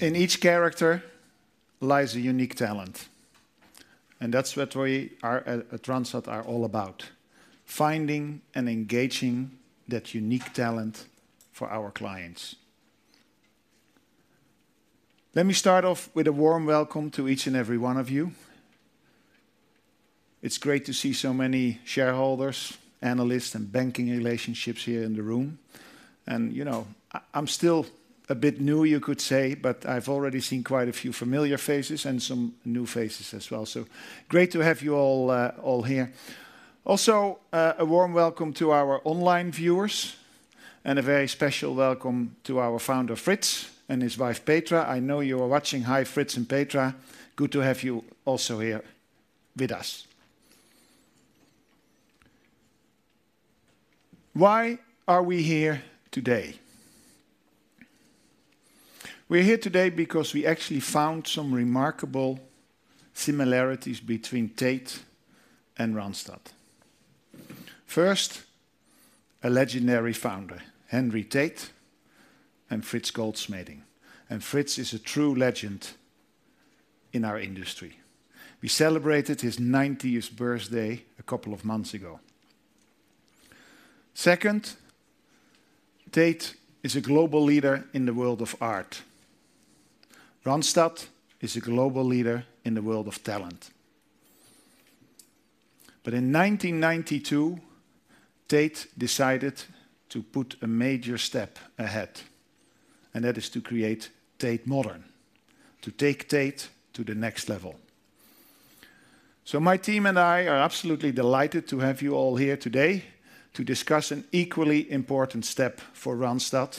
In each character lies a unique talent, and that's what we are at Randstad all about: finding and engaging that unique talent for our clients. Let me start off with a warm welcome to each and every one of you. It's great to see so many shareholders, analysts, and banking relationships here in the room. You know, I'm still a bit new, you could say, but I've already seen quite a few familiar faces and some new faces as well. So great to have you all here. Also, a warm welcome to our online viewers, and a very special welcome to our founder, Frits, and his wife, Petra. I know you are watching. Hi, Frits and Petra, good to have you also here with us. Why are we here today? We're here today because we actually found some remarkable similarities between Tate and Randstad. First, a legendary founder, Henry Tate, and Frits Goldschmeding, and Frits is a true legend in our industry. We celebrated his ninetieth birthday a couple of months ago. Second, Tate is a global leader in the world of art. Randstad is a global leader in the world of talent. But in 1992, Tate decided to put a major step ahead, and that is to create Tate Modern, to take Tate to the next level. So my team and I are absolutely delighted to have you all here today to discuss an equally important step for Randstad,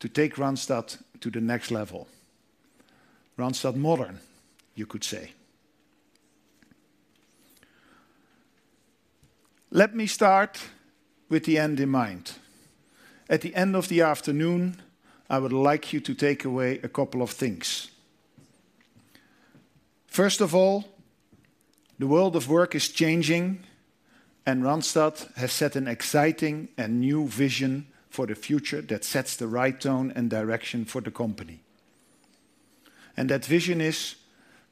to take Randstad to the next level. Randstad Modern, you could say. Let me start with the end in mind. At the end of the afternoon, I would like you to take away a couple of things. First of all, the world of work is changing, and Randstad has set an exciting and new vision for the future that sets the right tone and direction for the company. That vision is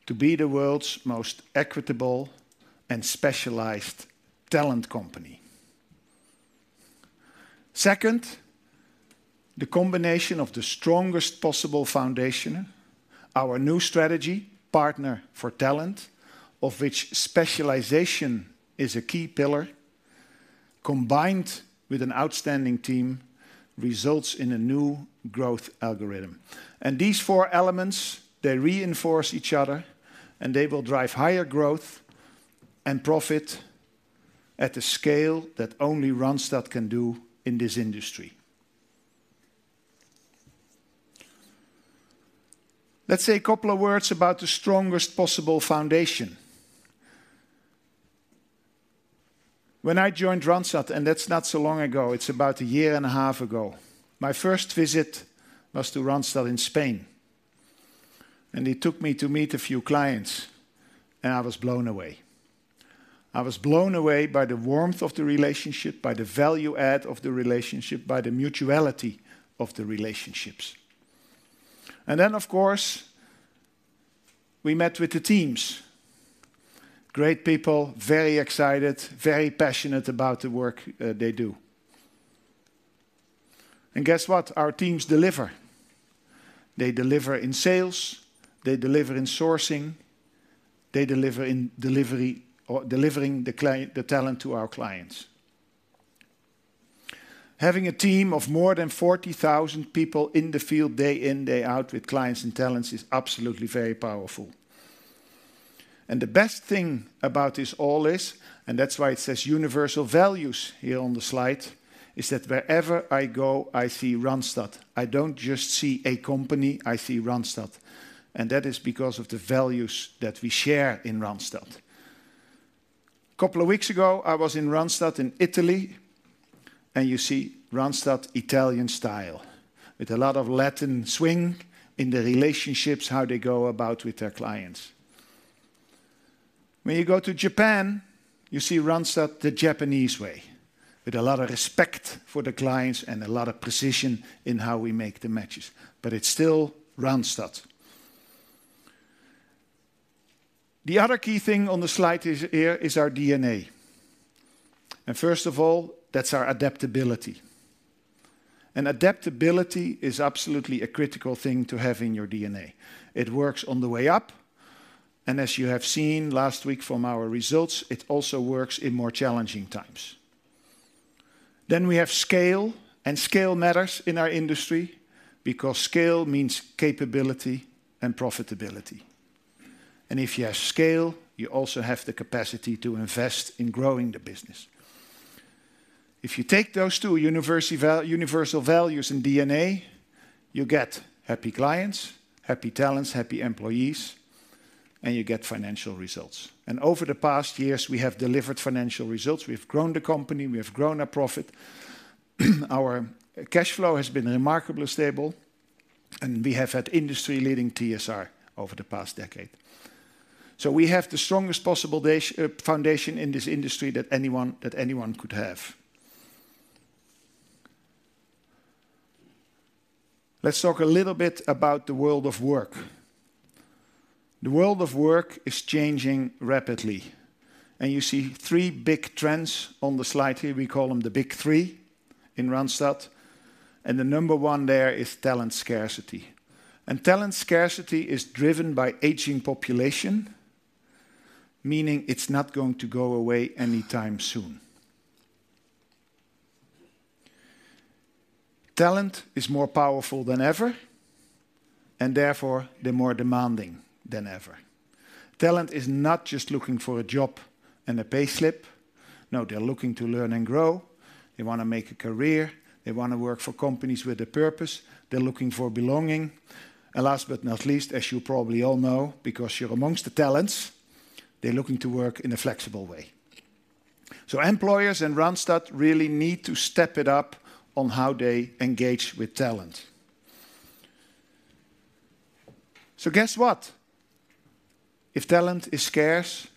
to be the world's most equitable and specialized talent company. Second, the combination of the strongest possible foundation, our new strategy, Partner for Talent, of which specialization is a key pillar, combined with an outstanding team, results in a new growth algorithm. These four elements, they reinforce each other, and they will drive higher growth and profit at a scale that only Randstad can do in this industry. Let's say a couple of words about the strongest possible foundation. When I joined Randstad, and that's not so long ago, it's about a year and a half ago, my first visit was to Randstad in Spain, and they took me to meet a few clients, and I was blown away. I was blown away by the warmth of the relationship, by the value add of the relationship, by the mutuality of the relationships. And then, of course, we met with the teams. Great people, very excited, very passionate about the work they do. And guess what? Our teams deliver. They deliver in sales, they deliver in sourcing, they deliver in delivery, delivering the talent to our clients. Having a team of more than 40,000 people in the field, day in, day out, with clients and talents, is absolutely very powerful. The best thing about this all is, and that's why it says universal values here on the slide, is that wherever I go, I see Randstad. I don't just see a company, I see Randstad, and that is because of the values that we share in Randstad. A couple of weeks ago, I was in Randstad, in Italy, and you see Randstad Italian style, with a lot of Latin swing in the relationships, how they go about with their clients. When you go to Japan, you see Randstad the Japanese way, with a lot of respect for the clients and a lot of precision in how we make the matches, but it's still Randstad. The other key thing on the slide is here, is our DNA, and first of all, that's our adaptability. Adaptability is absolutely a critical thing to have in your DNA. It works on the way up, and as you have seen last week from our results, it also works in more challenging times. Then we have scale, and scale matters in our industry because scale means capability and profitability. And if you have scale, you also have the capacity to invest in growing the business. If you take those two universal values and DNA, you get happy clients, happy talents, happy employees, and you get financial results. And over the past years, we have delivered financial results. We've grown the company, we have grown our profit, our cash flow has been remarkably stable, and we have had industry-leading TSR over the past decade. So we have the strongest possible foundation in this industry that anyone, that anyone could have. Let's talk a little bit about the world of work. The world of work is changing rapidly, and you see three big trends on the slide here. We call them the Big Three in Randstad, and the number one there is talent scarcity. And talent scarcity is driven by aging population, meaning it's not going to go away anytime soon. Talent is more powerful than ever, and therefore they're more demanding than ever. Talent is not just looking for a job and a payslip. No, they're looking to learn and grow, they wanna make a career, they wanna work for companies with a purpose, they're looking for belonging. And last but not least, as you probably all know, because you're amongst the talents, they're looking to work in a flexible way. So employers and Randstad really need to step it up on how they engage with talent. So guess what? If talent is scarce,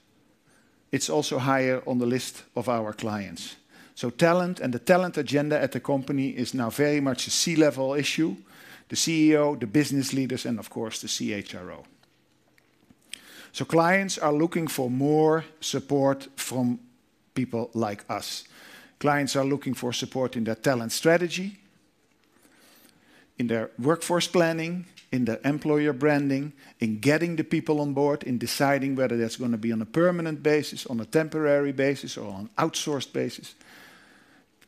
it's also higher on the list of our clients. So talent and the talent agenda at the company is now very much a C-level issue, the CEO, the business leaders, and of course, the CHRO. So clients are looking for more support from people like us. Clients are looking for support in their talent strategy, in their workforce planning, in their employer branding, in getting the people on board, in deciding whether that's gonna be on a permanent basis, on a temporary basis, or on an outsourced basis.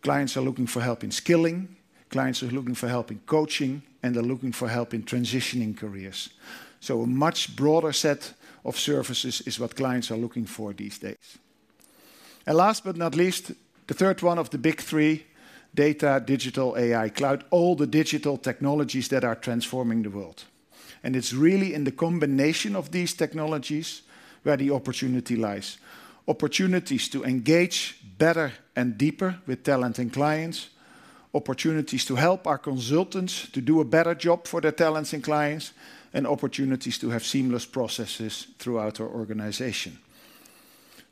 Clients are looking for help in skilling, clients are looking for help in coaching, and they're looking for help in transitioning careers. So a much broader set of services is what clients are looking for these days. Last but not least, the third one of the Big Three, data, digital, AI, cloud, all the digital technologies that are transforming the world. It's really in the combination of these technologies where the opportunity lies. Opportunities to engage better and deeper with talent and clients, opportunities to help our consultants to do a better job for their talents and clients, and opportunities to have seamless processes throughout our organization.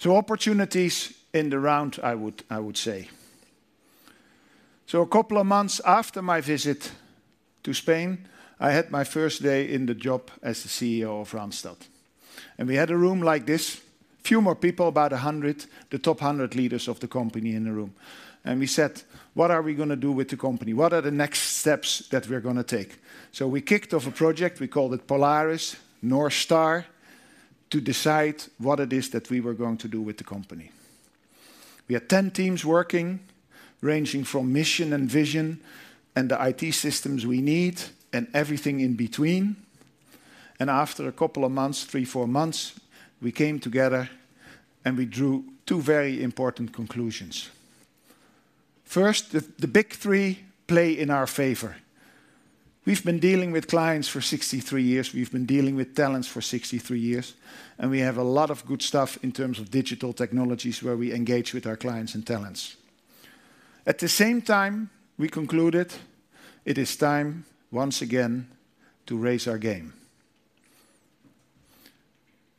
Opportunities in the round, I would, I would say. A couple of months after my visit to Spain, I had my first day in the job as the CEO of Randstad, and we had a room like this, few more people, about 100, the top 100 leaders of the company in the room. We said, "What are we gonna do with the company? What are the next steps that we're gonna take?" So we kicked off a project, we called it Polaris, North Star, to decide what it is that we were going to do with the company. We had 10 teams working, ranging from mission and vision and the IT systems we need, and everything in between. And after a couple of months, 3, 4 months, we came together, and we drew two very important conclusions. First, the Big Three play in our favor. We've been dealing with clients for 63 years, we've been dealing with talents for 63 years, and we have a lot of good stuff in terms of digital technologies, where we engage with our clients and talents. At the same time, we concluded it is time, once again, to raise our game.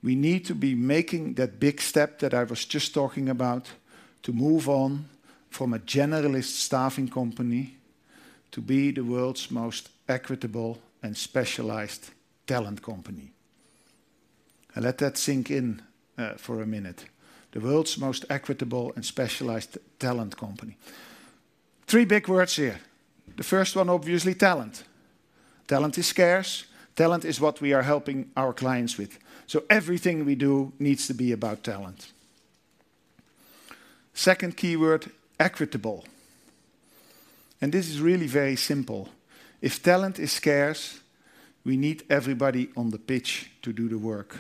We need to be making that big step that I was just talking about, to move on from a generalist staffing company, to be the world's most equitable and specialized talent company. Let that sink in for a minute. The world's most equitable and specialized talent company. Three big words here. The first one, obviously, talent. Talent is scarce, talent is what we are helping our clients with, so everything we do needs to be about talent. Second keyword, equitable, and this is really very simple. If talent is scarce, we need everybody on the pitch to do the work.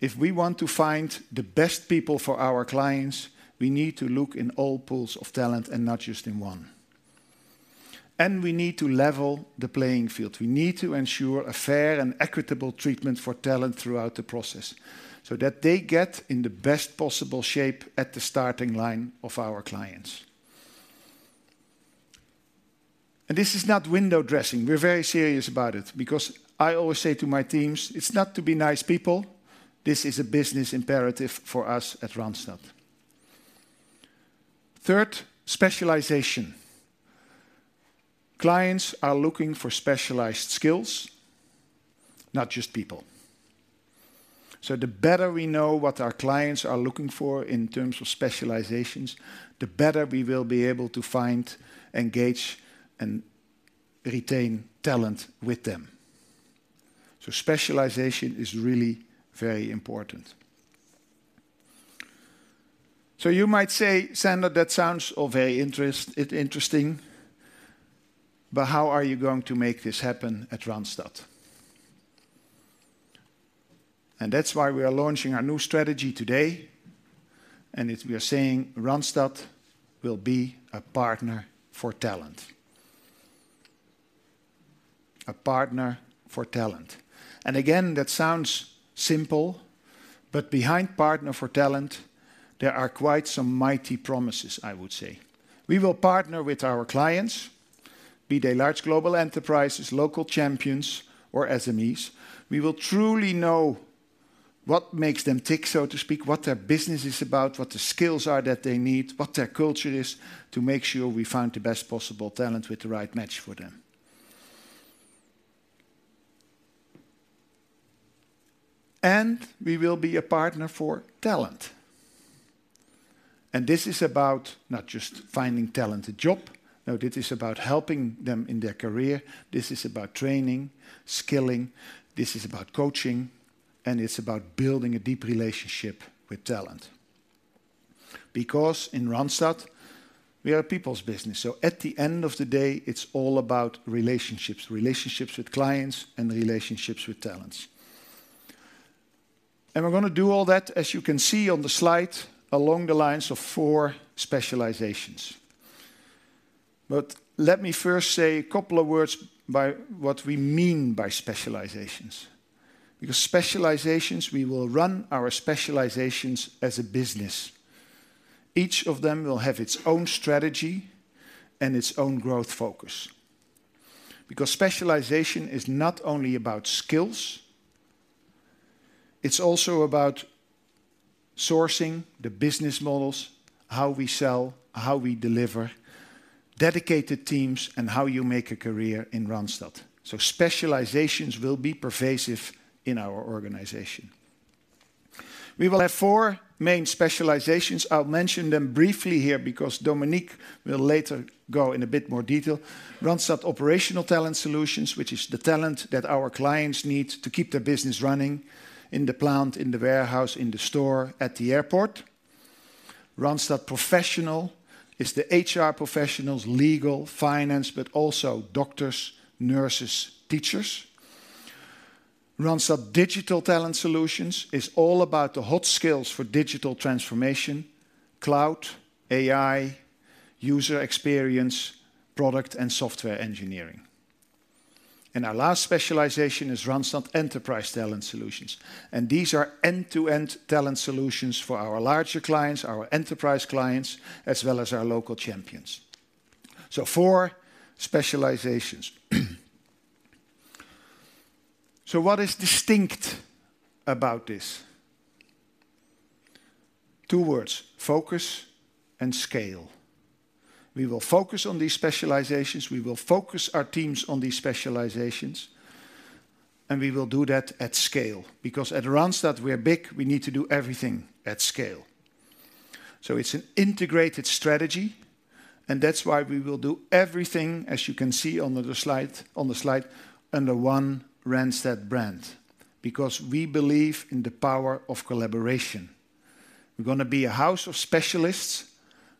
If we want to find the best people for our clients, we need to look in all pools of talent and not just in one. And we need to level the playing field. We need to ensure a fair and equitable treatment for talent throughout the process, so that they get in the best possible shape at the starting line of our clients. And this is not window dressing, we're very serious about it, because I always say to my teams, "It's not to be nice people, this is a business imperative for us at Randstad." Third, specialization. Clients are looking for specialized skills, not just people. So the better we know what our clients are looking for in terms of specializations, the better we will be able to find, engage, and retain talent with them. So specialization is really very important. So you might say, "Sander, that sounds all very interesting, but how are you going to make this happen at Randstad?" And that's why we are launching our new strategy today, and it... We are saying Randstad will be a Partner for Talent. A Partner for Talent. And again, that sounds simple, but behind Partner for Talent, there are quite some mighty promises, I would say. We will partner with our clients, be they large global enterprises, local champions, or SMEs, we will truly know what makes them tick, so to speak, what their business is about, what the skills are that they need, what their culture is, to make sure we find the best possible talent with the right match for them. And we will be a Partner for Talent. And this is about not just finding talent a job, no, this is about helping them in their career. This is about training, skilling, this is about coaching, and it's about building a deep relationship with talent. Because in Randstad, we are a people's business, so at the end of the day, it's all about relationships, relationships with clients, and relationships with talents. We're gonna do all that, as you can see on the slide, along the lines of four specializations. Let me first say a couple of words by what we mean by specializations. Because specializations, we will run our specializations as a business. Each of them will have its own strategy and its own growth focus. Because specialization is not only about skills, it's also about sourcing the business models, how we sell, how we deliver, dedicated teams, and how you make a career in Randstad. Specializations will be pervasive in our organization. We will have four main specializations. I'll mention them briefly here, because Dominique will later go in a bit more detail. Randstad Operational Talent Solutions, which is the talent that our clients need to keep their business running in the plant, in the warehouse, in the store, at the airport. Randstad Professional is the HR professionals, legal, finance, but also doctors, nurses, teachers. Randstad Digital Talent Solutions is all about the hot skills for digital transformation, cloud, AI, user experience, product and software engineering. And our last specialization is Randstad Enterprise Talent Solutions, and these are end-to-end talent solutions for our larger clients, our enterprise clients, as well as our local champions. So four specializations. So what is distinct about this? Two words: focus and scale. We will focus on these specializations, we will focus our teams on these specializations, and we will do that at scale. Because at Randstad, we are big, we need to do everything at scale. So it's an integrated strategy, and that's why we will do everything, as you can see on the slide, under one Randstad brand, because we believe in the power of collaboration. We're gonna be a house of specialists,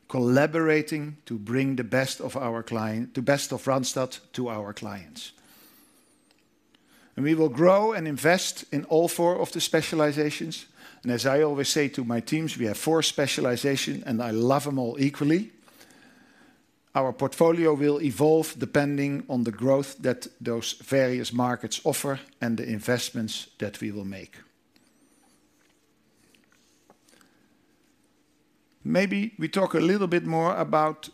collaborating to bring the best of Randstad to our clients. And we will grow and invest in all four of the specializations. And as I always say to my teams, we have four specialization, and I love them all equally. Our portfolio will evolve depending on the growth that those various markets offer and the investments that we will make. Maybe we talk a little bit more about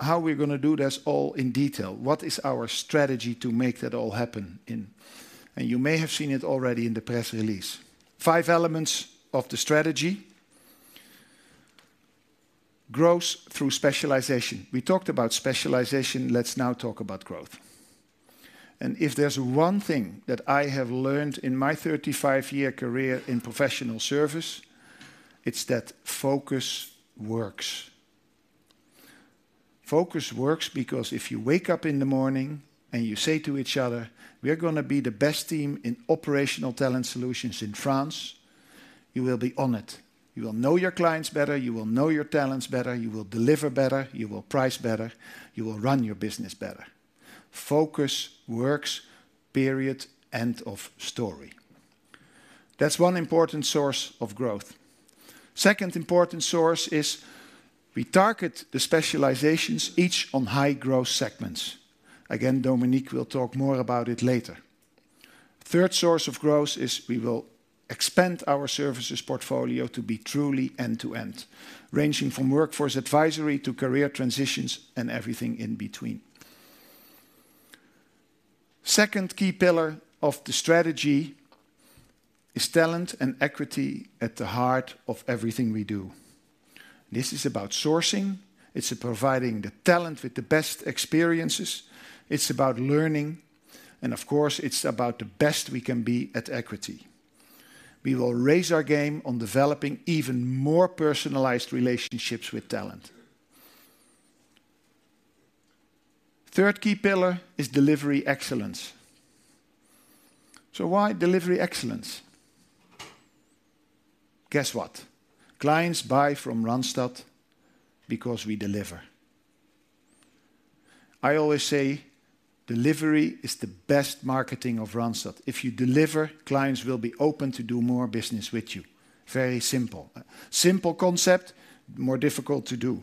how we're gonna do this all in detail. What is our strategy to make that all happen in? And you may have seen it already in the press release. Five elements of the strategy. Growth through specialization. We talked about specialization, let's now talk about growth. If there's one thing that I have learned in my 35-year career in professional service, it's that focus works. Focus works because if you wake up in the morning, and you say to each other, "We are gonna be the best team in Operational Talent Solution in France," you will be on it. You will know your clients better, you will know your talents better, you will deliver better, you will price better, you will run your business better. Focus works, period, end of story. That's one important source of growth. Second important source is we target the specializations each on high-growth segments. Again, Dominique will talk more about it later. Third source of growth is we will expand our services portfolio to be truly end-to-end, ranging from workforce advisory to career transitions and everything in between. Second key pillar of the strategy is talent and equity at the heart of everything we do. This is about sourcing, it's providing the talent with the best experiences, it's about learning, and of course, it's about the best we can be at equity. We will raise our game on developing even more personalized relationships with talent. Third key pillar is delivery excellence. So why delivery excellence? Guess what? Clients buy from Randstad because we deliver. I always say, delivery is the best marketing of Randstad. If you deliver, clients will be open to do more business with you. Very simple. Simple concept, more difficult to do.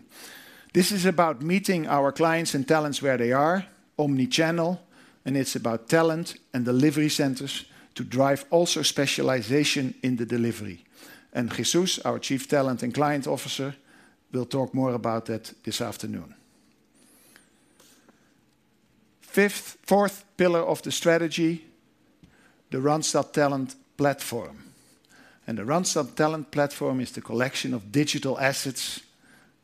This is about meeting our clients and talents where they are, omni-channel, and it's about talent and delivery centers to drive also specialization in the delivery. And Jesús, our Chief Talent and Client Officer, will talk more about that this afternoon... Fifth, fourth pillar of the strategy, the Randstad Talent Platform. The Randstad Talent Platform is the collection of digital assets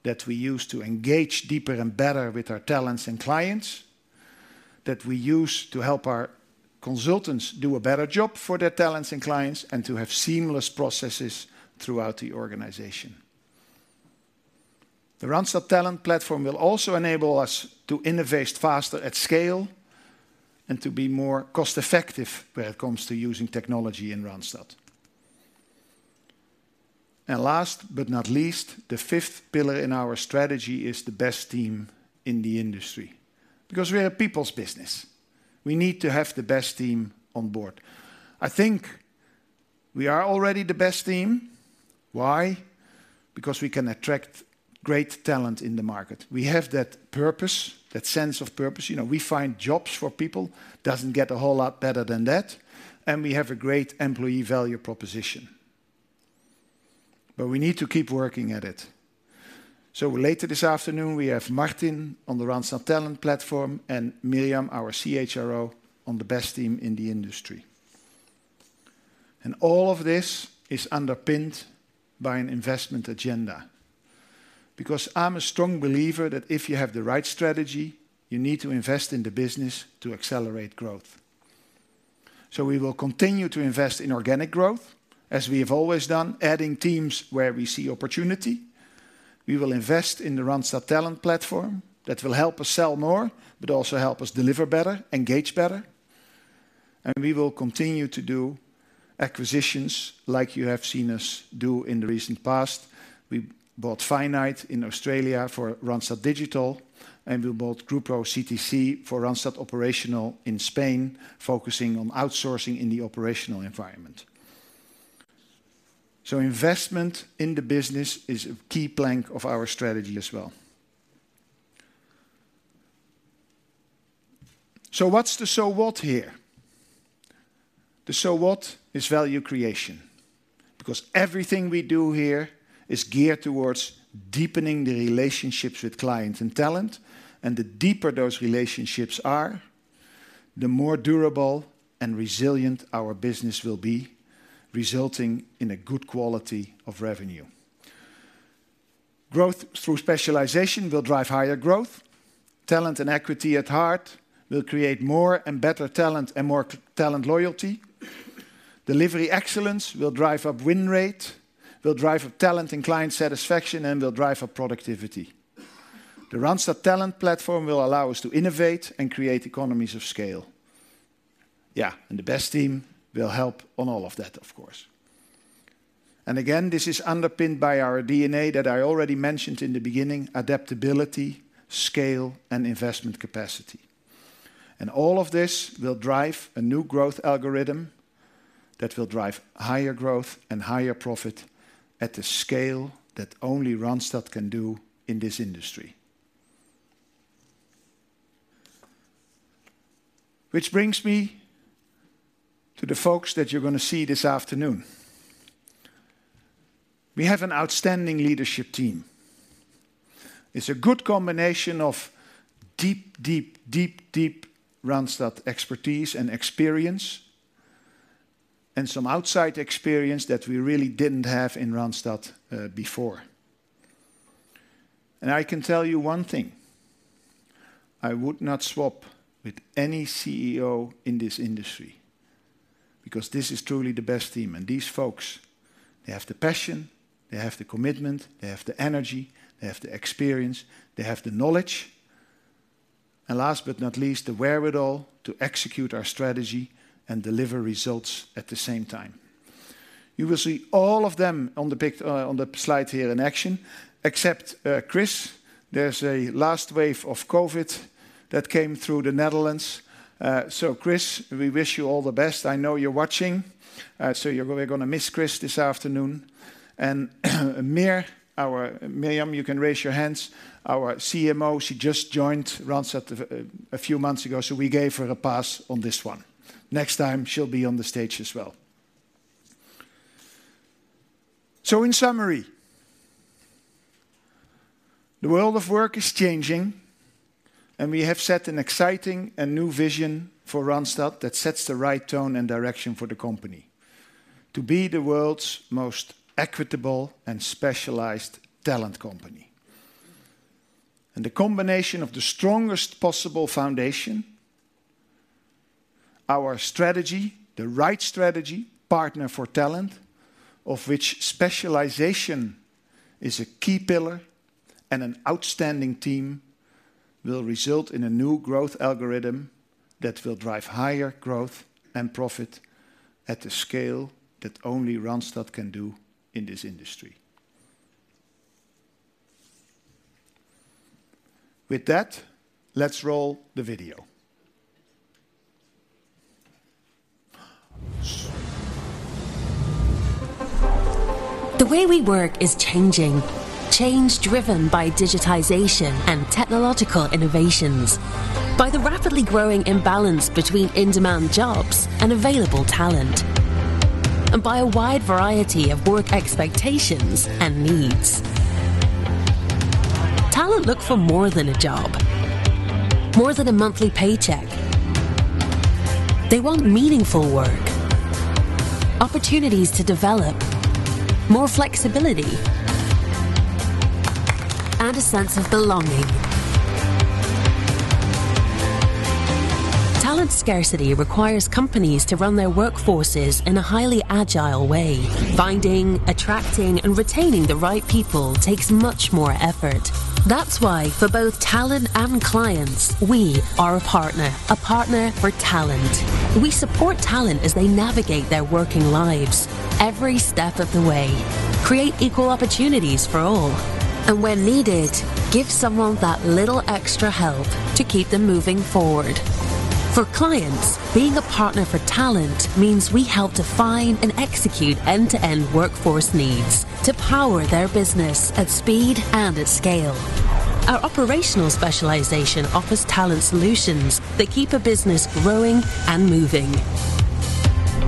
that we use to engage deeper and better with our talents and clients, that we use to help our consultants do a better job for their talents and clients, and to have seamless processes throughout the organization. The Randstad Talent Platform will also enable us to innovate faster at scale, and to be more cost-effective when it comes to using technology in Randstad. Last but not least, the fifth pillar in our strategy is the best team in the industry. Because we're a people's business, we need to have the best team on board. I think we are already the best team. Why? Because we can attract great talent in the market. We have that purpose, that sense of purpose. You know, we find jobs for people, doesn't get a whole lot better than that, and we have a great employee value proposition. But we need to keep working at it. So later this afternoon, we have Martin on the Randstad Talent Platform, and Myriam, our CHRO, on the best team in the industry. And all of this is underpinned by an investment agenda, because I'm a strong believer that if you have the right strategy, you need to invest in the business to accelerate growth. So we will continue to invest in organic growth, as we have always done, adding teams where we see opportunity. We will invest in the Randstad Talent Platform. That will help us sell more, but also help us deliver better, engage better, and we will continue to do acquisitions like you have seen us do in the recent past. We bought Finite in Australia for Randstad Digital, and we bought Grupo CTC for Randstad Operational in Spain, focusing on outsourcing in the operational environment. Investment in the business is a key plank of our strategy as well. So what's the so what here? The so what is value creation. Because everything we do here is geared towards deepening the relationships with clients and talent, and the deeper those relationships are, the more durable and resilient our business will be, resulting in a good quality of revenue. Growth through specialization will drive higher growth. Talent and equity at heart will create more and better talent and more talent loyalty. Delivery excellence will drive up win rate, will drive up talent and client satisfaction, and will drive up productivity. The Randstad Talent Platform will allow us to innovate and create economies of scale. Yeah, and the best team will help on all of that, of course. And again, this is underpinned by our DNA that I already mentioned in the beginning: adaptability, scale, and investment capacity. And all of this will drive a new growth algorithm that will drive higher growth and higher profit at the scale that only Randstad can do in this industry. Which brings me to the folks that you're gonna see this afternoon. We have an outstanding leadership team. It's a good combination of deep, deep, deep, deep Randstad expertise and experience, and some outside experience that we really didn't have in Randstad, before. And I can tell you one thing, I would not swap with any CEO in this industry, because this is truly the best team. These folks, they have the passion, they have the commitment, they have the energy, they have the experience, they have the knowledge, and last but not least, the wherewithal to execute our strategy and deliver results at the same time. You will see all of them on the slide here in action, except Chris. There's a last wave of COVID that came through the Netherlands. So Chris, we wish you all the best. I know you're watching, so we're gonna miss Chris this afternoon. And meet, our Myriam, you can raise your hands, our CMO, she just joined Randstad a few months ago, so we gave her a pass on this one. Next time, she'll be on the stage as well. So in summary, the world of work is changing, and we have set an exciting and new vision for Randstad that sets the right tone and direction for the company: to be the world's most equitable and specialized talent company. And the combination of the strongest possible foundation, our strategy, the right strategy, Partner for Talent, of which specialization is a key pillar, and an outstanding team, will result in a new growth algorithm that will drive higher growth and profit at the scale that only Randstad can do in this industry. With that, let's roll the video. The way we work is changing. Change driven by digitization and technological innovations, by the rapidly growing imbalance between in-demand jobs and available talent, and by a wide variety of work expectations and needs. Talent look for more than a job, more than a monthly paycheck. They want meaningful work, opportunities to develop, more flexibility, and a sense of belonging. Talent scarcity requires companies to run their workforces in a highly agile way. Finding, attracting, and retaining the right people takes much more effort. That's why, for both talent and clients, we are a partner, a Partner for Talent. We support talent as they navigate their working lives every step of the way, create equal opportunities for all, and when needed, give someone that little extra help to keep them moving forward. For clients, being a Partner for Talent means we help define and execute end-to-end workforce needs to power their business at speed and at scale. Our operational specialization offers talent solutions that keep a business growing and moving.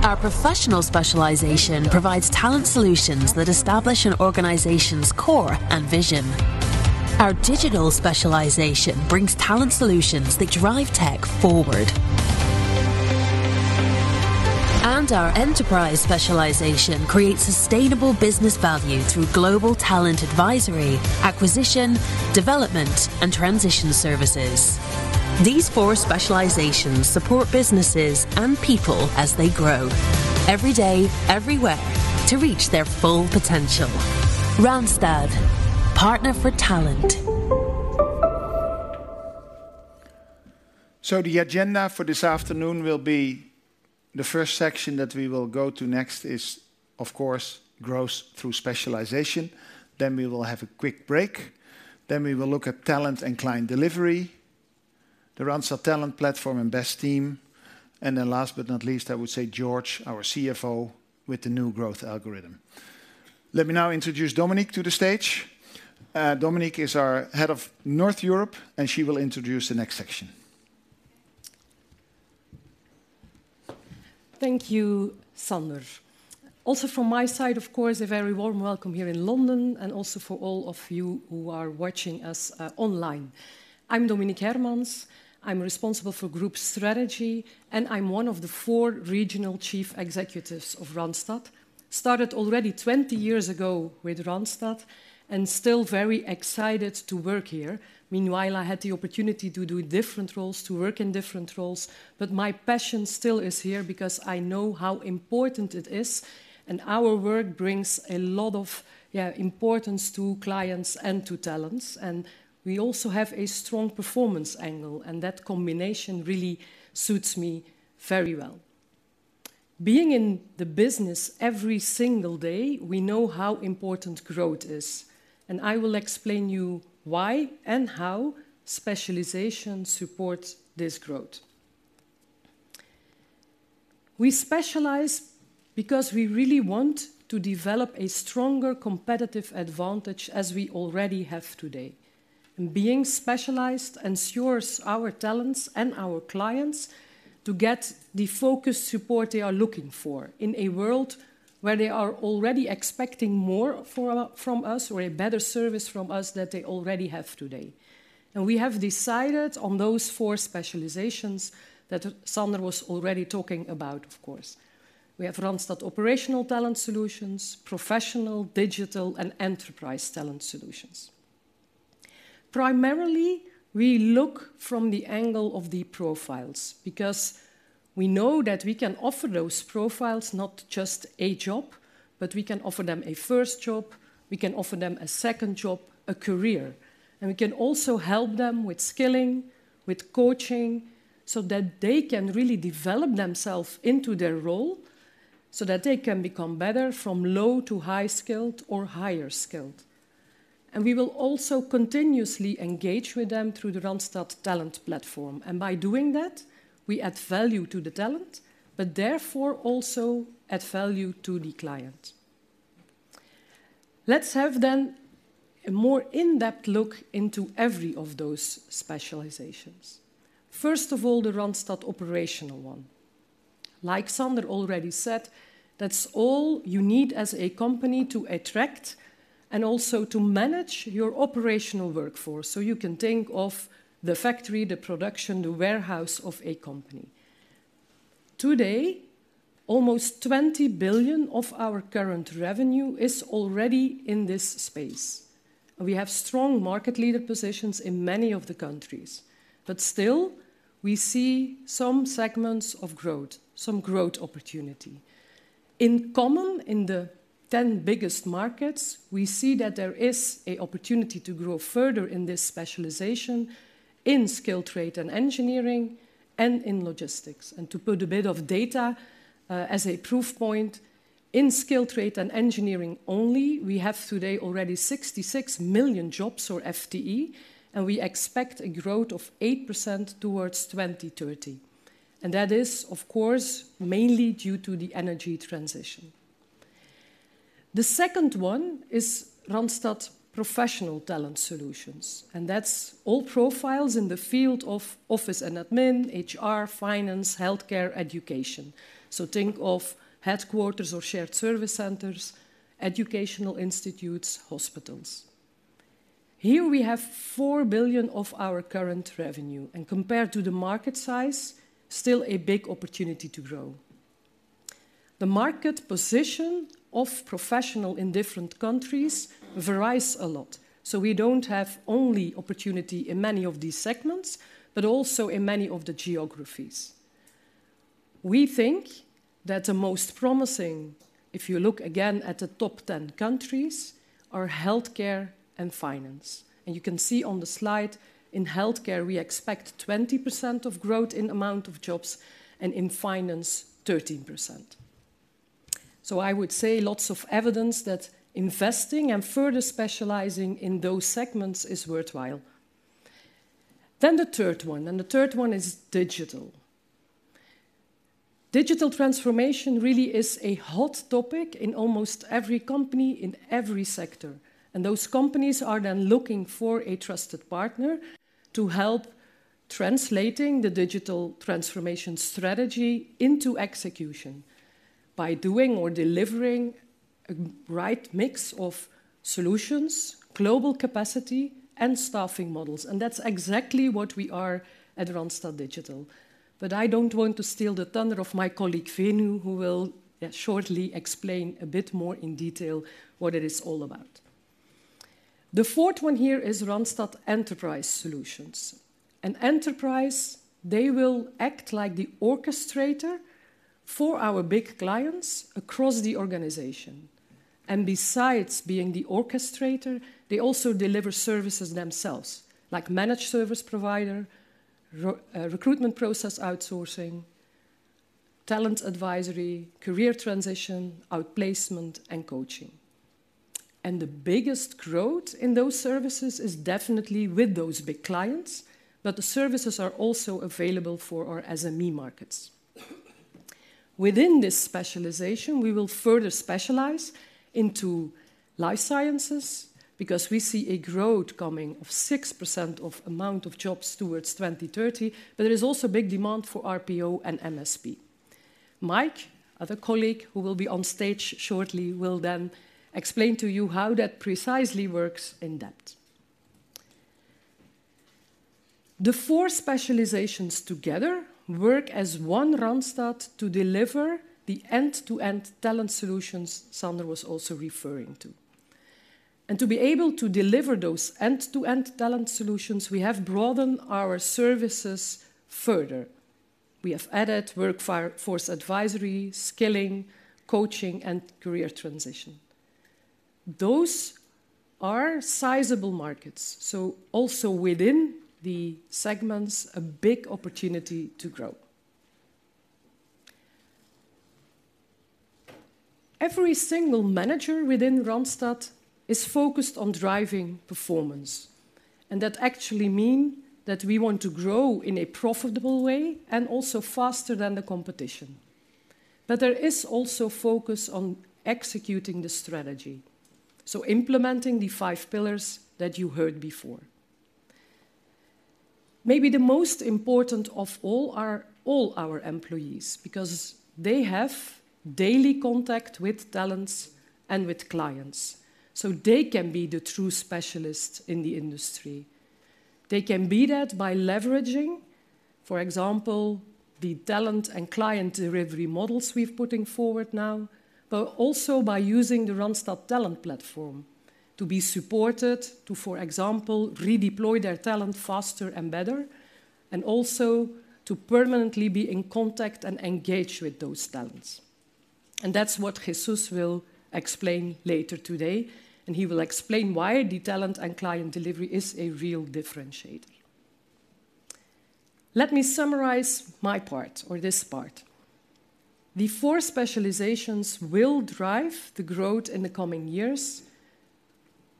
Our Professional specialization provides talent solutions that establish an organization's core and vision. Our Digital specialization brings talent solutions that drive tech forward. Our Enterprise specialization creates sustainable business value through global talent advisory, acquisition, development, and transition services. These four specializations support businesses and people as they grow, every day, everywhere, to reach their full potential. Randstad, Partner for Talent. So the agenda for this afternoon will be, the first section that we will go to next is, of course, growth through specialization. Then we will have a quick break, then we will look at talent and client delivery, the Randstad Talent Platform and Best Team, and then last but not least, I would say Jorge, our CFO, with the new growth algorithm. Let me now introduce Dominique to the stage. Dominique is our head of Northern Europe, and she will introduce the next section. Thank you, Sander. Also from my side, of course, a very warm welcome here in London, and also for all of you who are watching us online. I'm Dominique Hermans. I'm responsible for group strategy, and I'm one of the four regional chief executives of Randstad. Started already 20 years ago with Randstad, and still very excited to work here. Meanwhile, I had the opportunity to do different roles, to work in different roles, but my passion still is here because I know how important it is, and our work brings a lot of importance to clients and to talents. And we also have a strong performance angle, and that combination really suits me very well. Being in the business every single day, we know how important growth is, and I will explain you why and how specialization supports this growth. We specialize because we really want to develop a stronger competitive advantage, as we already have today. Being specialized ensures our talents and our clients to get the focused support they are looking for in a world where they are already expecting more from us, or a better service from us than they already have today. We have decided on those four specializations that Sander was already talking about, of course. We have Randstad Operational Talent Solutions, Professional, Digital, and Enterprise Talent Solutions. Primarily, we look from the angle of the profiles because we know that we can offer those profiles not just a job, but we can offer them a first job, we can offer them a second job, a career. And we can also help them with skilling, with coaching, so that they can really develop themselves into their role, so that they can become better from low to high skilled or higher skilled. And we will also continuously engage with them through the Randstad Talent Platform, and by doing that, we add value to the talent, but therefore, also add value to the client. Let's have then a more in-depth look into every of those specializations. First of all, the Randstad Operational one. Like Sander already said, that's all you need as a company to attract and also to manage your operational workforce, so you can think of the factory, the production, the warehouse of a company. Today, almost 20 billion of our current revenue is already in this space. We have strong market leader positions in many of the countries, but still, we see some segments of growth, some growth opportunity. In common, in the 10 biggest markets, we see that there is an opportunity to grow further in this specialization in skilled trade and engineering and in logistics. And to put a bit of data, as a proof point, in skilled trade and engineering only, we have today already 66 million jobs or FTE, and we expect a growth of 8% towards 2030. And that is, of course, mainly due to the energy transition. The second one is Randstad Professional Talent Solutions, and that's all profiles in the field of office and admin, HR, finance, healthcare, education. So think of headquarters or shared service centers, educational institutes, hospitals. Here we have 4 billion of our current revenue, and compared to the market size, still a big opportunity to grow. The market position of Professional in different countries varies a lot, so we don't have only opportunity in many of these segments, but also in many of the geographies. We think that the most promising, if you look again at the top 10 countries, are healthcare and finance. You can see on the slide, in healthcare, we expect 20% of growth in amount of jobs, and in finance, 13%. So I would say lots of evidence that investing and further specializing in those segments is worthwhile. Then the third one, and the third one is digital. Digital transformation really is a hot topic in almost every company, in every sector, and those companies are then looking for a trusted partner to help translating the digital transformation strategy into execution by doing or delivering a right mix of solutions, global capacity, and staffing models. That's exactly what we are at Randstad Digital. But I don't want to steal the thunder of my colleague, Venu, who will shortly explain a bit more in detail what it is all about. The fourth one here is Randstad Enterprise Solutions. And Enterprise, they will act like the orchestrator for our big clients across the organization. And besides being the orchestrator, they also deliver services themselves, like managed service provider, recruitment process outsourcing, talent advisory, career transition, outplacement, and coaching. The biggest growth in those services is definitely with those big clients, but the services are also available for our SME markets. Within this specialization, we will further specialize into life sciences, because we see a growth coming of 6% of amount of jobs towards 2030, but there is also big demand for RPO and MSP. Mike, other colleague, who will be on stage shortly, will then explain to you how that precisely works in depth. The four specializations together work as one Randstad to deliver the end-to-end talent solutions Sander was also referring to. To be able to deliver those end-to-end talent solutions, we have broadened our services further. We have added workforce advisory, skilling, coaching, and career transition. Those are sizable markets, so also within the segments, a big opportunity to grow. Every single manager within Randstad is focused on driving performance, and that actually means that we want to grow in a profitable way and also faster than the competition. But there is also focus on executing the strategy, so implementing the five pillars that you heard before. Maybe the most important of all are all our employees, because they have daily contact with talents and with clients, so they can be the true specialists in the industry. They can be that by leveraging, for example, the talent and client delivery models we're putting forward now, but also by using the Randstad Talent Platform to be supported, to, for example, redeploy their talent faster and better, and also to permanently be in contact and engage with those talents. And that's what Jesús will explain later today, and he will explain why the talent and client delivery is a real differentiator. Let me summarize my part, or this part. The four specializations will drive the growth in the coming years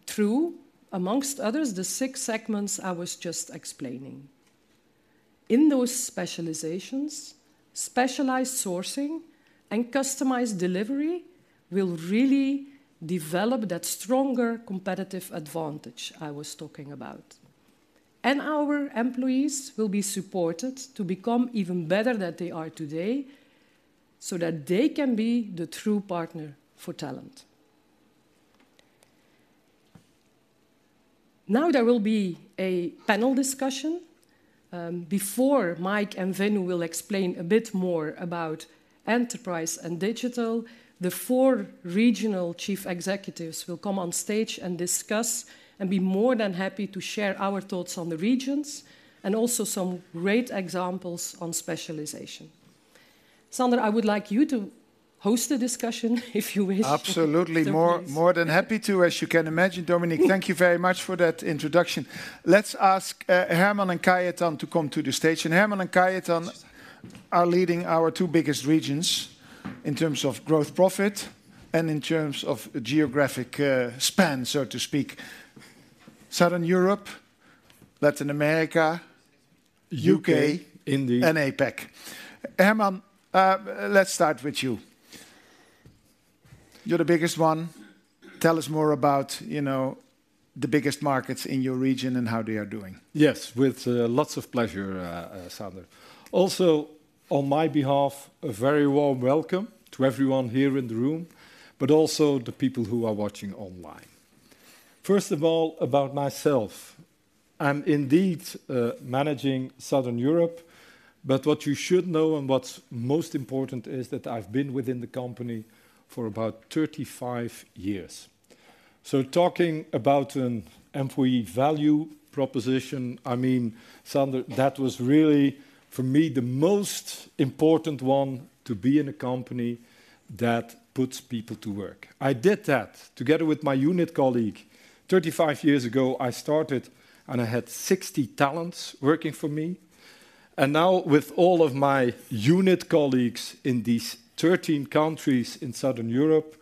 through, among others, the six segments I was just explaining. In those specializations, specialized sourcing and customized delivery will really develop that stronger competitive advantage I was talking about. And our employees will be supported to become even better than they are today, so that they can be the true Partner for Talent. Now, there will be a panel discussion. Before Mike and Venu will explain a bit more about Enterprise and Digital, the four regional chief executives will come on stage and discuss, and be more than happy to share our thoughts on the regions, and also some great examples on specialization. Sander, I would like you to host the discussion, if you wish. Absolutely. Please. More, more than happy to, as you can imagine, Dominique. Thank you very much for that introduction. Let's ask, Herman and Kajetan to come to the stage. And Herman and Kajetan- Just- Are leading our two biggest regions in terms of growth profit, and in terms of geographic span, so to speak. Southern Europe, Latin America- U.K. U.K.- India And APAC. Herman, let's start with you. You're the biggest one. Tell us more about, you know, the biggest markets in your region and how they are doing. Yes, with lots of pleasure, Sander. Also on my behalf, a very warm welcome to everyone here in the room, but also the people who are watching online. First of all, about myself, I'm indeed managing Southern Europe, but what you should know, and what's most important, is that I've been within the company for about 35 years. So talking about an employee value proposition, I mean, Sander, that was really, for me, the most important one, to be in a company that puts people to work. I did that together with my unit colleague. 35 years ago, I started, and I had 60 talents working for me, and now, with all of my unit colleagues in these 13 countries in Southern Europe,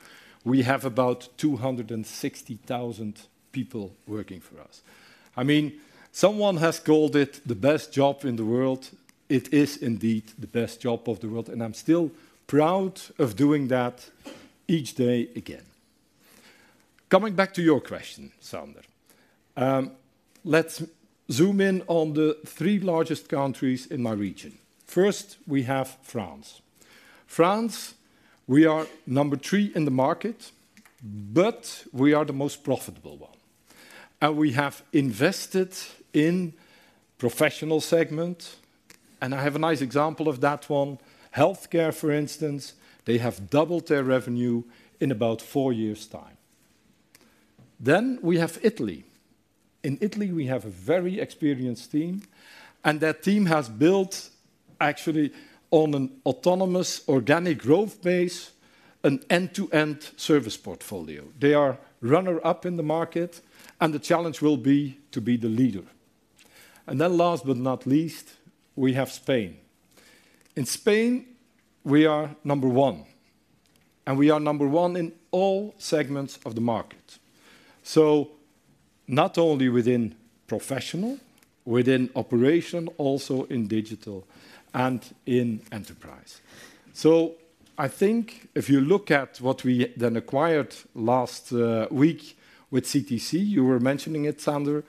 we have about 260,000 people working for us. I mean, someone has called it the best job in the world. It is indeed the best job of the world, and I'm still proud of doing that each day again. Coming back to your question, Sander, let's zoom in on the three largest countries in my region. First, we have France. France, we are number 3 in the market, but we are the most profitable one, and we have invested in Professional segment, and I have a nice example of that one. Healthcare, for instance, they have doubled their revenue in about 4 years' time. Then, we have Italy. In Italy, we have a very experienced team, and that team has built actually on an autonomous, organic growth base, an end-to-end service portfolio. They are runner-up in the market, and the challenge will be to be the leader. And then last but not least, we have Spain. In Spain, we are number one, and we are number one in all segments of the market. So not only within Professional, within Operational, also in Digital and in Enterprise. So I think if you look at what we then acquired last week with CTC, you were mentioning it, Sander,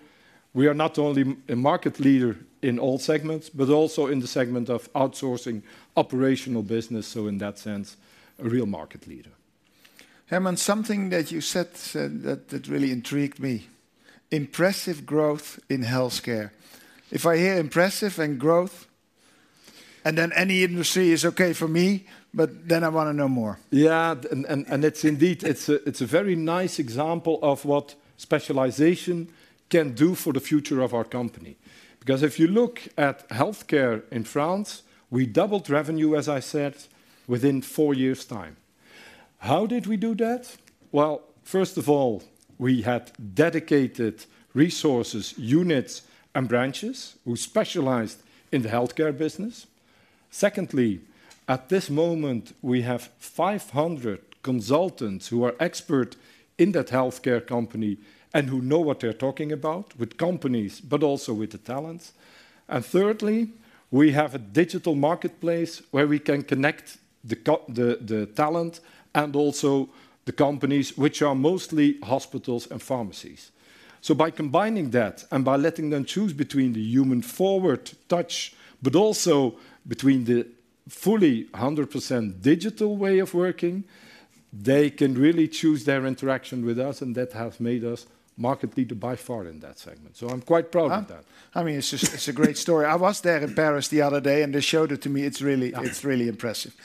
we are not only a market leader in all segments, but also in the segment of outsourcing Operational business, so in that sense, a real market leader. Herman, something that you said that really intrigued me: impressive growth in healthcare. If I hear impressive and growth, and then any industry is okay for me, but then I wanna know more. Yeah, and it's indeed a very nice example of what specialization can do for the future of our company. Because if you look at healthcare in France, we doubled revenue, as I said, within four years' time. How did we do that? Well, first of all, we had dedicated resources, units, and branches who specialized in the healthcare business. Secondly, at this moment, we have 500 consultants who are expert in that healthcare company and who know what they're talking about with companies, but also with the talents. And thirdly, we have a digital marketplace where we can connect the talent and also the companies, which are mostly hospitals and pharmacies. So by combining that and by letting them choose between the human-forward touch, but also between the fully 100% digital way of working, they can really choose their interaction with us, and that have made us market leader by far in that segment. So I'm quite proud of that. I mean, it's just... It's a great story. I was there in Paris the other day, and they showed it to me. It's really- Yeah It's really impressive.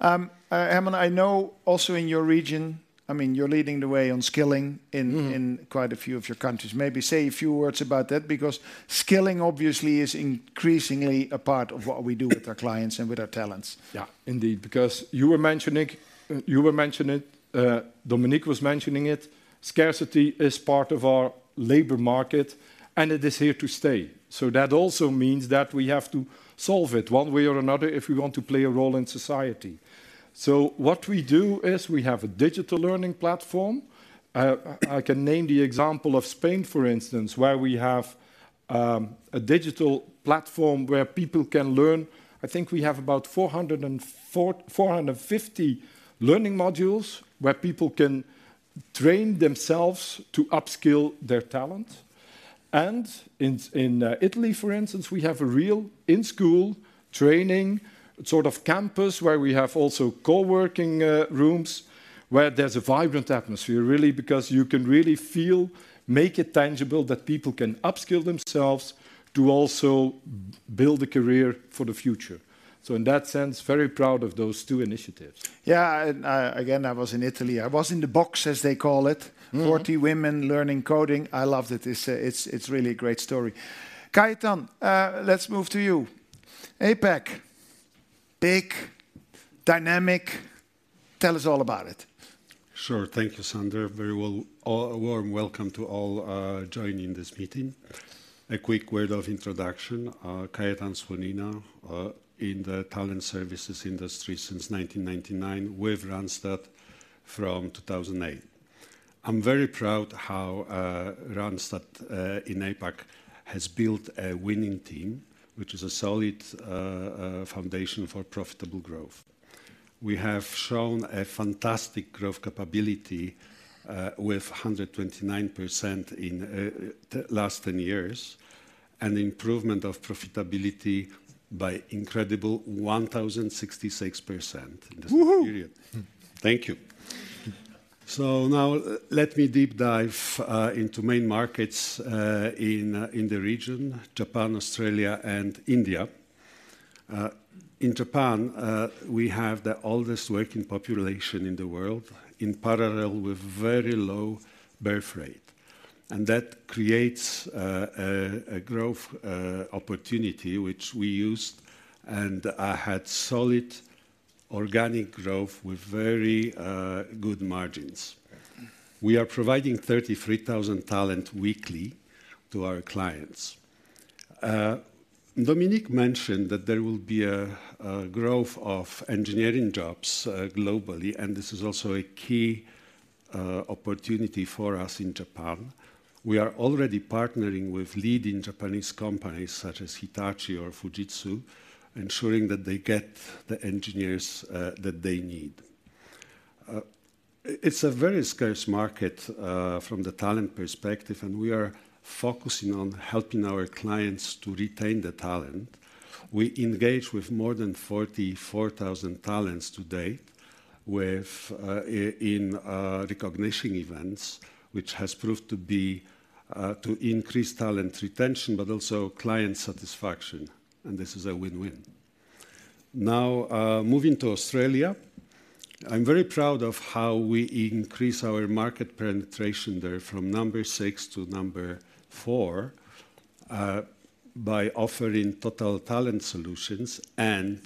Herman, I know also in your region, I mean, you're leading the way on skilling in- Mm-hmm In quite a few of your countries. Maybe say a few words about that, because skilling obviously is increasingly a part of what we do with our clients and with our talents. Yeah, indeed, because you were mentioning it, Dominique was mentioning it, scarcity is part of our labor market, and it is here to stay. So that also means that we have to solve it one way or another if we want to play a role in society. So what we do is we have a digital learning platform. I can name the example of Spain, for instance, where we have a digital platform where people can learn. I think we have about 450 learning modules, where people can train themselves to upskill their talent. In Italy, for instance, we have a real in-school training, sort of campus, where we also have co-working rooms, where there's a vibrant atmosphere, because you can really feel, make it tangible, that people can upskill themselves to also build a career for the future. So in that sense, very proud of those two initiatives. Yeah, and, again, I was in Italy. I was in the box, as they call it. Mm-hmm. 40 women learning coding. I loved it. It's really a great story. Kajetan, let's move to you. APAC, big, dynamic. Tell us all about it. Sure. Thank you, Sander. Very well, a warm welcome to all joining this meeting. A quick word of introduction, Kajetan Slonina, in the talent services industry since 1999, with Randstad from 2008. I'm very proud how Randstad in APAC has built a winning team, which is a solid foundation for profitable growth. We have shown a fantastic growth capability, with 129% in the last 10 years and improvement of profitability by incredible 1,066%. Woo-hoo! In this period. Thank you. So now, let me deep dive into main markets in the region: Japan, Australia, and India. In Japan, we have the oldest working population in the world, in parallel with very low birth rate. That creates a growth opportunity, which we used, and had solid organic growth with very good margins. We are providing 33,000 talent weekly to our clients. Dominique mentioned that there will be a growth of engineering jobs globally, and this is also a key opportunity for us in Japan. We are already partnering with leading Japanese companies such as Hitachi or Fujitsu, ensuring that they get the engineers that they need. It's a very scarce market from the talent perspective, and we are focusing on helping our clients to retain the talent. We engaged with more than 44,000 talents to date, with in recognition events, which has proved to be to increase talent retention, but also client satisfaction, and this is a win-win. Now, moving to Australia, I'm very proud of how we increase our market penetration there from number 6 to number 4 by offering total talent solutions and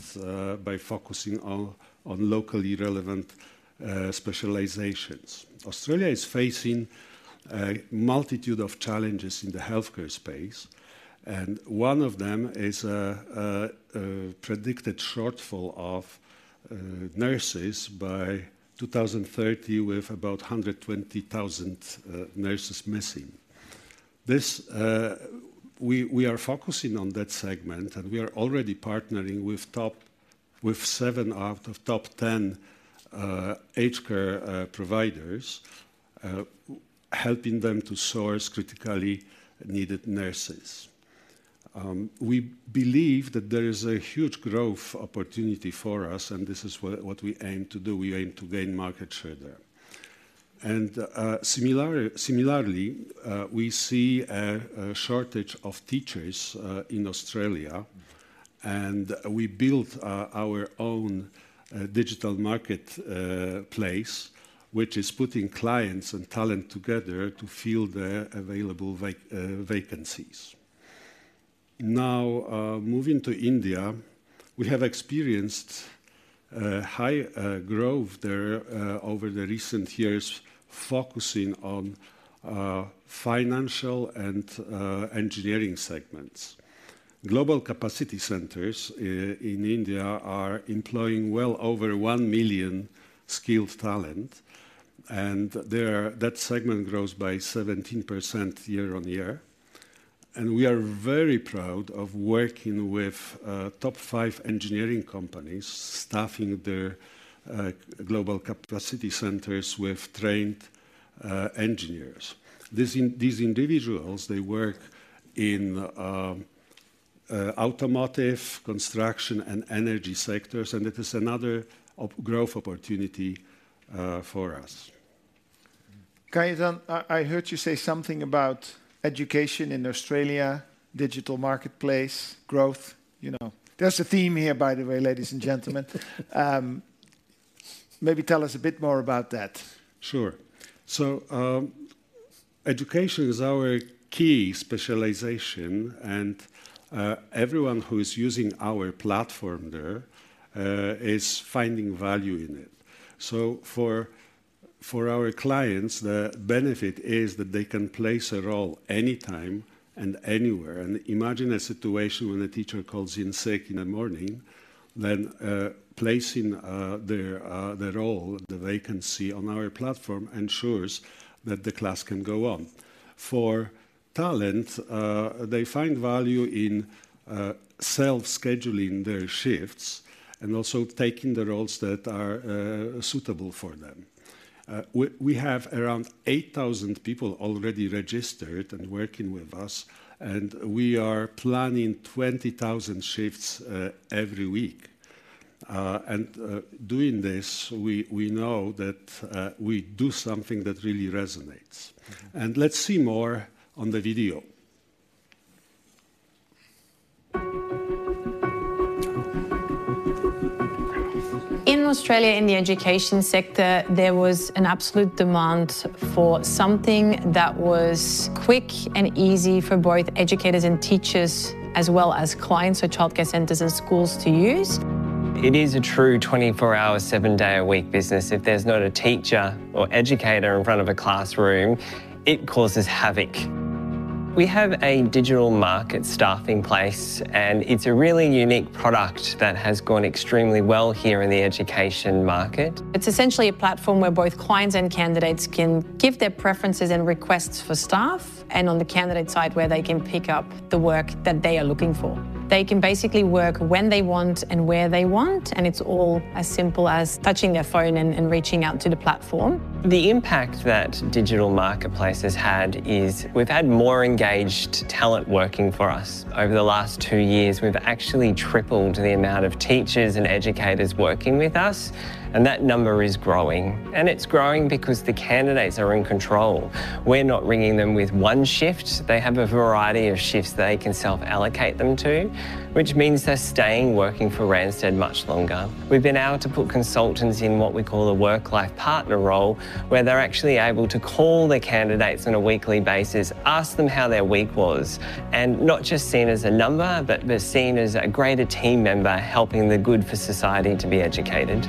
by focusing on locally relevant specializations. Australia is facing a multitude of challenges in the healthcare space, and one of them is a predicted shortfall of nurses by 2030, with about 120,000 nurses missing. We are focusing on that segment, and we are already partnering with top—with 7 out of top 10 aged care providers, helping them to source critically needed nurses. We believe that there is a huge growth opportunity for us, and this is what we aim to do. We aim to gain market share there. And, similarly, we see a shortage of teachers in Australia, and we built our own digital marketplace, which is putting clients and talent together to fill their available vacancies. Now, moving to India, we have experienced high growth there over the recent years, focusing on financial and engineering segments. Global capacity centers in India are employing well over 1 million skilled talent, and there, that segment grows by 17% year-on-year. We are very proud of working with top 5 engineering companies, staffing their global capacity centers with trained engineers. These individuals, they work in automotive, construction, and energy sectors, and it is another growth opportunity for us. Kajetan, I heard you say something about education in Australia, digital marketplace, growth, you know. There's a theme here, by the way, ladies and gentlemen. Maybe tell us a bit more about that. Sure. So, education is our key specialization, and everyone who is using our platform there is finding value in it. So for our clients, the benefit is that they can place a role anytime and anywhere. And imagine a situation when a teacher calls in sick in the morning, then placing their role, the vacancy on our platform, ensures that the class can go on. For talent, they find value in self-scheduling their shifts and also taking the roles that are suitable for them. We have around 8,000 people already registered and working with us, and we are planning 20,000 shifts every week. And doing this, we know that we do something that really resonates. And let's see more on the video. In Australia, in the education sector, there was an absolute demand for something that was quick and easy for both educators and teachers, as well as clients or childcare centers and schools to use. It is a true 24-hour, 7-day-a-week business. If there's not a teacher or educator in front of a classroom, it causes havoc. We have a digital marketplace, and it's a really unique product that has gone extremely well here in the education market. It's essentially a platform where both clients and candidates can give their preferences and requests for staff, and on the candidate side, where they can pick up the work that they are looking for. They can basically work when they want and where they want, and it's all as simple as touching their phone and, and reaching out to the platform. The impact that digital marketplace has had is we've had more engaged talent working for us. Over the last two years, we've actually tripled the amount of teachers and educators working with us, and that number is growing. It's growing because the candidates are in control. We're not ringing them with one shift. They have a variety of shifts they can self-allocate them to, which means they're staying working for Randstad much longer. We've been able to put consultants in what we call a work-life partner role, where they're actually able to call the candidates on a weekly basis, ask them how their week was, and not just seen as a number, but they're seen as a greater team member, helping the good for society to be educated.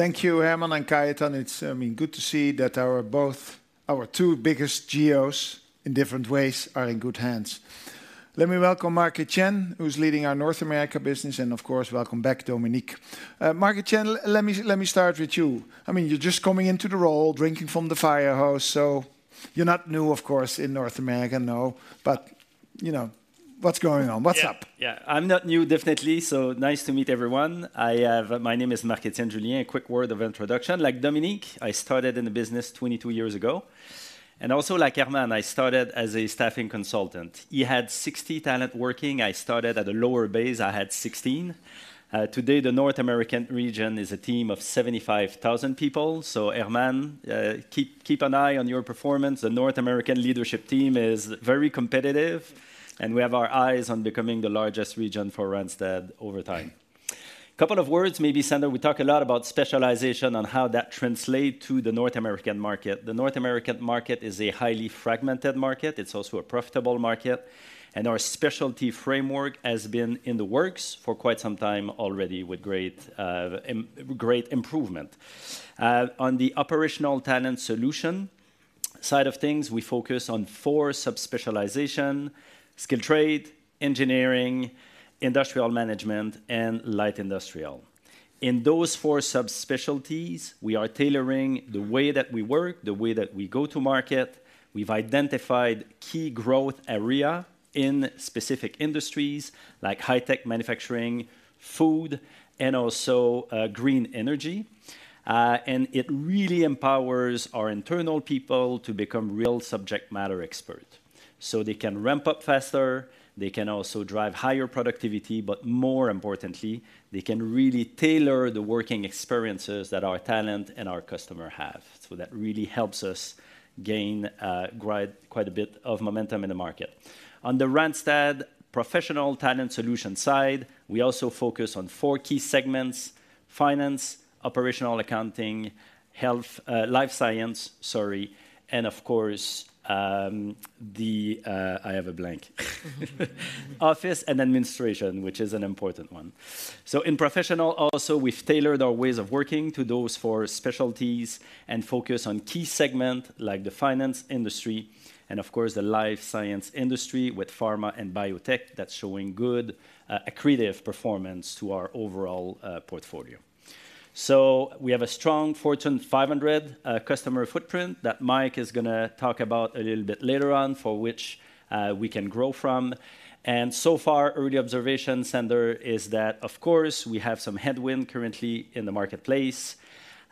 Thank you, Herman and Kajetan. It's, I mean, good to see that our both our two biggest geos, in different ways, are in good hands. Let me welcome Marc-Etienne, who's leading our North America business, and of course, welcome back, Dominique. Marc-Etienne, let me, let me start with you. I mean, you're just coming into the role, drinking from the fire hose, so you're not new, of course, in North America, no. But, you know, what's going on? What's up? Yeah. Yeah, I'm not new, definitely, so nice to meet everyone. I have... my name is Marc-Etienne Julien. A quick word of introduction: like Dominique, I started in the business 22 years ago, and also, like Herman, I started as a staffing consultant. He had 60 talent working. I started at a lower base. I had 16. Today, the North American region is a team of 75,000 people. So, Herman, keep, keep an eye on your performance. The North American leadership team is very competitive, and we have our eyes on becoming the largest region for Randstad over time. Couple of words, maybe, Sander. We talk a lot about specialization and how that translate to the North American market. The North American market is a highly fragmented market. It's also a profitable market, and our specialty framework has been in the works for quite some time already with great great improvement. On the Operational Talent Solution side of things, we focus on four sub-specializations: skilled trade, engineering, industrial management, and light industrial. In those four sub-specialties, we are tailoring the way that we work, the way that we go to market. We've identified key growth area in specific industries, like high-tech manufacturing, food, and also green energy. And it really empowers our internal people to become real subject matter experts. So they can ramp up faster, they can also drive higher productivity, but more importantly, they can really tailor the working experiences that our talent and our customers have. So that really helps us gain ground quite a bit of momentum in the market. On the Randstad Professional Talent Solutions side, we also focus on four key segments: finance, operational accounting, health, life science, and of course, office and administration, which is an important one. So in Professional also, we've tailored our ways of working to those four specialties and focus on key segment like the finance industry and of course, the life science industry with pharma and biotech. That's showing good, accretive performance to our overall, portfolio. So we have a strong Fortune 500, customer footprint that Mike is gonna talk about a little bit later on, for which, we can grow from. And so far, early observation, Sander, is that, of course, we have some headwind currently in the marketplace.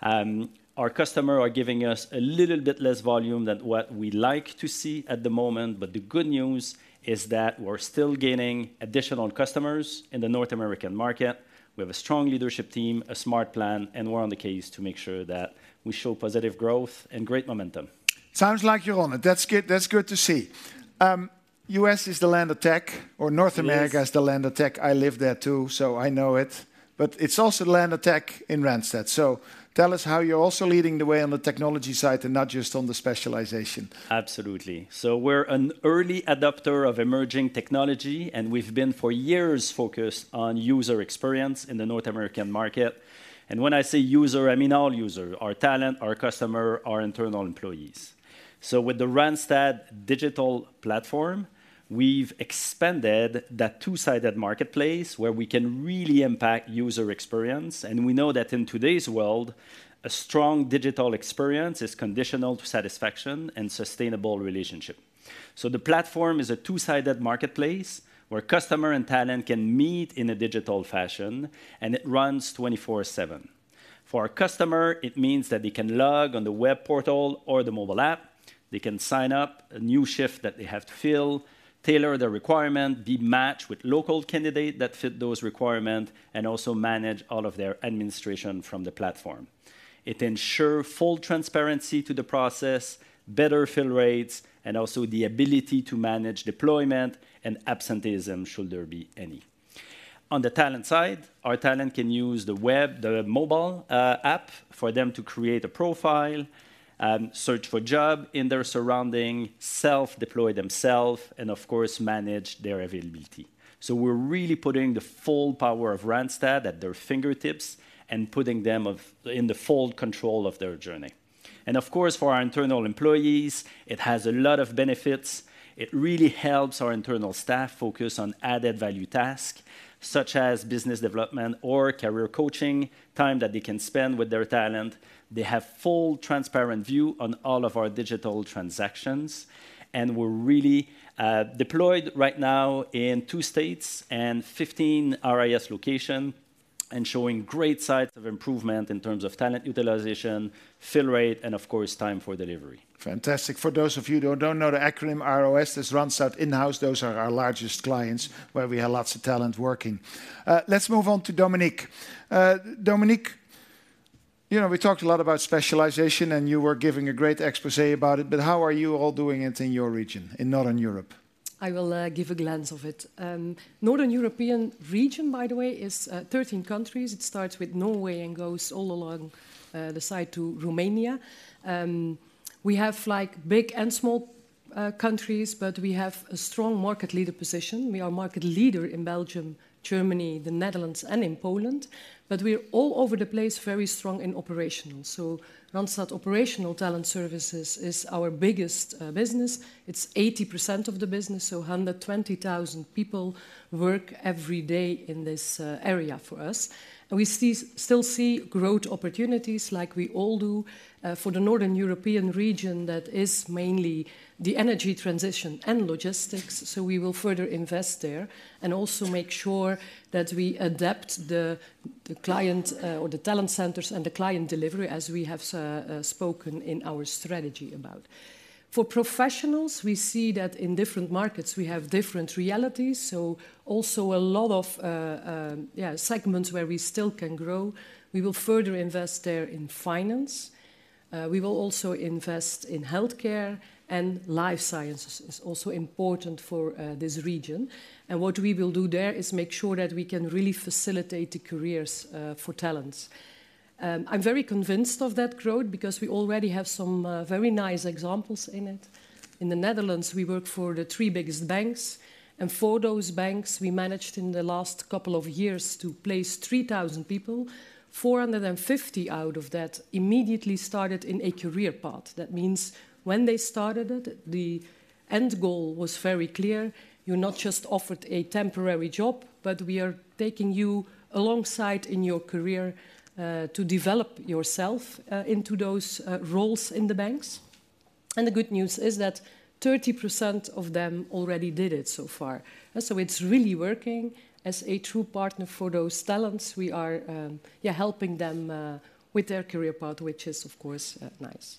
Our customer are giving us a little bit less volume than what we like to see at the moment, but the good news is that we're still gaining additional customers in the North American market. We have a strong leadership team, a smart plan, and we're on the case to make sure that we show positive growth and great momentum. Sounds like you're on it. That's good, that's good to see. U.S. is the land of tech, or North America- It is Is the land of tech. I live there too, so I know it. But it's also the land of tech in Randstad. So tell us how you're also leading the way on the technology side and not just on the specialization? Absolutely. So we're an early adopter of emerging technology, and we've been for years focused on user experience in the North American market. And when I say user, I mean all users, our talent, our customers, our internal employees. So with the Randstad Digital platform, we've expanded that two-sided marketplace where we can really impact user experience. And we know that in today's world, a strong digital experience is conditional to satisfaction and sustainable relationship. So the platform is a two-sided marketplace where customers and talent can meet in a digital fashion, and it runs 24/7. For a customer, it means that they can log on the web portal or the mobile app, they can sign up a new shift that they have to fill, tailor the requirements, be matched with local candidates that fit those requirements, and also manage all of their administration from the platform. It ensures full transparency to the process, better fill rates, and also the ability to manage deployment and absenteeism, should there be any. On the talent side, our talent can use the web, the mobile app for them to create a profile, search for job in their surrounding, self-deploy themselves, and of course, manage their availability. So we're really putting the full power of Randstad at their fingertips and putting them in the full control of their journey. And of course, for our internal employees, it has a lot of benefits. It really helps our internal staff focus on added value task, such as business development or career coaching, time that they can spend with their talent. They have full, transparent view on all of our digital transactions, and we're really deployed right now in 2 states and 15 RIS locations. Showing great signs of improvement in terms of talent utilization, fill rate, and of course, time for delivery. Fantastic. For those of you who don't know the acronym RIS, that's Randstad Inhouse, those are our largest clients, where we have lots of talent working. Let's move on to Dominique. Dominique, you know, we talked a lot about specialization, and you were giving a great exposé about it, but how are you all doing it in your region, in Northern Europe? I will give a glance of it. Northern European region, by the way, is 13 countries. It starts with Norway and goes all along the side to Romania. We have, like, big and small countries, but we have a strong market leader position. We are market leader in Belgium, Germany, the Netherlands, and in Poland, but we're all over the place, very strong in operational. So Randstad Operational Talent Solutions is our biggest business. It's 80% of the business, so 120,000 people work every day in this area for us. And we still see growth opportunities like we all do. For the Northern European region, that is mainly the energy transition and logistics, so we will further invest there and also make sure that we adapt the client or the talent centers and the client delivery, as we have spoken in our strategy about. For professionals, we see that in different markets we have different realities, so also a lot of segments where we still can grow. We will further invest there in finance. We will also invest in healthcare, and life sciences is also important for this region. And what we will do there is make sure that we can really facilitate the careers for talents. I'm very convinced of that growth because we already have some very nice examples in it. In the Netherlands, we work for the three biggest banks, and for those banks, we managed in the last couple of years to place 3,000 people. 450 out of that immediately started in a career path. That means when they started it, the end goal was very clear. You're not just offered a temporary job, but we are taking you alongside in your career to develop yourself into those roles in the banks. And the good news is that 30% of them already did it so far. So it's really working as a true partner for those talents. We are helping them with their career path, which is, of course, nice.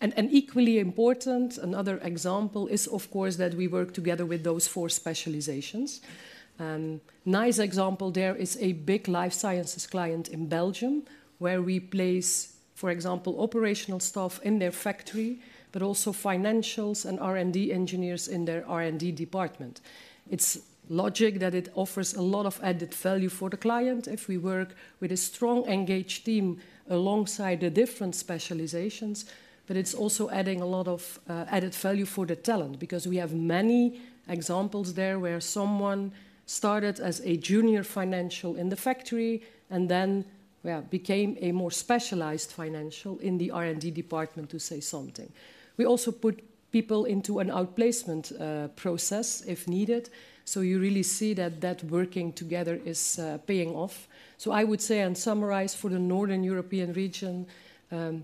And equally important, another example is, of course, that we work together with those four specializations. Nice example there is a big life sciences client in Belgium, where we place, for example, operational staff in their factory, but also financials and R&D engineers in their R&D department. It's logical that it offers a lot of added value for the client if we work with a strong, engaged team alongside the different specializations, but it's also adding a lot of added value for the talent, because we have many examples there where someone started as a junior financial in the factory and then, well, became a more specialized financial in the R&D department, to say something. We also put people into an outplacement process if needed, so you really see that that working together is paying off. So I would say and summarize for the Northern European region: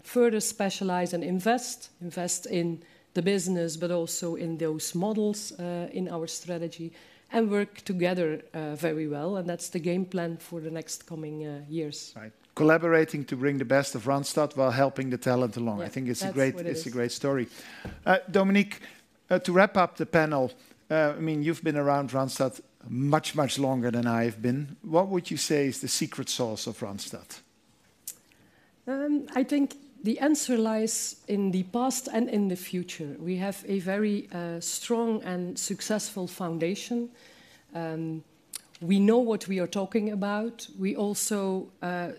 further specialize and invest, invest in the business, but also in those models, in our strategy, and work together very well, and that's the game plan for the next coming years. Right. Collaborating to bring the best of Randstad while helping the talent along. Yeah, that's what it is. I think it's a great, it's a great story. Dominique, to wrap up the panel, I mean, you've been around Randstad much, much longer than I have been. What would you say is the secret sauce of Randstad? I think the answer lies in the past and in the future. We have a very strong and successful foundation. We know what we are talking about. We also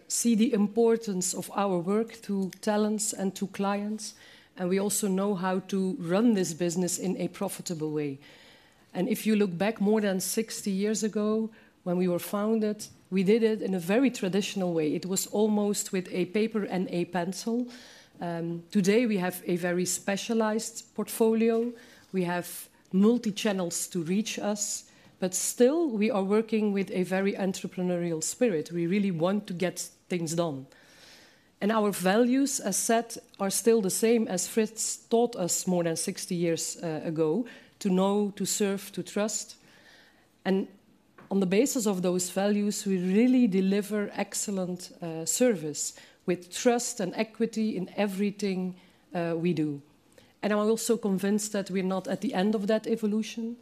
see the importance of our work to talents and to clients, and we also know how to run this business in a profitable way. If you look back more than 60 years ago, when we were founded, we did it in a very traditional way. It was almost with a paper and a pencil. Today, we have a very specialized portfolio. We have multi-channels to reach us, but still, we are working with a very entrepreneurial spirit. We really want to get things done. Our values, as said, are still the same as Frits taught us more than 60 years ago: to know, to serve, to trust. On the basis of those values, we really deliver excellent service with trust and equity in everything we do. I'm also convinced that we're not at the end of that evolution.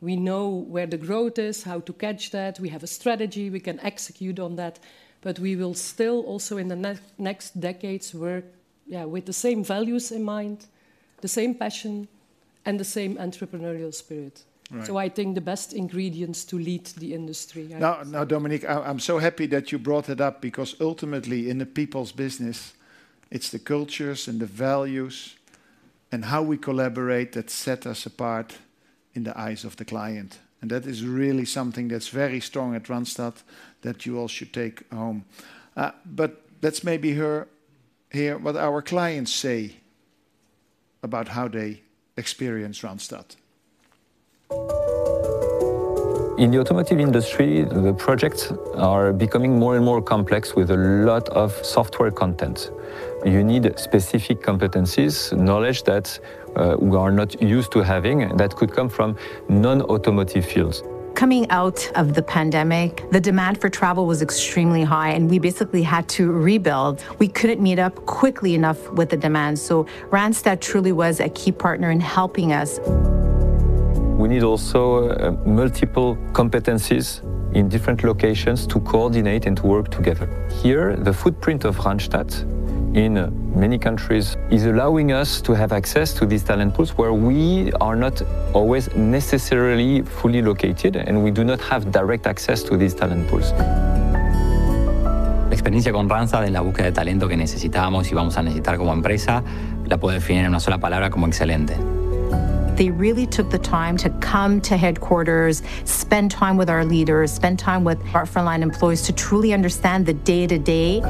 We know where the growth is, how to catch that. We have a strategy. We can execute on that, but we will still also, in the next decades, work, yeah, with the same values in mind, the same passion, and the same entrepreneurial spirit. Right. I think the best ingredients to lead the industry, I think. Now, Dominique, I'm so happy that you brought it up, because ultimately, in the people's business, it's the cultures and the values and how we collaborate that set us apart in the eyes of the client. And that is really something that's very strong at Randstad, that you all should take home. But let's maybe hear what our clients say about how they experience Randstad. In the automotive industry, the projects are becoming more and more complex with a lot of software content. You need specific competencies, knowledge that we are not used to having, and that could come from non-automotive fields. Coming out of the pandemic, the demand for travel was extremely high, and we basically had to rebuild. We couldn't meet up quickly enough with the demand, so Randstad truly was a key partner in helping us. We need also, multiple competencies in different locations to coordinate and to work together. Here, the footprint of Randstad in many countries is allowing us to have access to these talent pools, where we are not always necessarily fully located, and we do not have direct access to these talent pools. The experience with Randstad in finding the talent we need and will need as a company can be defined in one word: excellent. They really took the time to come to headquarters, spend time with our leaders, spend time with our frontline employees to truly understand the day-to-day.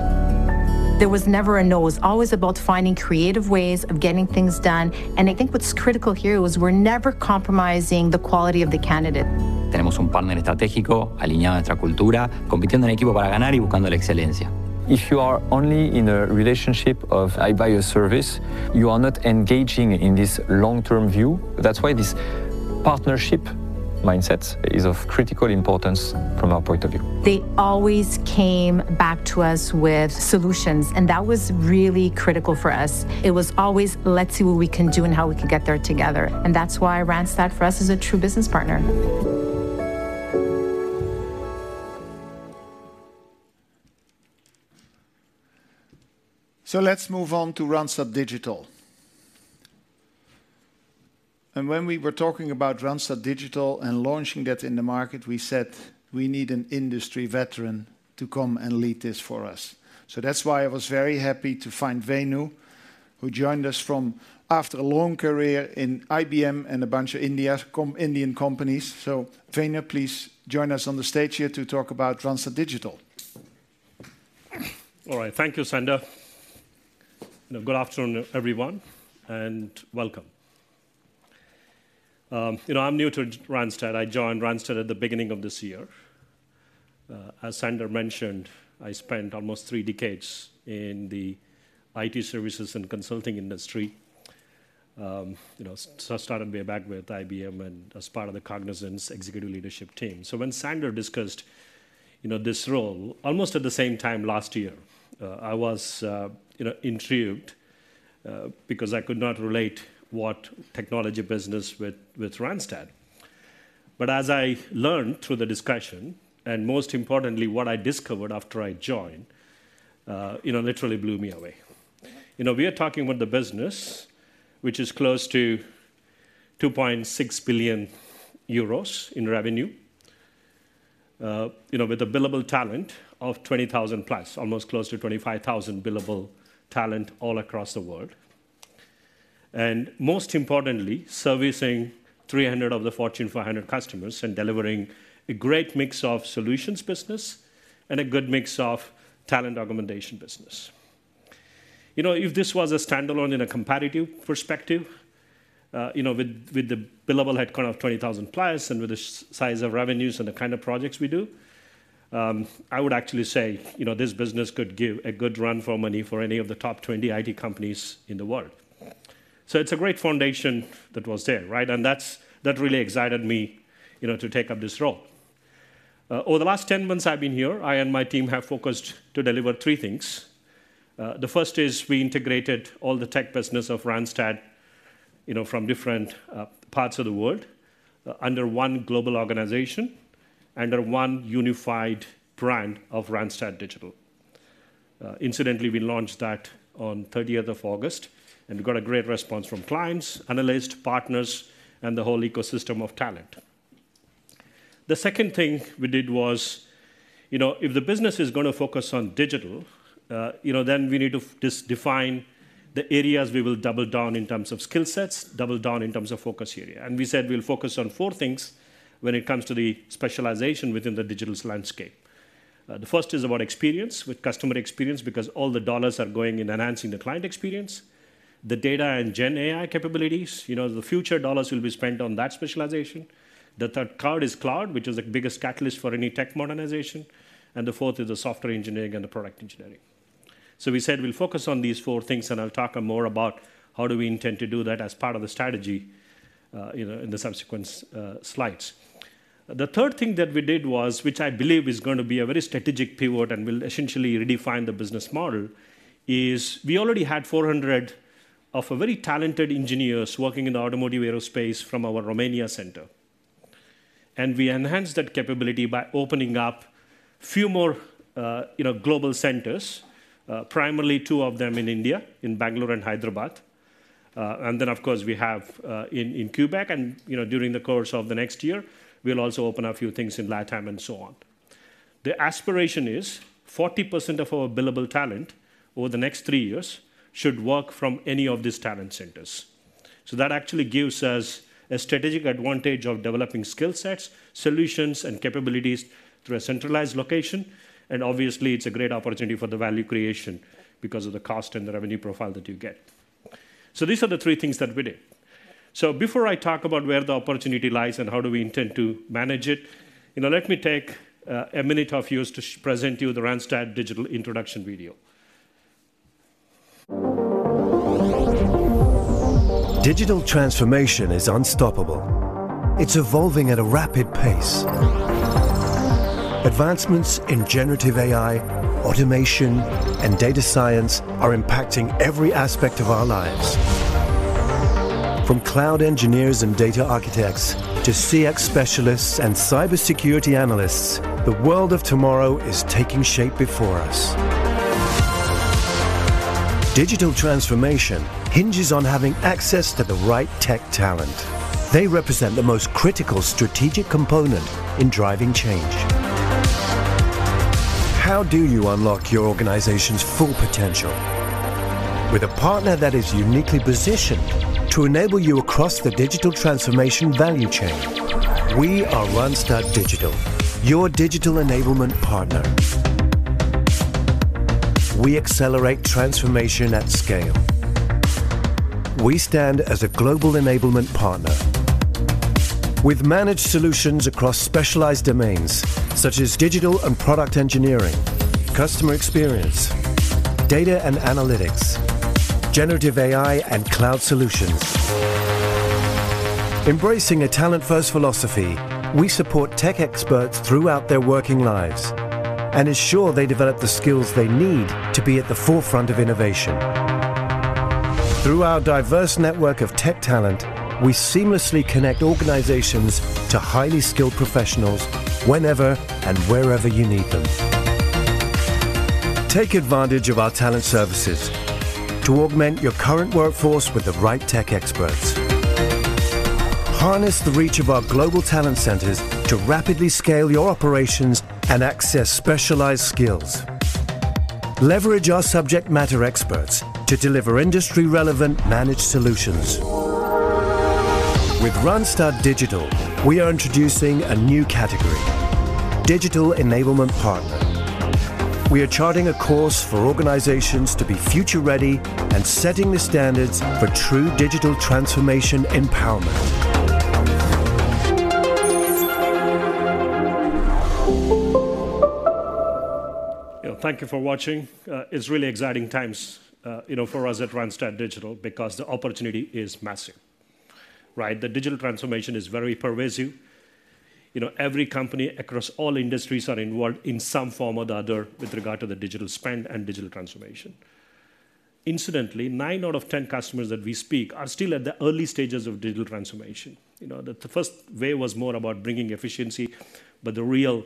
There was never a no. It was always about finding creative ways of getting things done, and I think what's critical here was we're never compromising the quality of the candidate. We have a strategic partner aligned with our culture, competing as a team to win and seeking excellence. If you are only in a relationship of I buy your service, you are not engaging in this long-term view. That's why this partnership mindset is of critical importance from our point of view. They always came back to us with solutions, and that was really critical for us. It was always, "Let's see what we can do and how we can get there together." That's why Randstad, for us, is a true business partner. So let's move on to Randstad Digital. When we were talking about Randstad Digital and launching that in the market, we said, "We need an industry veteran to come and lead this for us." So that's why I was very happy to find Venu, who joined us from... after a long career in IBM and a bunch of Indian companies. So, Venu, please join us on the stage here to talk about Randstad Digital. All right. Thank you, Sander. Good afternoon, everyone, and welcome. You know, I'm new to Randstad. I joined Randstad at the beginning of this year. As Sander mentioned, I spent almost three decades in the IT services and consulting industry. You know, so I started way back with IBM and as part of the Cognizant's executive leadership team. So when Sander discussed, you know, this role, almost at the same time last year, I was, you know, intrigued, because I could not relate what technology business with Randstad. But as I learned through the discussion, and most importantly, what I discovered after I joined, literally blew me away. You know, we are talking about the business, which is close to 2.6 billion euros in revenue, you know, with a billable talent of 20,000+, almost close to 25,000 billable talent all across the world. And most importantly, servicing 300 of the Fortune 500 customers and delivering a great mix of solutions business and a good mix of talent augmentation business. You know, if this was a standalone in a competitive perspective, you know, with, with the billable headcount of 20,000+ and with the size of revenues and the kind of projects we do, I would actually say, you know, this business could give a good run for money for any of the top 20 IT companies in the world. So it's a great foundation that was there, right? That's that really excited me, you know, to take up this role. Over the last 10 months I've been here, I and my team have focused to deliver three things. The first is we integrated all the tech business of Randstad, you know, from different parts of the world, under one global organization, under one unified brand of Randstad Digital. Incidentally, we launched that on thirtieth of August, and we got a great response from clients, analysts, partners, and the whole ecosystem of talent. The second thing we did was, you know, if the business is gonna focus on digital, you know, then we need to define the areas we will double down in terms of skill sets, double down in terms of focus area. We said, we'll focus on four things when it comes to the specialization within the digital landscape. The first is about experience, with customer experience, because all the dollars are going in enhancing the client experience. The data and GenAI capabilities, you know, the future dollars will be spent on that specialization. The third card is cloud, which is the biggest catalyst for any tech modernization, and the fourth is the software engineering and the product engineering. We said we'll focus on these four things, and I'll talk more about how do we intend to do that as part of the strategy, you know, in the subsequent slides. The third thing that we did was, which I believe is gonna be a very strategic pivot and will essentially redefine the business model, is we already had 400 of a very talented engineers working in the automotive, aerospace from our Romania center. We enhanced that capability by opening up a few more, you know, global centers, primarily 2 of them in India, in Bangalore and Hyderabad. And then, of course, we have in Quebec, and, you know, during the course of the next year, we'll also open a few things in Latin and so on. The aspiration is 40% of our billable talent over the next 3 years should work from any of these talent centers. So that actually gives us a strategic advantage of developing skill sets, solutions, and capabilities through a centralized location, and obviously, it's a great opportunity for the value creation because of the cost and the revenue profile that you get. So these are the three things that we did. So before I talk about where the opportunity lies and how do we intend to manage it, you know, let me take a minute of yours to present you the Randstad Digital introduction video. Digital transformation is unstoppable. It's evolving at a rapid pace. Advancements in generative AI, automation, and data science are impacting every aspect of our lives. From cloud engineers and data architects to CX specialists and cybersecurity analysts, the world of tomorrow is taking shape before us. Digital transformation hinges on having access to the right tech talent. They represent the most critical strategic component in driving change. How do you unlock your organization's full potential? With a partner that is uniquely positioned to enable you across the digital transformation value chain. We are Randstad Digital, your digital enablement partner. We accelerate transformation at scale. We stand as a global enablement partner. With managed solutions across specialized domains such as digital and product engineering, customer experience, data and analytics, generative AI and cloud solutions. Embracing a talent-first philosophy, we support tech experts throughout their working lives and ensure they develop the skills they need to be at the forefront of innovation. Through our diverse network of tech talent, we seamlessly connect organizations to highly skilled professionals whenever and wherever you need them. Take advantage of our talent services to augment your current workforce with the right tech experts. Harness the reach of our global talent centers to rapidly scale your operations and access specialized skills. Leverage our subject matter experts to deliver industry-relevant managed solutions. With Randstad Digital, we are introducing a new category: digital enablement partner. We are charting a course for organizations to be future-ready and setting the standards for true digital transformation empowerment. You know, thank you for watching. It's really exciting times, you know, for us at Randstad Digital because the opportunity is massive, right? The digital transformation is very pervasive. You know, every company across all industries are involved in some form or the other with regard to the digital spend and digital transformation. Incidentally, nine out of ten customers that we speak are still at the early stages of digital transformation. You know, the first wave was more about bringing efficiency, but the real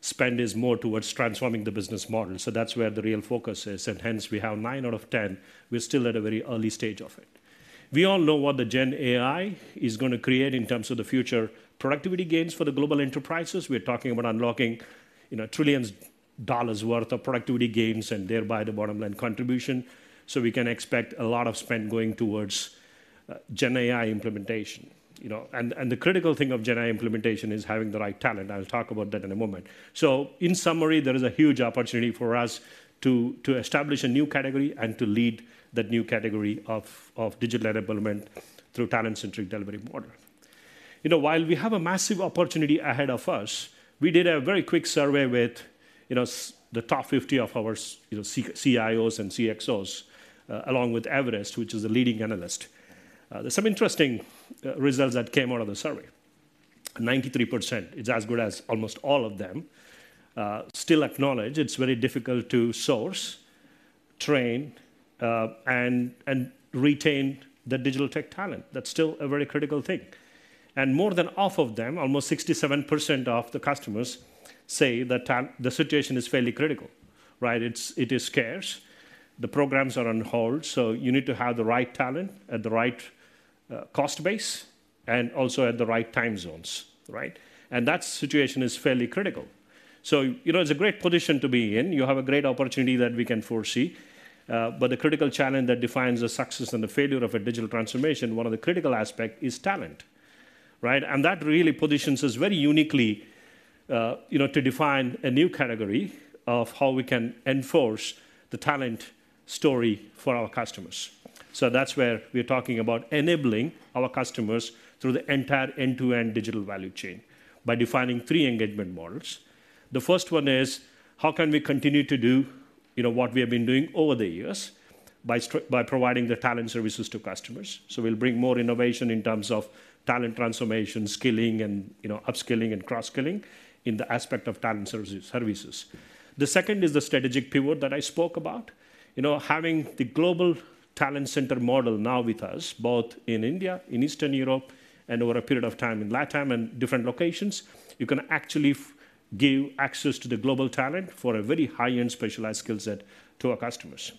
spend is more towards transforming the business model. So that's where the real focus is, and hence we have nine out of ten, we're still at a very early stage of it. We all know what the GenAI is gonna create in terms of the future productivity gains for the global enterprises. We're talking about unlocking, you know, $ trillions worth of productivity gains and thereby the bottom-line contribution. So we can expect a lot of spend going towards GenAI implementation, you know. And the critical thing of GenAI implementation is having the right talent. I'll talk about that in a moment. So in summary, there is a huge opportunity for us to establish a new category and to lead that new category of digital enablement through talent-centric delivery model. You know, while we have a massive opportunity ahead of us, we did a very quick survey with, you know, the top 50 of our, you know, CIOs and CXOs along with Everest, which is a leading analyst. There's some interesting results that came out of the survey. 93%, it's as good as almost all of them still acknowledge it's very difficult to source, train, and retain the digital tech talent. That's still a very critical thing. More than half of them, almost 67% of the customers, say that the situation is fairly critical, right? It's scarce. The programs are on hold, so you need to have the right talent at the right cost base and also at the right time zones, right? That situation is fairly critical. You know, it's a great position to be in. You have a great opportunity that we can foresee, but the critical challenge that defines the success and the failure of a digital transformation, one of the critical aspect is talent, right? And that really positions us very uniquely, you know, to define a new category of how we can enforce the talent story for our customers. So that's where we're talking about enabling our customers through the entire end-to-end digital value chain by defining three engagement models. The first one is, how can we continue to do, you know, what we have been doing over the years by by providing the talent services to customers? So we'll bring more innovation in terms of talent transformation, skilling, and, you know, upskilling and cross-skilling in the aspect of talent services, services. The second is the strategic pivot that I spoke about. You know, having the global talent center model now with us, both in India, in Eastern Europe, and over a period of time in Latin and different locations, you can actually give access to the global talent for a very high-end specialized skill set to our customers.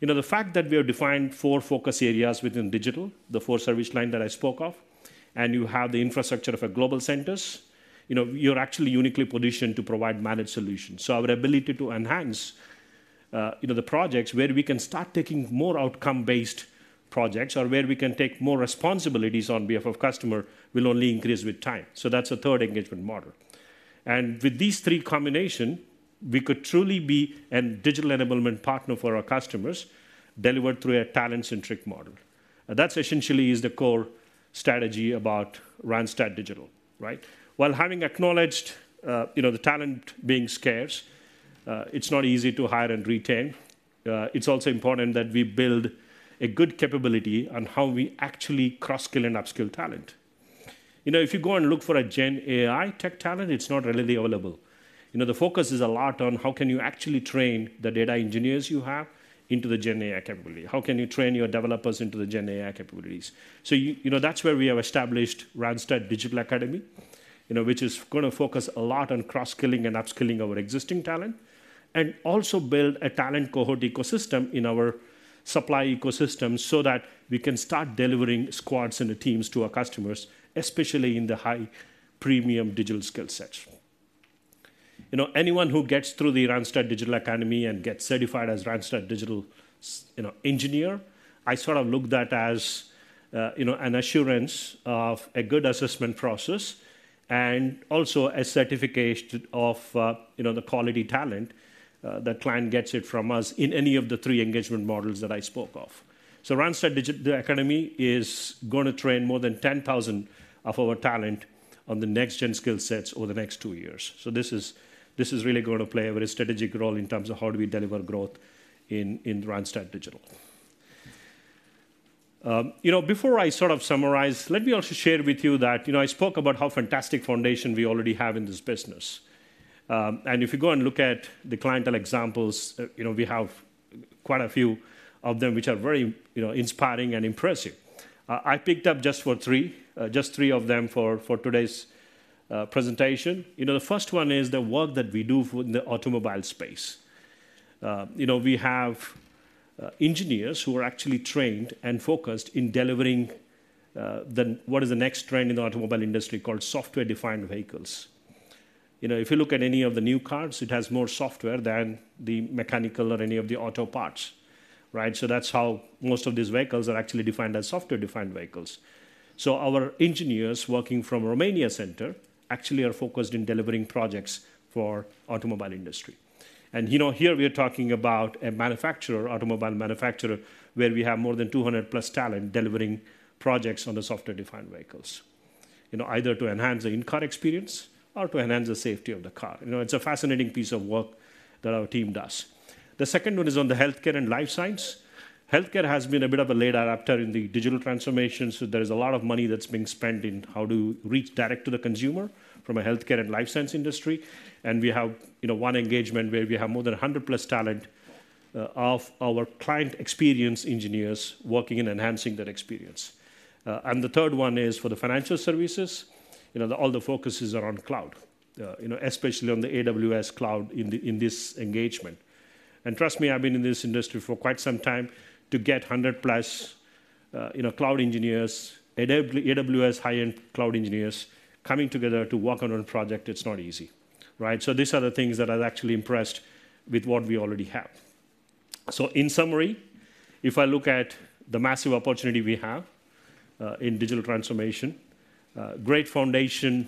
You know, the fact that we have defined four focus areas within digital, the four service line that I spoke of, and you have the infrastructure of a global centers, you know, you're actually uniquely positioned to provide managed solutions. So our ability to enhance, you know, the projects where we can start taking more outcome-based projects or where we can take more responsibilities on behalf of customer, will only increase with time. So that's the third engagement model. And with these three combinations, we could truly be a digital enablement partner for our customers, delivered through a talent-centric model. That essentially is the core strategy about Randstad Digital, right? While having acknowledged, you know, the talent being scarce, it's not easy to hire and retain. It's also important that we build a good capability on how we actually cross-skill and upskill talent. You know, if you go and look for a GenAI tech talent, it's not readily available. You know, the focus is a lot on how can you actually train the data engineers you have into the GenAI capability? How can you train your developers into the GenAI capabilities? So you know, that's where we have established Randstad Digital Academy, you know, which is gonna focus a lot on cross-skilling and upskilling our existing talent, and also build a talent cohort ecosystem in our supply ecosystem so that we can start delivering squads and the teams to our customers, especially in the high-premium digital skill set. You know, anyone who gets through the Randstad Digital Academy and gets certified as Randstad Digital s-- you know, engineer, I sort of look at that as, you know, an assurance of a good assessment process, and also a certification of, you know, the quality talent the client gets from us in any of the three engagement models that I spoke of. So Randstad Digital Academy is gonna train more than 10,000 of our talent on the next-gen skill sets over the next two years. So this is really gonna play a very strategic role in terms of how we deliver growth in Randstad Digital. You know, before I sort of summarize, let me also share with you that, you know, I spoke about how fantastic foundation we already have in this business. And if you go and look at the clientele examples, you know, we have quite a few of them, which are very, you know, inspiring and impressive. I picked just three of them for today's presentation. You know, the first one is the work that we do for the automobile space. You know, we have engineers who are actually trained and focused in delivering what is the next trend in the automobile industry, called software-defined vehicles. You know, if you look at any of the new cars, it has more software than the mechanical or any of the auto parts, right? So that's how most of these vehicles are actually defined as software-defined vehicles. So our engineers working from Romanian center, actually are focused in delivering projects for automobile industry. And you know, here we are talking about a manufacturer, automobile manufacturer, where we have more than 200+ talent delivering projects on the software-defined vehicles. You know, either to enhance the in-car experience or to enhance the safety of the car. You know, it's a fascinating piece of work that our team does. The second one is on the healthcare and life science. Healthcare has been a bit of a late adopter in the digital transformation, so there is a lot of money that's being spent in how to reach direct to the consumer from a healthcare and life science industry. We have, you know, one engagement where we have more than 100+ talent, of our client experience engineers working in enhancing that experience. And the third one is for the financial services. You know, the, all the focuses are on cloud, you know, especially on the AWS cloud in the, in this engagement. And trust me, I've been in this industry for quite some time to get 100+, you know, cloud engineers, AWS high-end cloud engineers, coming together to work on a project, it's not easy, right? So these are the things that I've actually impressed with what we already have. So in summary, if I look at the massive opportunity we have, in digital transformation, great foundation,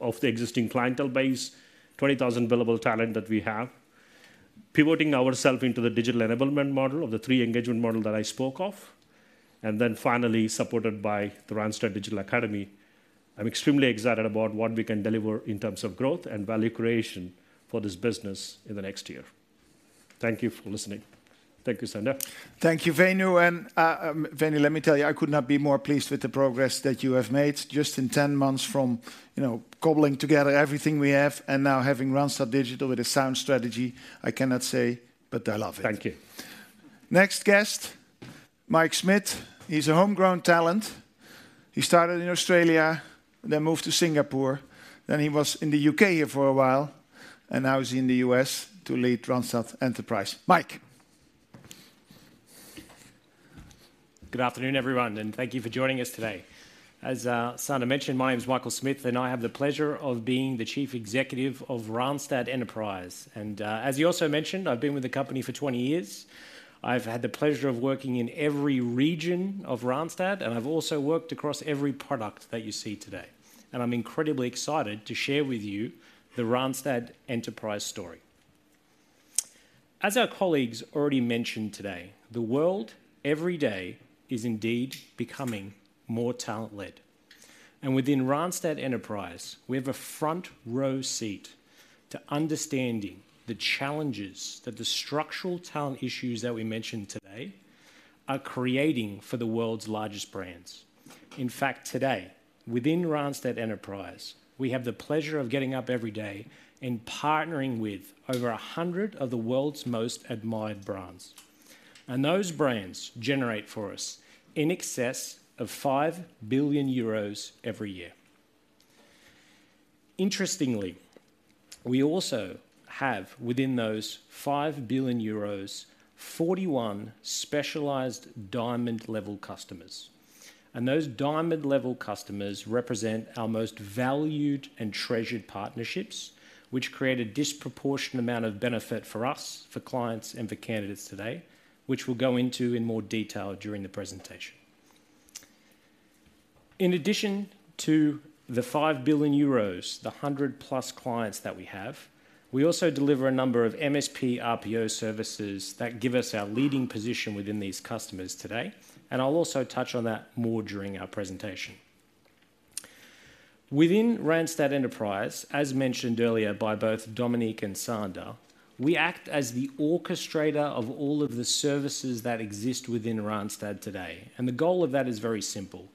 of the existing clientele base, 20,000 billable talent that we have, pivoting ourself into the digital enablement model of the three engagement model that I spoke of, and then finally, supported by the Randstad Digital Academy. I'm extremely excited about what we can deliver in terms of growth and value creation for this business in the next year. Thank you for listening. Thank you, Sander. Thank you, Venu, and, Venu, let me tell you, I could not be more pleased with the progress that you have made just in 10 months from, you know, cobbling together everything we have and now having Randstad Digital with a sound strategy. I cannot say, but I love it. Thank you. Next guest, Mike Smith. He's a homegrown talent. He started in Australia, then moved to Singapore, then he was in the U.K. here for a while, and now he's in the U.S. to lead Randstad Enterprise. Mike? Good afternoon, everyone, and thank you for joining us today. As Sander mentioned, my name is Michael Smith, and I have the pleasure of being the Chief Executive of Randstad Enterprise. As he also mentioned, I've been with the company for 20 years. I've had the pleasure of working in every region of Randstad, and I've also worked across every product that you see today. I'm incredibly excited to share with you the Randstad Enterprise story. As our colleagues already mentioned today, the world every day is indeed becoming more talent-led. Within Randstad Enterprise, we have a front row seat to understanding the challenges that the structural talent issues that we mentioned today are creating for the world's largest brands. In fact, today, within Randstad Enterprise, we have the pleasure of getting up every day and partnering with over 100 of the world's most admired brands. And those brands generate for us in excess of 5 billion euros every year. Interestingly, we also have, within those 5 billion euros, 41 specialized Diamond-level customers. And those Diamond-level customers represent our most valued and treasured partnerships, which create a disproportionate amount of benefit for us, for clients, and for candidates today, which we'll go into in more detail during the presentation. In addition to the 5 billion euros, the 100+ clients that we have, we also deliver a number of MSP RPO services that give us our leading position within these customers today, and I'll also touch on that more during our presentation. Within Randstad Enterprise, as mentioned earlier by both Dominique and Sander, we act as the orchestrator of all of the services that exist within Randstad today, and the goal of that is very simple: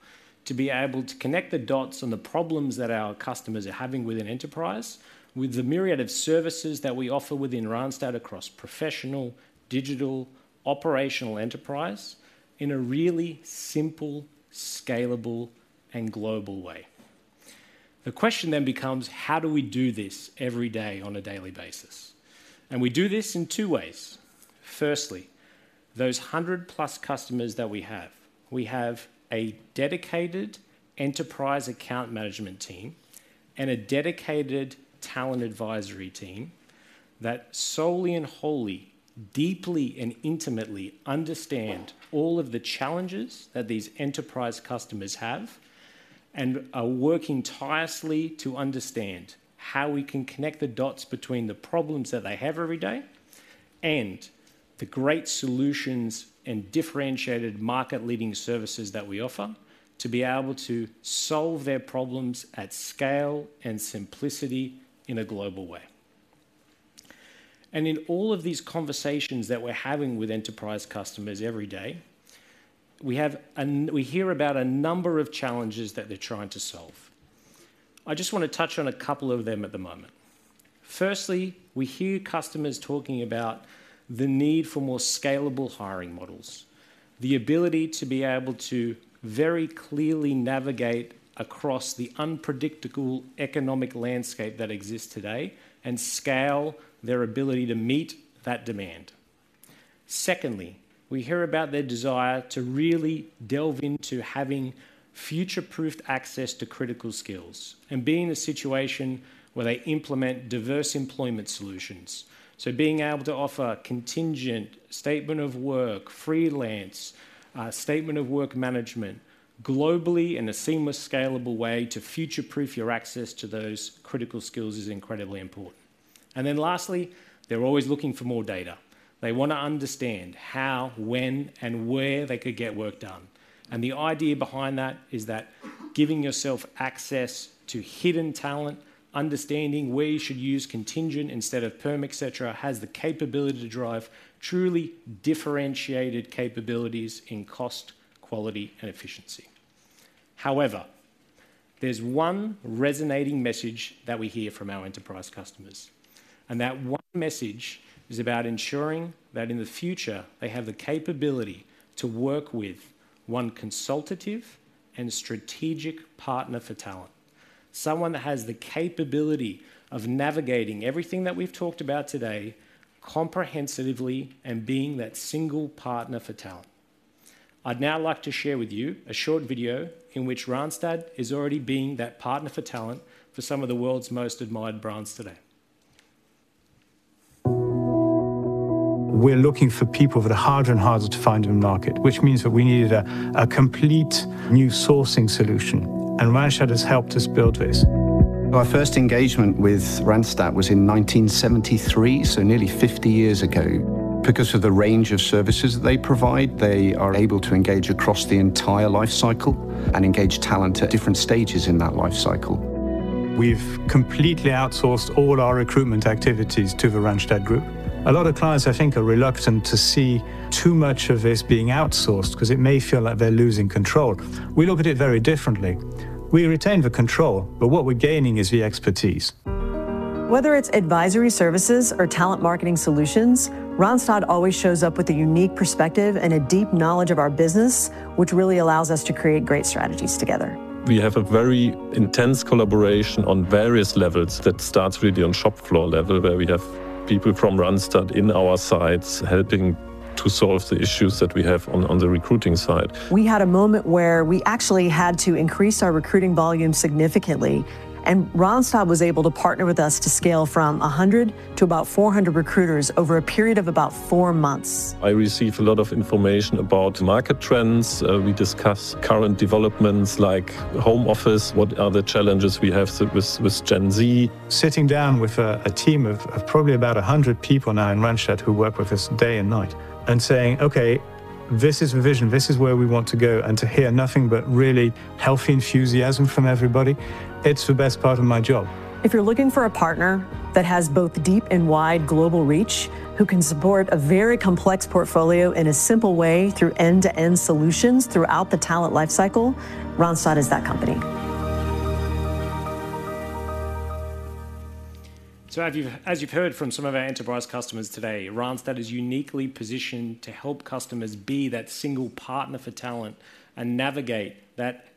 to be able to connect the dots on the problems that our customers are having with an enterprise, with the myriad of services that we offer within Randstad across Professional, Digital, Operational, Enterprise, in a really simple, scalable, and global way. The question then becomes: how do we do this every day on a daily basis? We do this in two ways. Firstly, those 100+ customers that we have, we have a dedicated enterprise account management team and a dedicated talent advisory team that solely and wholly, deeply and intimately understand all of the challenges that these enterprise customers have, and are working tirelessly to understand how we can connect the dots between the problems that they have every day and the great solutions and differentiated market-leading services that we offer, to be able to solve their problems at scale and simplicity in a global way. In all of these conversations that we're having with enterprise customers every day, we hear about a number of challenges that they're trying to solve. I just want to touch on a couple of them at the moment. Firstly, we hear customers talking about the need for more scalable hiring models, the ability to be able to very clearly navigate across the unpredictable economic landscape that exists today and scale their ability to meet that demand. Secondly, we hear about their desire to really delve into having future-proofed access to critical skills and be in a situation where they implement diverse employment solutions. So being able to offer contingent, statement of work, freelance, statement of work management globally in a seamless, scalable way to future-proof your access to those critical skills is incredibly important. And then lastly, they're always looking for more data. They want to understand how, when, and where they could get work done. The idea behind that is that giving yourself access to hidden talent, understanding where you should use contingent instead of perm, et cetera, has the capability to drive truly differentiated capabilities in cost, quality, and efficiency. However, there's one resonating message that we hear from our enterprise customers, and that one message is about ensuring that in the future, they have the capability to work with one consultative and strategic Partner for Talent. Someone that has the capability of navigating everything that we've talked about today comprehensively and being that single Partner for Talent. I'd now like to share with you a short video in which Randstad is already being that Partner for Talent for some of the world's most admired brands today. We're looking for people that are harder and harder to find in the market, which means that we needed a complete new sourcing solution, and Randstad has helped us build this. Our first engagement with Randstad was in 1973, so nearly 50 years ago. Because of the range of services they provide, they are able to engage across the entire life cycle and engage talent at different stages in that life cycle. We've completely outsourced all our recruitment activities to the Randstad Group. A lot of clients, I think, are reluctant to see too much of this being outsourced because it may feel like they're losing control. We look at it very differently. We retain the control, but what we're gaining is the expertise. Whether it's advisory services or talent marketing solutions, Randstad always shows up with a unique perspective and a deep knowledge of our business, which really allows us to create great strategies together. We have a very intense collaboration on various levels that starts really on shop floor level, where we have people from Randstad in our sites helping to solve the issues that we have on the recruiting side. We had a moment where we actually had to increase our recruiting volume significantly, and Randstad was able to partner with us to scale from 100 to about 400 recruiters over a period of about 4 months. I receive a lot of information about market trends. We discuss current developments like home office, what are the challenges we have with Gen Z. Sitting down with a team of probably about 100 people now in Randstad who work with us day and night and saying, "Okay, this is the vision. This is where we want to go," and to hear nothing but really healthy enthusiasm from everybody, it's the best part of my job. If you're looking for a partner that has both deep and wide global reach, who can support a very complex portfolio in a simple way through end-to-end solutions throughout the talent lifecycle, Randstad is that company. So as you've heard from some of our enterprise customers today, Randstad is uniquely positioned to help customers be that single Partner for Talent and navigate that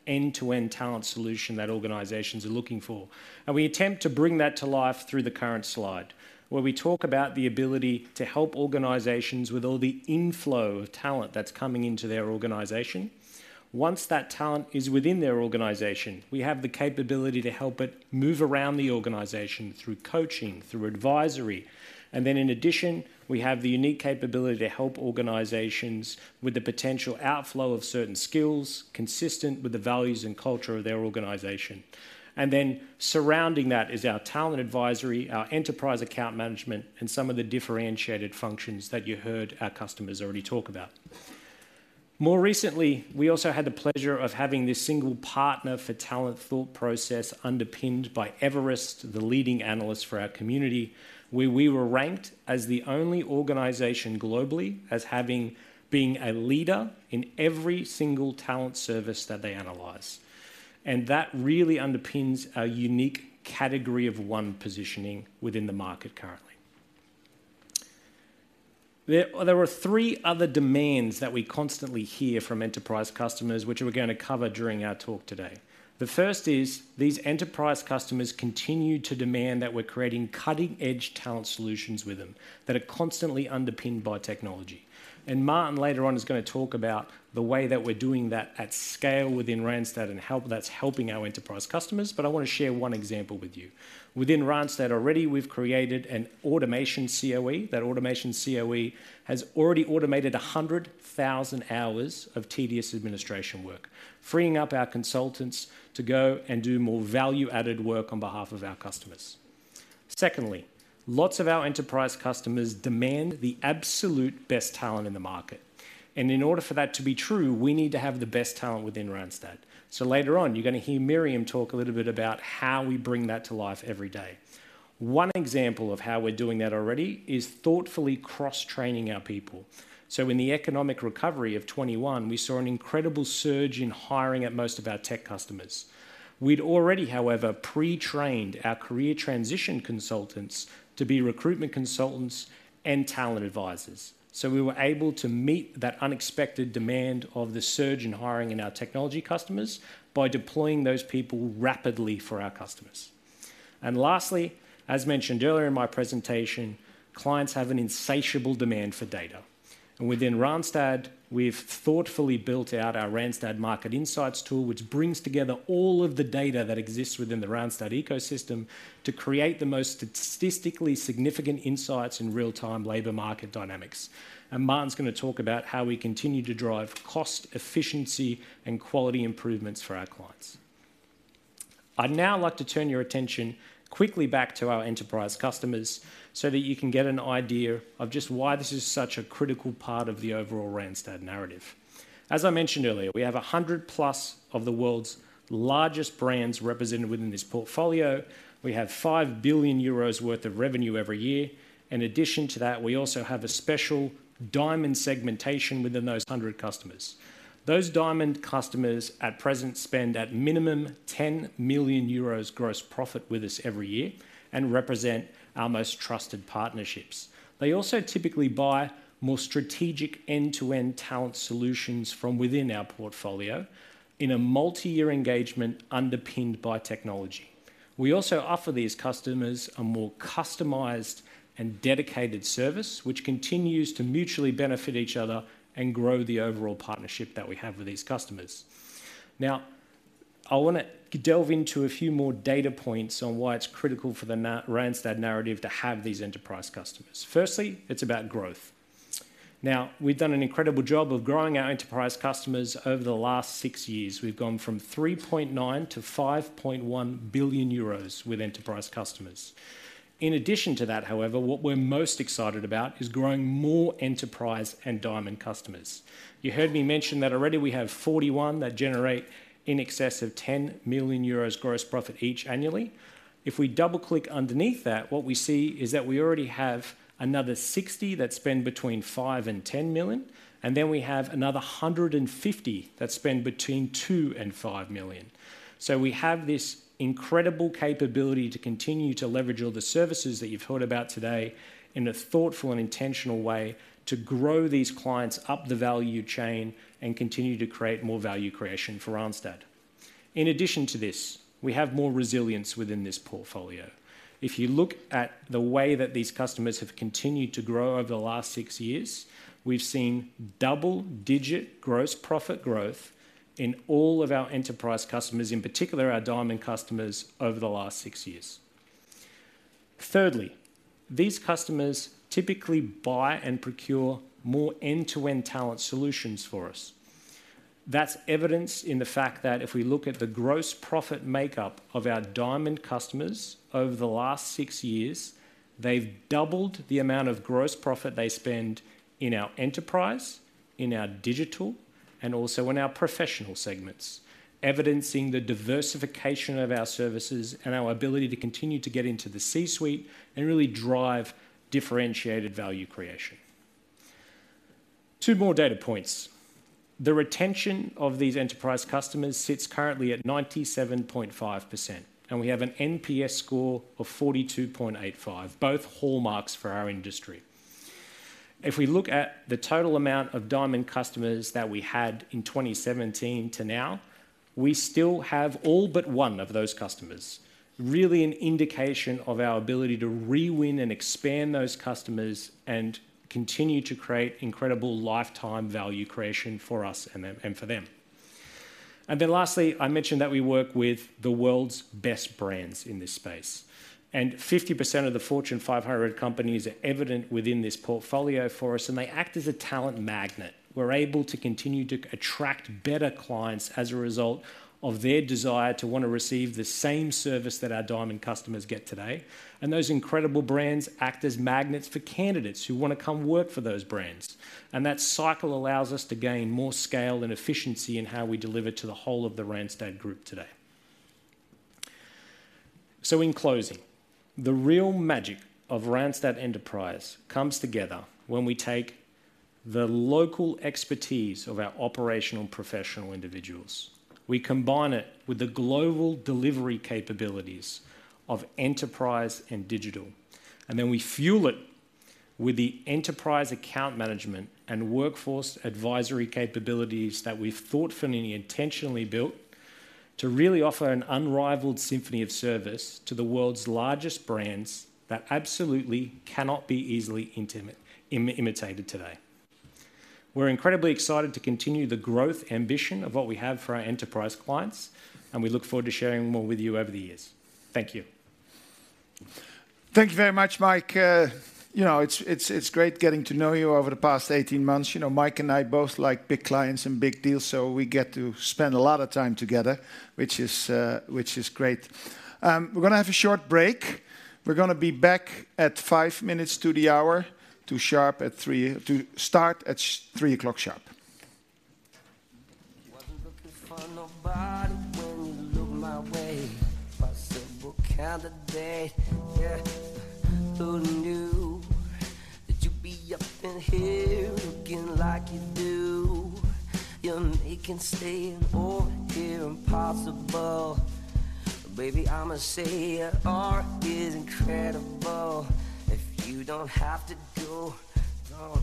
end-to-end talent solution that organizations are looking for. We attempt to bring that to life through the current slide, where we talk about the ability to help organizations with all the inflow of talent that's coming into their organization. Once that talent is within their organization, we have the capability to help it move around the organization through coaching, through advisory, and then in addition, we have the unique capability to help organizations with the potential outflow of certain skills, consistent with the values and culture of their organization. Surrounding that is our talent advisory, our enterprise account management, and some of the differentiated functions that you heard our customers already talk about.... More recently, we also had the pleasure of having this single Partner for Talent thought process underpinned by Everest, the leading analyst for our community, where we were ranked as the only organization globally as having, being a leader in every single talent service that they analyze. That really underpins our unique category of one positioning within the market currently. There were three other demands that we constantly hear from enterprise customers, which we're gonna cover during our talk today. The first is, these enterprise customers continue to demand that we're creating cutting-edge talent solutions with them that are constantly underpinned by technology. Martin, later on, is gonna talk about the way that we're doing that at scale within Randstad and how that's helping our enterprise customers, but I wanna share one example with you. Within Randstad already, we've created an automation COE. That automation COE has already automated 100,000 hours of tedious administration work, freeing up our consultants to go and do more value-added work on behalf of our customers. Secondly, lots of our enterprise customers demand the absolute best talent in the market, and in order for that to be true, we need to have the best talent within Randstad. So later on, you're gonna hear Myriam talk a little bit about how we bring that to life every day. One example of how we're doing that already is thoughtfully cross-training our people. So in the economic recovery of 2021, we saw an incredible surge in hiring at most of our tech customers. We'd already, however, pre-trained our career transition consultants to be recruitment consultants and talent advisors. So we were able to meet that unexpected demand of the surge in hiring in our technology customers by deploying those people rapidly for our customers. And lastly, as mentioned earlier in my presentation, clients have an insatiable demand for data. And within Randstad, we've thoughtfully built out our Randstad Market Insights tool, which brings together all of the data that exists within the Randstad ecosystem to create the most statistically significant insights in real-time labor market dynamics. And Martin's gonna talk about how we continue to drive cost, efficiency, and quality improvements for our clients. I'd now like to turn your attention quickly back to our enterprise customers so that you can get an idea of just why this is such a critical part of the overall Randstad narrative. As I mentioned earlier, we have 100+ of the world's largest brands represented within this portfolio. We have 5 billion euros worth of revenue every year. In addition to that, we also have a special diamond segmentation within those 100 customers. Those Diamond customers, at present, spend at minimum 10 million euros gross profit with us every year and represent our most trusted partnerships. They also typically buy more strategic end-to-end talent solutions from within our portfolio in a multi-year engagement underpinned by technology. We also offer these customers a more customized and dedicated service, which continues to mutually benefit each other and grow the overall partnership that we have with these customers. Now, I wanna delve into a few more data points on why it's critical for the Randstad narrative to have these enterprise customers. Firstly, it's about growth. Now, we've done an incredible job of growing our enterprise customers over the last 6 years. We've gone from 3.9 billion to 5.1 billion euros with enterprise customers. In addition to that, however, what we're most excited about is growing more enterprise and Diamond customers. You heard me mention that already we have 41 that generate in excess of 10 million euros gross profit each annually. If we double-click underneath that, what we see is that we already have another 60 that spend between 5 million and 10 million, and then we have another 150 that spend between 2 million and 5 million. So we have this incredible capability to continue to leverage all the services that you've heard about today in a thoughtful and intentional way to grow these clients up the value chain and continue to create more value creation for Randstad. In addition to this, we have more resilience within this portfolio. If you look at the way that these customers have continued to grow over the last 6 years, we've seen double-digit gross profit growth in all of our enterprise customers, in particular our Diamond customers, over the last 6 years. Thirdly, these customers typically buy and procure more end-to-end talent solutions for us. That's evidenced in the fact that if we look at the gross profit makeup of our Diamond customers over the last 6 years, they've doubled the amount of gross profit they spend in our enterprise, in our digital, and also in our Professional segments, evidencing the diversification of our services and our ability to continue to get into the C-suite and really drive differentiated value creation. 2 more data points. The retention of these enterprise customers sits currently at 97.5%, and we have an NPS score of 42.85, both hallmarks for our industry. If we look at the total amount of Diamond customers that we had in 2017 to now, we still have all but one of those customers. Really an indication of our ability to re-win and expand those customers and continue to create incredible lifetime value creation for us and then, and for them. Then lastly, I mentioned that we work with the world's best brands in this space, and 50% of the Fortune 500 companies are evident within this portfolio for us, and they act as a talent magnet. We're able to continue to attract better clients as a result of their desire to want to receive the same service that our Diamond customers get today, and those incredible brands act as magnets for candidates who wanna come work for those brands. And that cycle allows us to gain more scale and efficiency in how we deliver to the whole of the Randstad Group today. So in closing, the real magic of Randstad Enterprise comes together when we take the local expertise of our operational professional individuals. We combine it with the global delivery capabilities of enterprise and digital, and then we fuel it with the enterprise account management and workforce advisory capabilities that we've thoughtfully and intentionally built to really offer an unrivaled symphony of service to the world's largest brands that absolutely cannot be easily imitated today. We're incredibly excited to continue the growth ambition of what we have for our enterprise clients, and we look forward to sharing more with you over the years. Thank you. Thank you very much, Mike. You know, it's great getting to know you over the past 18 months. You know, Mike and I both like big clients and big deals, so we get to spend a lot of time together, which is great. We're gonna have a short break. We're gonna be back at five minutes to the hour, to sharp at three- to start at 3:00 sharp. Wasn't looking for nobody when you looked my way. Possible candidate, yeah. Who knew? That you'd be up in here, looking like you do. You're making staying over here impossible. Baby, I'ma say your aura is incredible. If you don't have to go, go.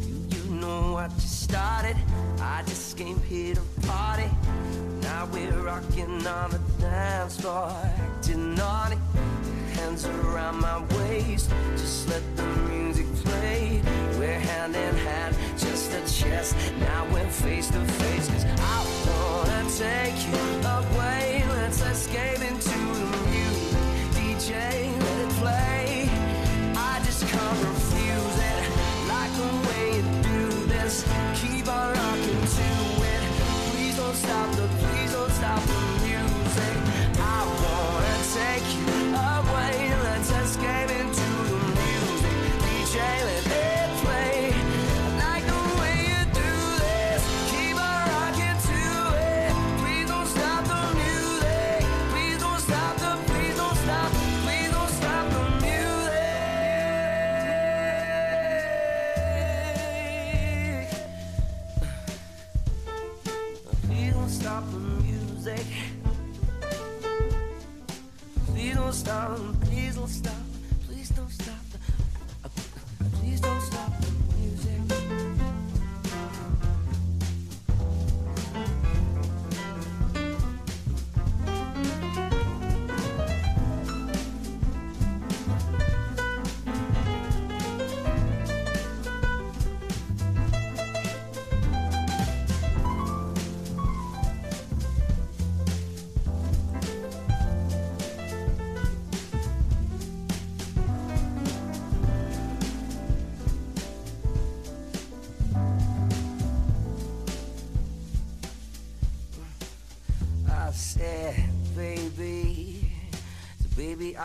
Do you know what you started? I just came here to party. Now we're rocking on the dance floor, acting naughty. Your hands around my waist, just let the music play. We're hand in hand, just a chance, now we're face to face. 'Cause I wanna take you away, let's escape into the music. DJ, let it play. I just can't refuse it, like the way you do this. Keep on rocking to it. Please don't stop the, please don't stop the music. I wanna take you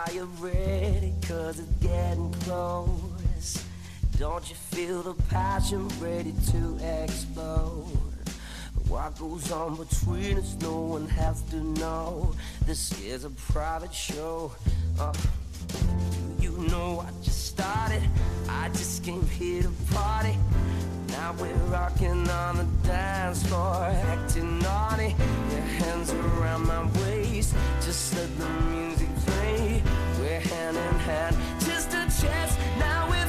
away, let's escape into the music. DJ, let it play. I like the way you do this, keep on rocking to it. Please don't stop the music. Please don't stop the, please don't stop, please don't stop the music. Please don't stop the music. Please don't stop, please don't stop. Please don't stop the... Please don't stop the music. I said, baby. So baby, are you ready? 'Cause it's getting close. Don't you feel the passion ready to explode? What goes on between us, no one has to know. This is a private show, uh. Do you know what you started? I just came here to party. Now we're rocking on the dance floor, acting naughty. Your hands around my waist, just let the music play. We're hand in hand, just a chance, now we're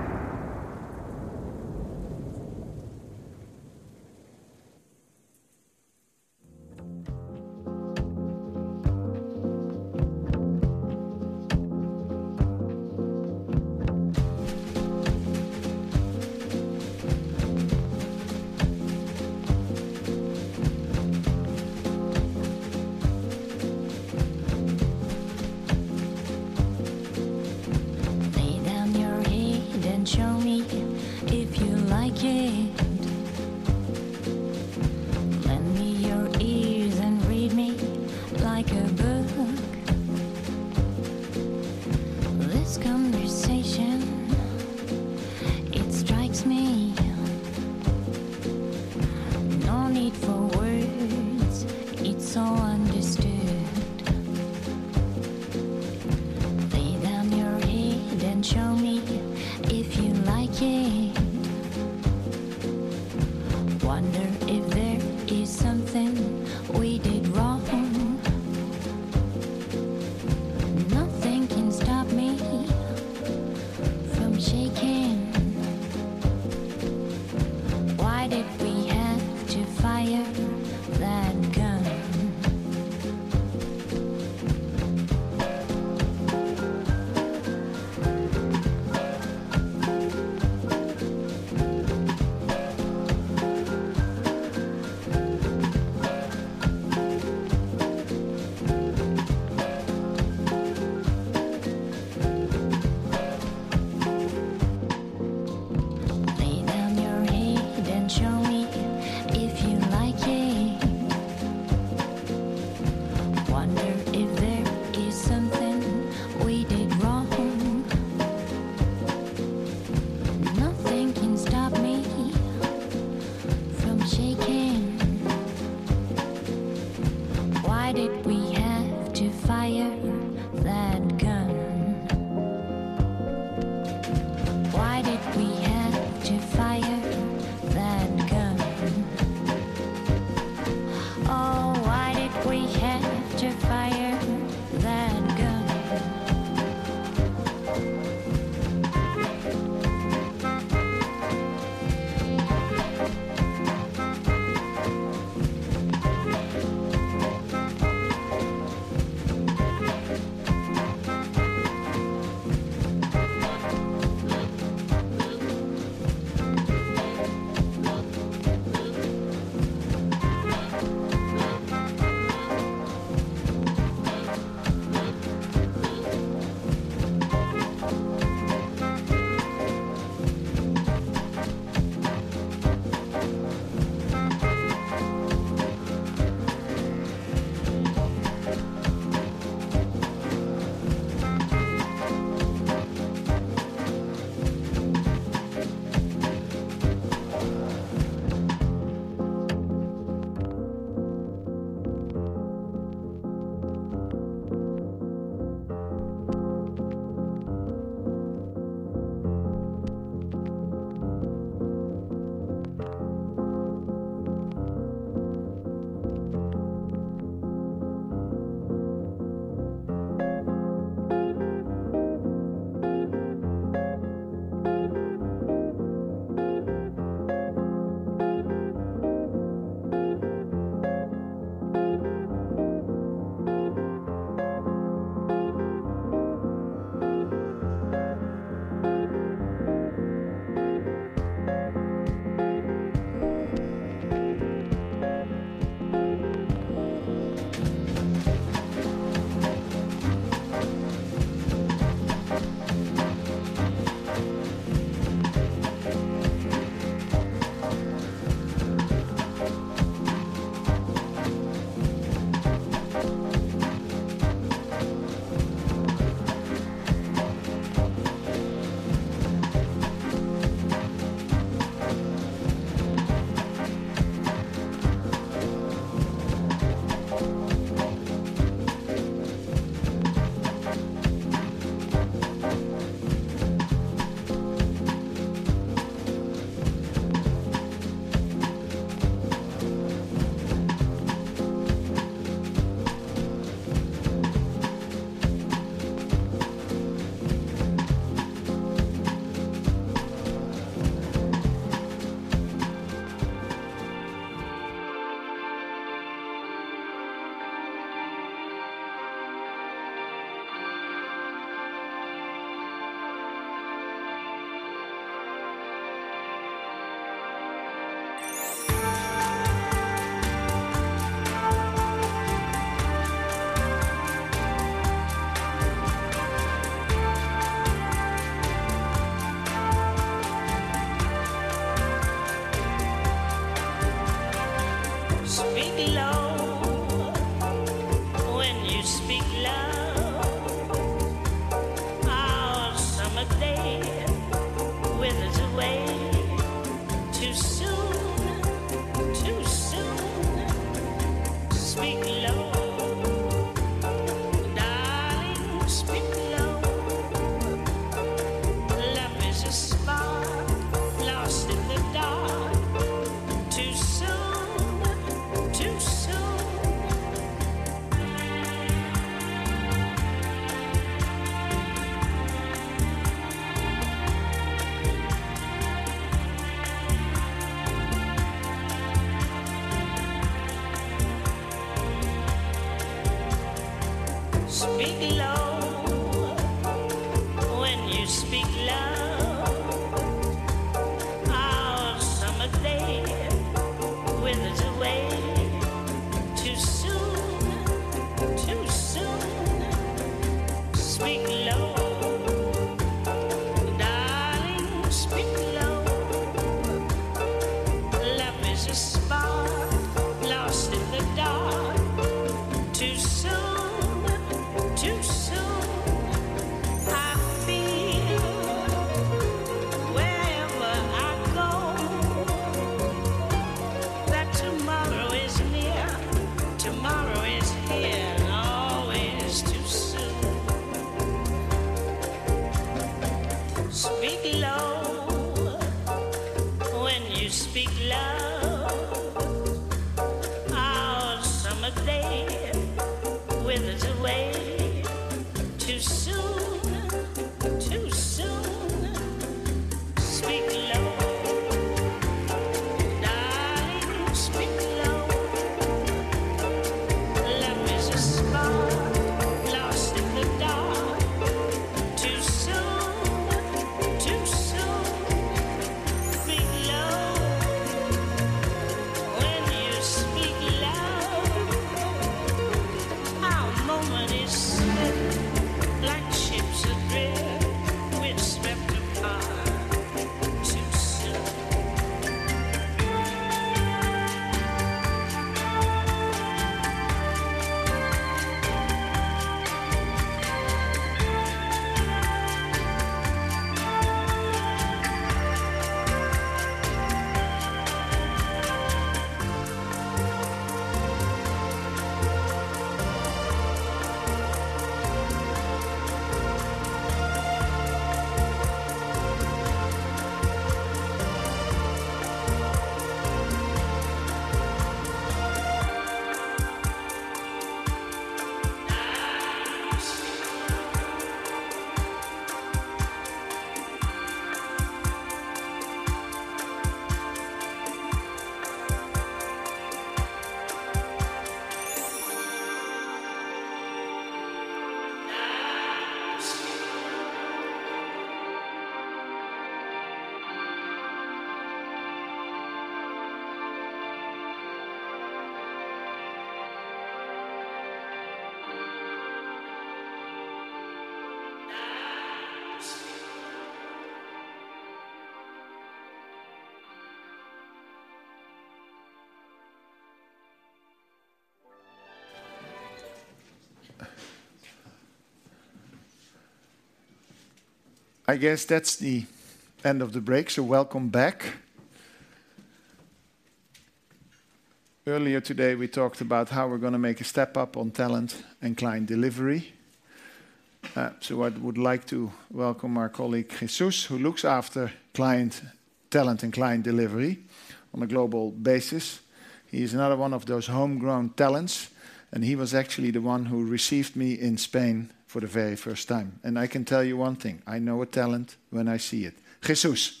for the very first time. And I can tell you one thing: I know a talent when I see it. Jesús.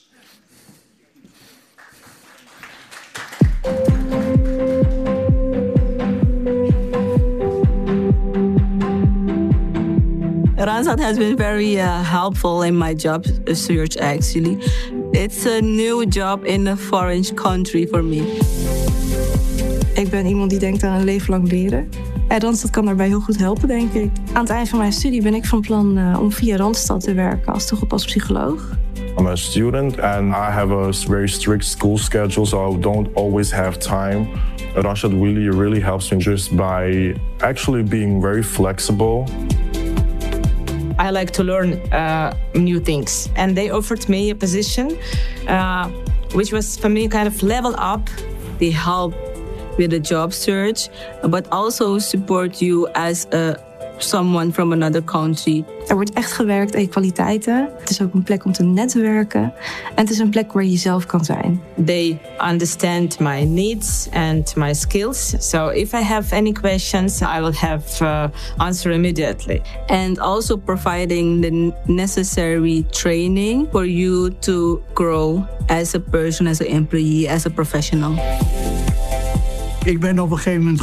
Randstad has been very, helpful in my job search, actually. It's a new job in a foreign country for me. I'm a student, and I have a very strict school schedule, so I don't always have time. Randstad really, really helps me just by actually being very flexible. I like to learn, new things, and they offered me a position, which was for me, kind of level up. They help with the job search, but also support you as, someone from another country. They understand my needs and my skills, so if I have any questions, I will have an answer immediately. Also providing the necessary training for you to grow as a person, as an employee, as a professional. If I would describe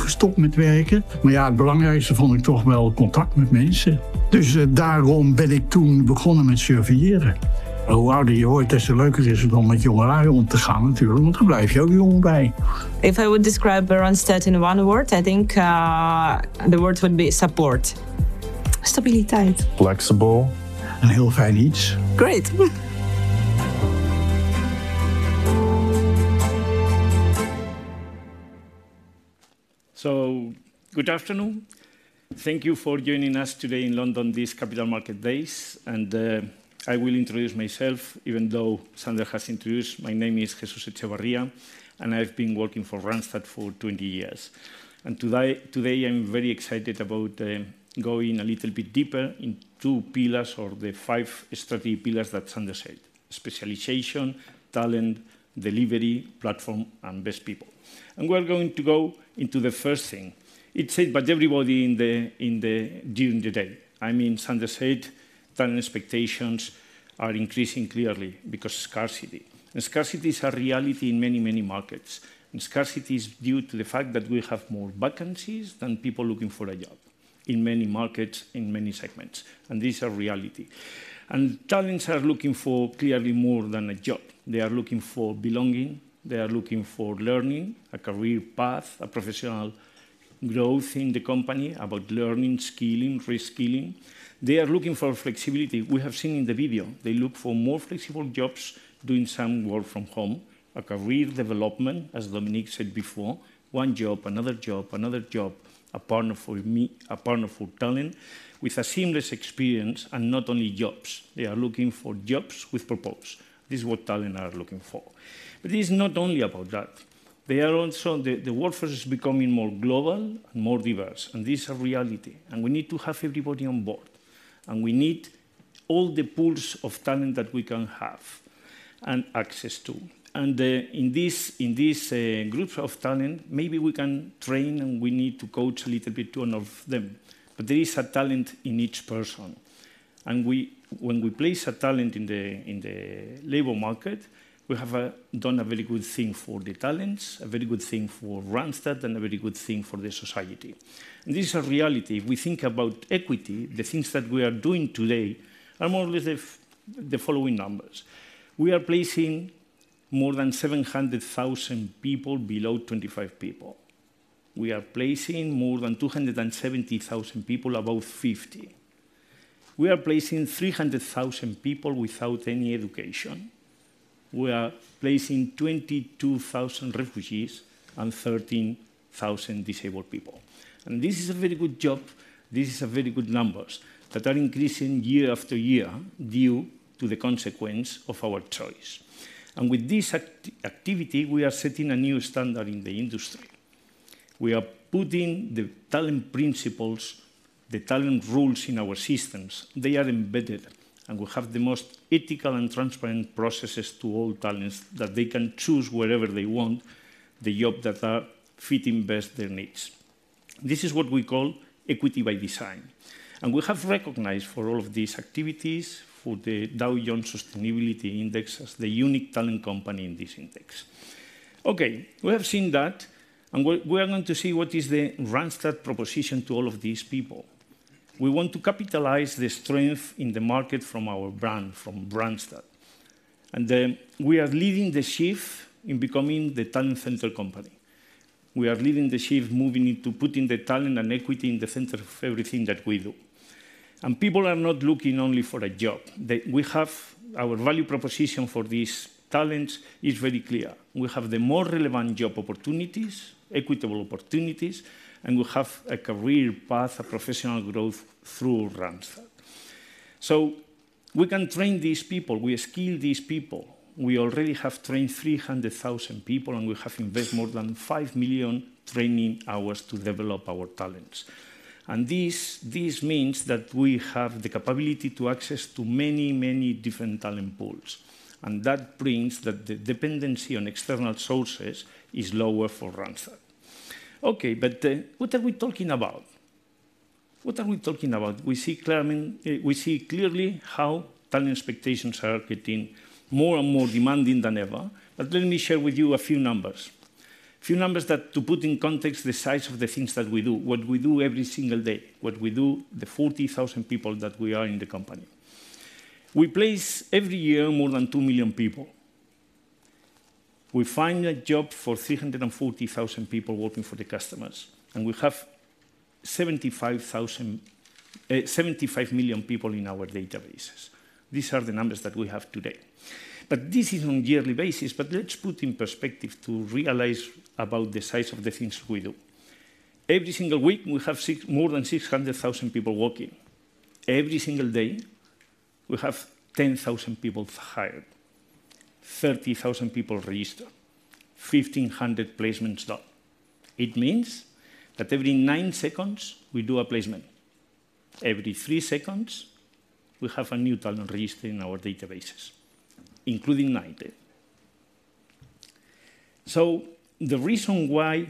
Randstad in one word, I think, the word would be support. Stability. Flexible. Heel fijn iets. Great! So, good afternoon. Thank you for joining us today in London, this Capital Markets Day. And, I will introduce myself, even though Sander has introduced. My name is Jesús Echevarría, and I've been working for Randstad for 20 years. And today, today I'm very excited about going a little bit deeper in two pillars or the five strategic pillars that Sander said: specialization, talent, delivery, platform, and best people. And we're going to go into the first thing. It said by everybody in the – during the day. I mean, Sander said talent expectations are increasing clearly because scarcity. And scarcity is a reality in many, many markets, and scarcity is due to the fact that we have more vacancies than people looking for a job in many markets, in many segments, and this is a reality. Talents are looking for clearly more than a job. They are looking for belonging, they are looking for learning, a career path, a professional growth in the company, about learning, skilling, reskilling. They are looking for flexibility. We have seen in the video, they look for more flexible jobs, doing some work from home, a career development, as Dominique said before, one job, another job, another job, a partner for me - a Partner for Talent, with a seamless experience and not only jobs. They are looking for jobs with purpose. This is what talent are looking for. But it is not only about that. They are also... the workforce is becoming more global and more diverse, and this is a reality, and we need to have everybody on board. We need all the pools of talent that we can have and access to. In this, in this, groups of talent, maybe we can train and we need to coach a little bit to all of them. But there is a talent in each person, and when we place a talent in the labor market, we have done a very good thing for the talents, a very good thing for Randstad, and a very good thing for the society. This is a reality. If we think about equity, the things that we are doing today are more or less the following numbers: We are placing more than 700,000 people below 25 people. We are placing more than 270,000 people above 50. We are placing 300,000 people without any education. We are placing 22,000 refugees and 13,000 disabled people. This is a very good job. These are very good numbers that are increasing year after year due to the consequence of our choice. With this activity, we are setting a new standard in the industry. We are putting the talent principles, the talent rules in our systems. They are embedded, and we have the most ethical and transparent processes to all talents, that they can choose wherever they want, the job that are fitting best their needs. This is what we call equity by design, and we have recognized for all of these activities for the Dow Jones Sustainability Index as the unique talent company in this index. Okay, we have seen that, and we are going to see what is the Randstad proposition to all of these people. We want to capitalize the strength in the market from our brand, from Randstad. We are leading the shift in becoming the talent-centered company. We are leading the shift, moving into putting the talent and equity in the center of everything that we do. People are not looking only for a job. We have our value proposition for these talents is very clear. We have the more relevant job opportunities, equitable opportunities, and we have a career path, a professional growth through Randstad. So we can train these people. We skill these people. We already have trained 300,000 people, and we have invested more than 5 million training hours to develop our talents. And this means that we have the capability to access to many, many different talent pools, and that brings that the dependency on external sources is lower for Randstad. Okay, but, what are we talking about? What are we talking about? We see clearly how talent expectations are getting more and more demanding than ever. But let me share with you a few numbers. A few numbers that to put in context the size of the things that we do, what we do every single day, what we do, the 40,000 people that we are in the company. We place, every year, more than 2 million people. We find a job for 340,000 people working for the customers, and we have 75 million people in our databases. These are the numbers that we have today. But this is on yearly basis, but let's put in perspective to realize about the size of the things we do. Every single week, we have more than 600,000 people working. Every single day, we have 10,000 people hired, 30,000 people registered, 1,500 placements done. It means that every 9 seconds, we do a placement. Every 3 seconds, we have a new talent registered in our databases, including night. So the reason why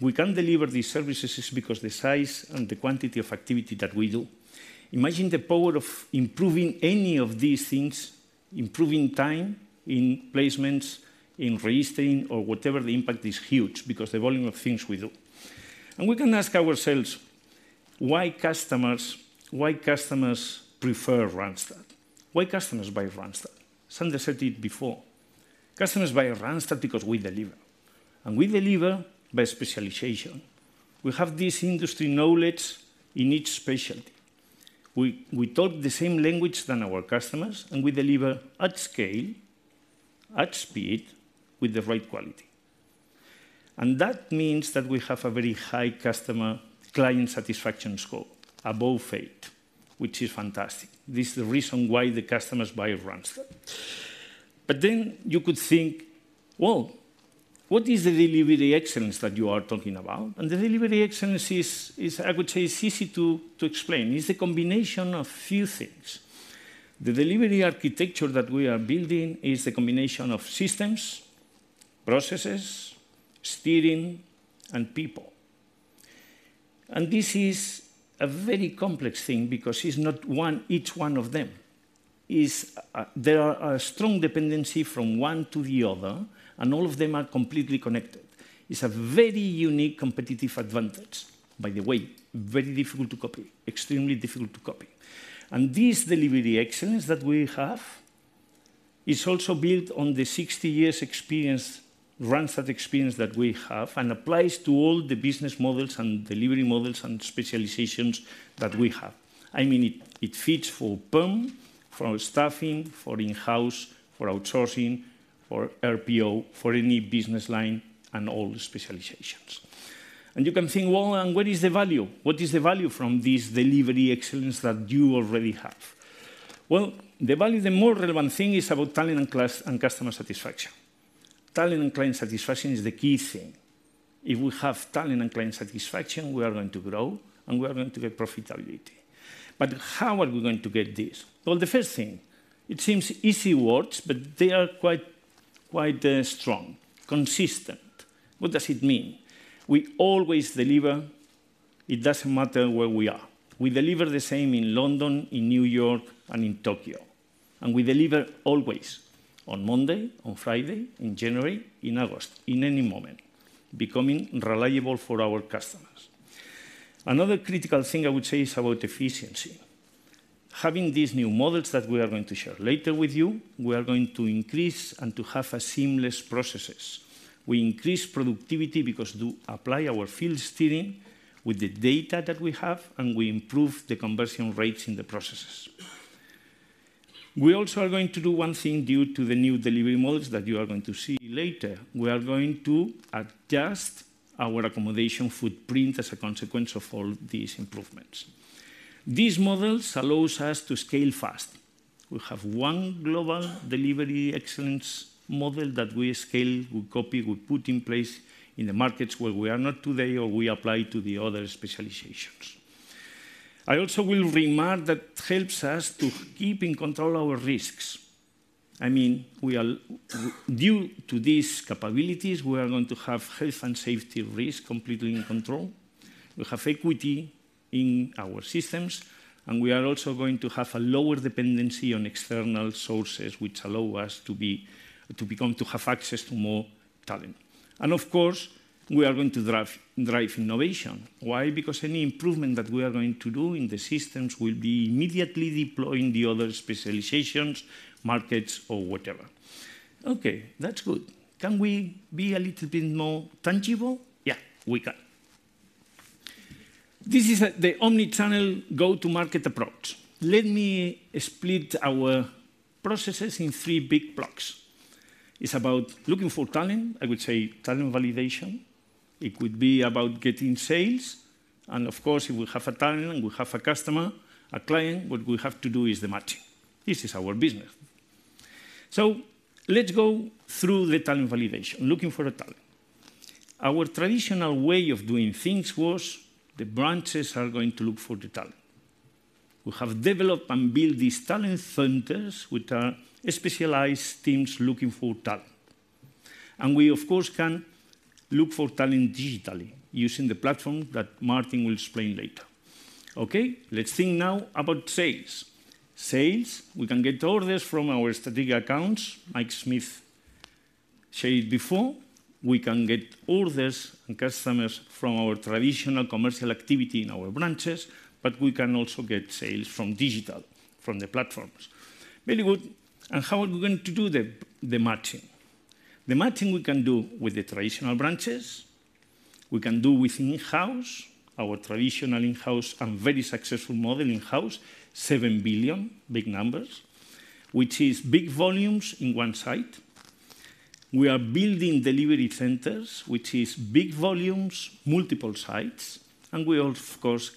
we can deliver these services is because the size and the quantity of activity that we do. Imagine the power of improving any of these things, improving time in placements, in registering, or whatever, the impact is huge because the volume of things we do. And we can ask ourselves, why customers, why customers prefer Randstad? Why customers buy Randstad? Sander said it before. Customers buy Randstad because we deliver, and we deliver by specialization. We have this industry knowledge in each specialty. We, we talk the same language than our customers, and we deliver at scale... at speed with the right quality. And that means that we have a very high customer client satisfaction score, above eight, which is fantastic. This is the reason why the customers buy Randstad. But then you could think, "Well, what is the delivery excellence that you are talking about?" And the delivery excellence is, I would say, easy to explain. It's a combination of few things. The delivery architecture that we are building is a combination of systems, processes, steering, and people. And this is a very complex thing because it's not one, each one of them. There are a strong dependency from one to the other, and all of them are completely connected. It's a very unique competitive advantage, by the way, very difficult to copy, extremely difficult to copy. This delivery excellence that we have is also built on the 60 years experience, Randstad experience that we have, and applies to all the business models and delivery models and specializations that we have. I mean, it fits for perm, for staffing, for in-house, for outsourcing, for RPO, for any business line, and all specializations. You can think, "Well, and what is the value? What is the value from this delivery excellence that you already have?" Well, the value, the more relevant thing is about talent and client and customer satisfaction. Talent and client satisfaction is the key thing. If we have talent and client satisfaction, we are going to grow, and we are going to get profitability. How are we going to get this? Well, the first thing, it seems easy words, but they are quite strong: consistent. What does it mean? We always deliver. It doesn't matter where we are. We deliver the same in London, in New York, and in Tokyo, and we deliver always on Monday, on Friday, in January, in August, in any moment, becoming reliable for our customers. Another critical thing I would say is about efficiency. Having these new models that we are going to share later with you, we are going to increase and to have a seamless processes. We increase productivity because to apply our field steering with the data that we have, and we improve the conversion rates in the processes. We also are going to do one thing due to the new delivery models that you are going to see later. We are going to adjust our accommodation footprint as a consequence of all these improvements. These models allows us to scale fast. We have one global delivery excellence model that we scale, we copy, we put in place in the markets where we are not today, or we apply to the other specializations. I also will remark that helps us to keep in control our risks. I mean, we are... Due to these capabilities, we are going to have health and safety risk completely in control. We have equity in our systems, and we are also going to have a lower dependency on external sources, which allow us to be-- to become, to have access to more talent. And of course, we are going to drive, drive innovation. Why? Because any improvement that we are going to do in the systems will be immediately deployed in the other specializations, markets, or whatever. Okay, that's good. Can we be a little bit more tangible? Yeah, we can. This is the omnichannel go-to-market approach. Let me split our processes in three big blocks. It's about looking for talent, I would say talent validation. It would be about getting sales, and of course, if we have a talent and we have a customer, a client, what we have to do is the matching. This is our business. So let's go through the talent validation, looking for a talent. Our traditional way of doing things was the branches are going to look for the talent. We have developed and built these talent centers, which are specialized teams looking for talent. And we, of course, can look for talent digitally using the platform that Martin will explain later. Okay, let's think now about sales. Sales, we can get orders from our strategic accounts. Mike Smith said it before, we can get orders and customers from our traditional commercial activity in our branches, but we can also get sales from digital, from the platforms. Very good. And how are we going to do the matching? The matching we can do with the traditional branches, we can do with in-house, our traditional in-house and very successful model in-house, 7 billion, big numbers, which is big volumes in one site. We are building delivery centers, which is big volumes, multiple sites, and we, of course,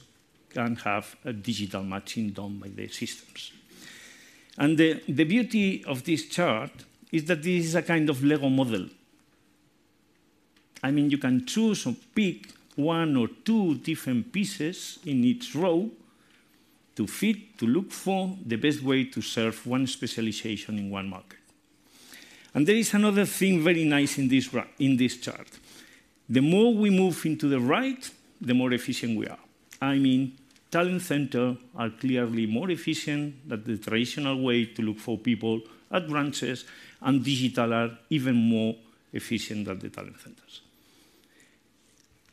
can have a digital matching done by the systems. And the beauty of this chart is that this is a kind of Lego model. I mean, you can choose or pick one or two different pieces in each row to fit, to look for the best way to serve one specialization in one market. There is another thing very nice in this chart. The more we move into the right, the more efficient we are. I mean, talent center are clearly more efficient than the traditional way to look for people at branches, and digital are even more efficient than the talent centers.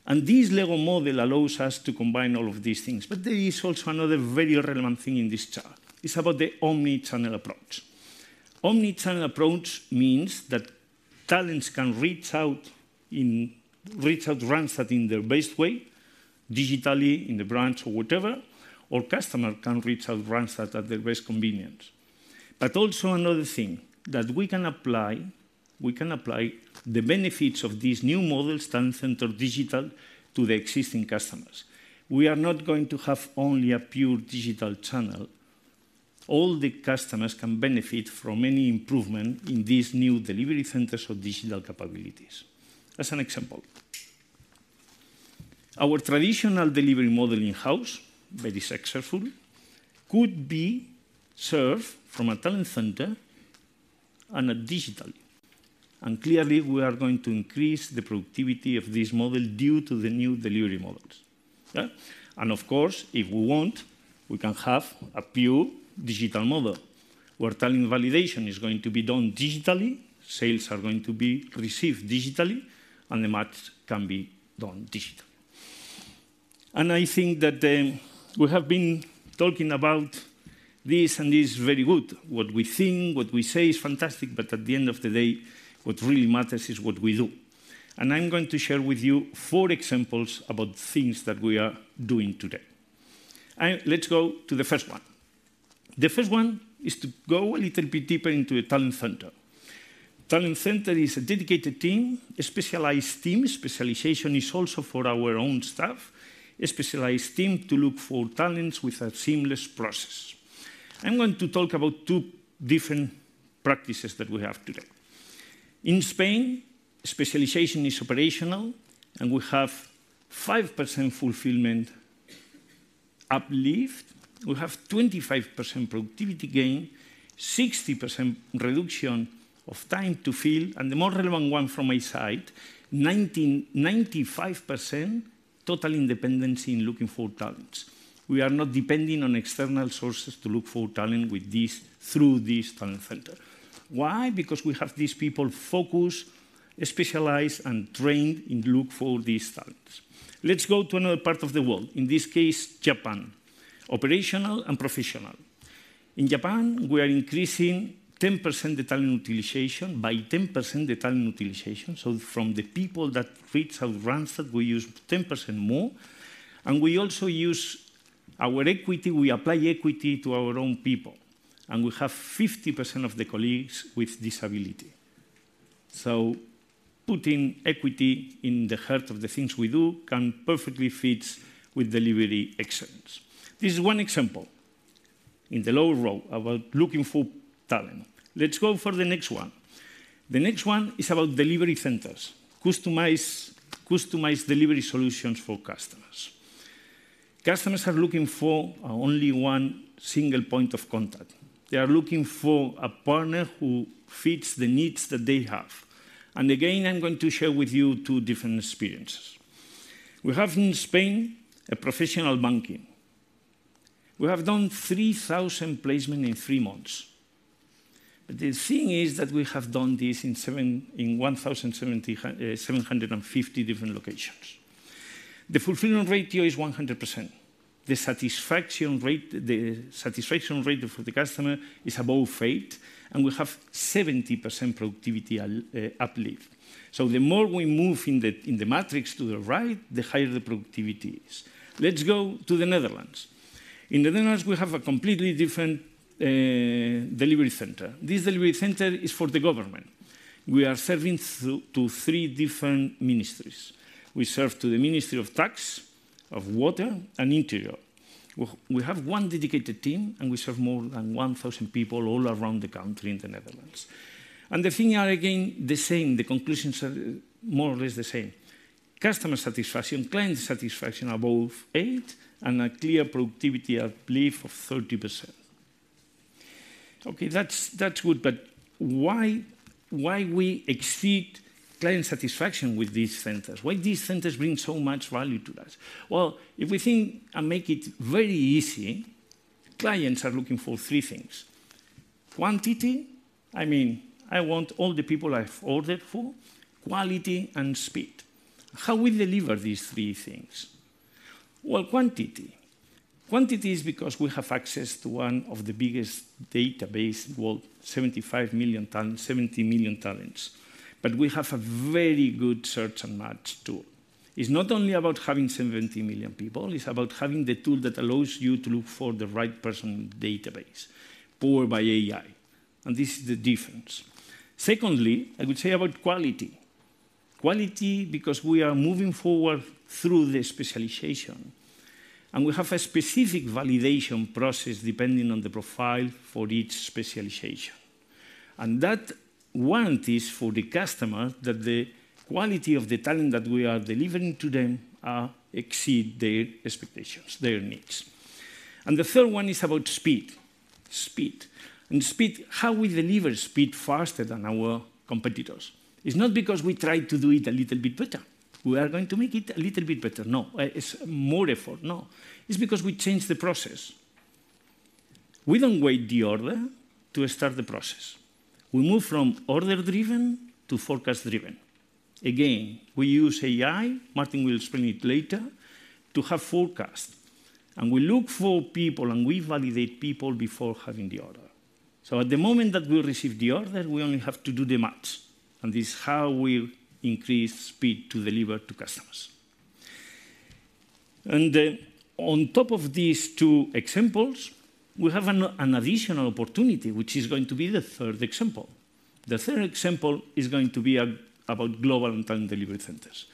And this Lego model allows us to combine all of these things, but there is also another very relevant thing in this chart. It's about the omnichannel approach. Omnichannel approach means that talents can reach out to Randstad in their best way, digitally, in the branch or whatever, or customer can reach out to Randstad at their best convenience. But also another thing that we can apply, we can apply the benefits of these new models, talent center, digital, to the existing customers. We are not going to have only a pure digital channel. All the customers can benefit from any improvement in these new delivery centers or digital capabilities. As an example, our traditional delivery model in-house, very successful, could be served from a talent center and digitally. Clearly, we are going to increase the productivity of this model due to the new delivery models. Yeah? Of course, if we want, we can have a pure digital model, where talent validation is going to be done digitally, sales are going to be received digitally, and the match can be done digitally. I think that we have been talking about this, and this is very good. What we think, what we say is fantastic, but at the end of the day, what really matters is what we do. I'm going to share with you four examples about things that we are doing today. And let's go to the first one. The first one is to go a little bit deeper into the talent center. Talent center is a dedicated team, a specialized team. Specialization is also for our own staff, a specialized team to look for talents with a seamless process. I'm going to talk about two different practices that we have today. In Spain, specialization is Operational, and we have 5% fulfillment uplift. We have 25% productivity gain, 60% reduction of time to fill, and the more relevant one from my side, 95% total independence in looking for talents. We are not depending on external sources to look for talent with this, through this talent center. Why? Because we have these people focused, specialized, and trained in looking for these talents. Let's go to another part of the world, in this case, Japan, Operational and Professional. In Japan, we are increasing 10% the talent utilization, by 10% the talent utilization, so from the people that reach out Randstad, we use 10% more, and we also use our equity. We apply equity to our own people, and we have 50% of the colleagues with disability. So putting equity in the heart of the things we do can perfectly fits with delivery excellence. This is one example in the lower row about looking for talent. Let's go for the next one. The next one is about delivery centers, customize, customized delivery solutions for customers. Customers are looking for only one single point of contact. They are looking for a partner who fits the needs that they have. And again, I'm going to share with you two different experiences. We have in Spain, a Professional banking. We have done 3,000 placement in 3 months, but the thing is that we have done this in one thousand seven hundred and fifty different locations. The fulfillment ratio is 100%. The satisfaction rate, the satisfaction rate for the customer is above 8, and we have 70% productivity uplift. So the more we move in the matrix to the right, the higher the productivity is. Let's go to the Netherlands. In the Netherlands, we have a completely different delivery center. This delivery center is for the government. We are serving through to 3 different ministries. We serve to the Ministry of Tax, of Water, and Interior. We have one dedicated team, and we serve more than 1,000 people all around the country in the Netherlands. And the thing are again, the same. The conclusions are more or less the same. Customer satisfaction, client satisfaction, above 8, and a clear productivity uplift of 30%. Okay, that's, that's good, but why, why we exceed client satisfaction with these centers? Why these centers bring so much value to us? Well, if we think and make it very easy, clients are looking for three things: quantity, I mean, I want all the people I've ordered for; quality and speed. How we deliver these three things? Well, quantity. Quantity is because we have access to one of the biggest database in world, 75 million talent, 70 million talents, but we have a very good search and match tool. It's not only about having 70 million people, it's about having the tool that allows you to look for the right person in the database, powered by AI, and this is the difference. Secondly, I would say about quality. Quality, because we are moving forward through the specialization, and we have a specific validation process, depending on the profile for each specialization. That warrants for the customer that the quality of the talent that we are delivering to them exceed their expectations, their needs. The third one is about speed. Speed. Speed, how we deliver speed faster than our competitors? It's not because we try to do it a little bit better. We are going to make it a little bit better. No, it's more effort. No, it's because we change the process. We don't wait the order to start the process. We move from order-driven to forecast-driven. Again, we use AI. Martin will explain it later to have forecast, and we look for people and we validate people before having the order. So at the moment that we receive the order, we only have to do the match, and this is how we increase speed to deliver to customers. And on top of these two examples, we have an additional opportunity, which is going to be the third example. The third example is going to be about global talent delivery centers.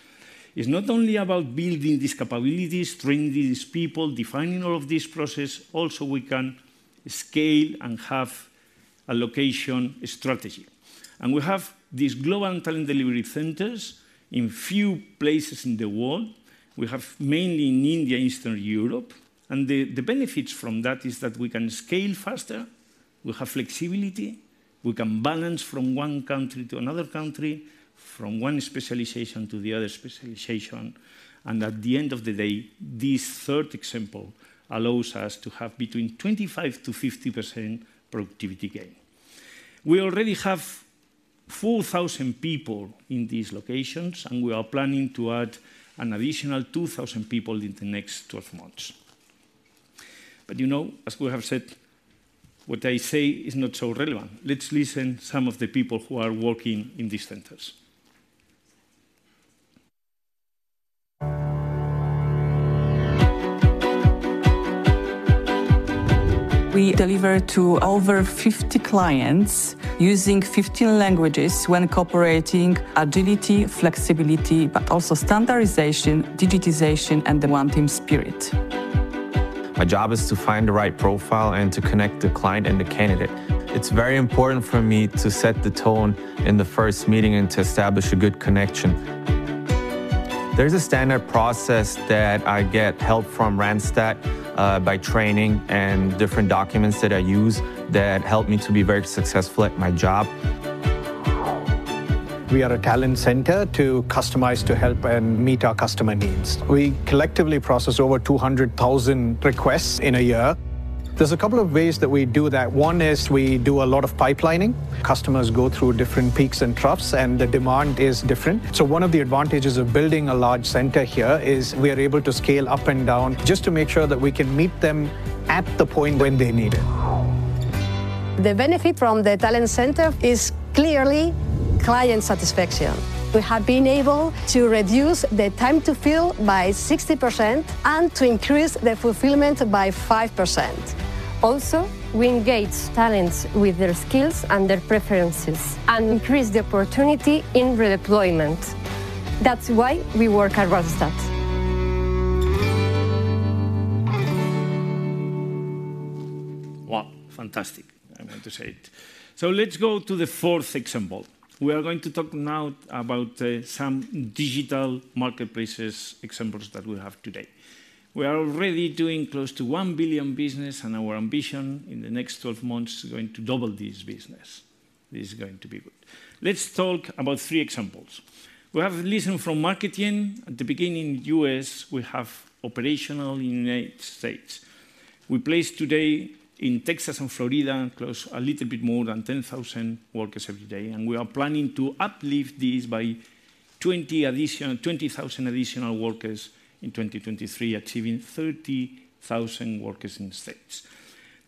It's not only about building these capabilities, training these people, defining all of this process, also we can scale and have a location strategy. And we have these global talent delivery centers in few places in the world. We have mainly in India, Eastern Europe, and the benefits from that is that we can scale faster, we have flexibility, we can balance from one country to another country, from one specialization to the other specialization. At the end of the day, this third example allows us to have between 25%-50% productivity gain. We already have 4,000 people in these locations, and we are planning to add an additional 2,000 people in the next 12 months. But you know, as we have said, what I say is not so relevant. Let's listen some of the people who are working in these centers. We deliver to over 50 clients using 15 languages when cooperating agility, flexibility, but also standardization, digitization, and the one team spirit. My job is to find the right profile and to connect the client and the candidate. It's very important for me to set the tone in the first meeting and to establish a good connection. There's a standard process that I get help from Randstad by training and different documents that I use that help me to be very successful at my job. We are a talent center to customize, to help, and meet our customer needs. We collectively process over 200,000 requests in a year. There's a couple of ways that we do that. One is we do a lot of pipelining. Customers go through different peaks and troughs, and the demand is different. So one of the advantages of building a large center here is we are able to scale up and down just to make sure that we can meet them at the point when they need it. The benefit from the talent center is clearly client satisfaction. We have been able to reduce the time to fill by 60% and to increase the fulfillment by 5%. Also, we engage talents with their skills and their preferences and increase the opportunity in redeployment. That's why we work at Randstad. Wow, fantastic! I want to say it. So let's go to the fourth example. We are going to talk now about some digital marketplaces examples that we have today. We are already doing close to 1 billion business, and our ambition in the next 12 months is going to double this business. This is going to be good. Let's talk about three examples. We have a lesson from Monster. In the U.S., we have Operational United States. We place today in Texas and Florida close to a little bit more than 10,000 workers every day, and we are planning to uplift this by 20,000 additional workers in 2023, achieving 30,000 workers in States.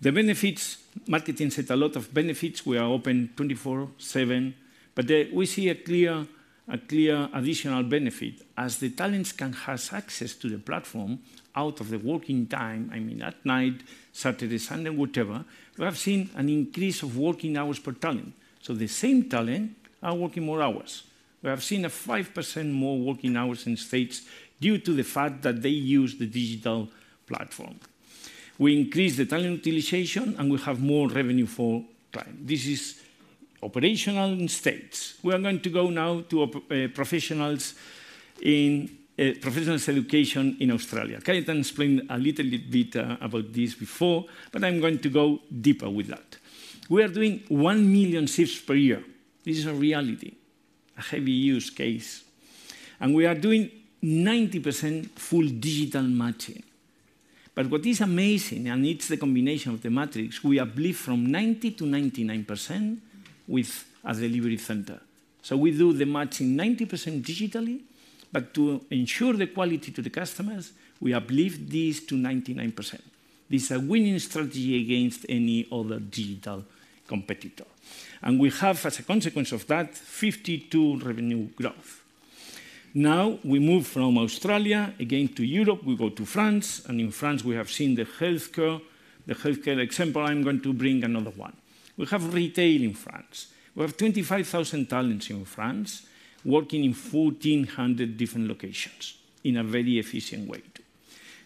The benefits, Monster has a lot of benefits. We are open 24/7, but we see a clear additional benefit. As the talents can have access to the platform out of the working time, I mean, at night, Saturday, Sunday, whatever, we have seen an increase of working hours per talent. So the same talent are working more hours. We have seen a 5% more working hours in States due to the fact that they use the digital platform. We increase the talent utilization, and we have more revenue for client. This is operational in States. We are going to go now to professionals in Professional education in Australia. Okay, I explained a little bit about this before, but I'm going to go deeper with that. We are doing 1 million shifts per year. This is a reality, a heavy use case, and we are doing 90% full digital matching. But what is amazing, and it's the combination of the matrix, we uplift from 90%-99% with a delivery center. So we do the matching 90% digitally, but to ensure the quality to the customers, we uplift this to 99%. This is a winning strategy against any other digital competitor. And we have, as a consequence of that, 52% revenue growth. Now, we move from Australia again to Europe. We go to France, and in France, we have seen the healthcare, the healthcare example. I'm going to bring another one. We have retail in France. We have 25,000 talents in France, working in 1,400 different locations in a very efficient way.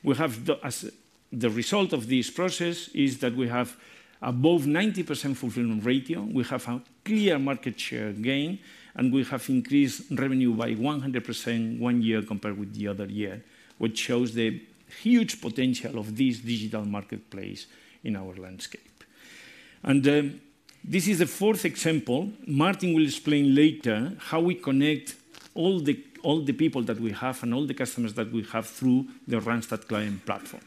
We have the result of this process is that we have above 90% fulfillment ratio, we have a clear market share gain, and we have increased revenue by 100% one year compared with the other year, which shows the huge potential of this digital marketplace in our landscape. And this is the fourth example. Martin will explain later how we connect all the people that we have and all the customers that we have through the Randstad client platform.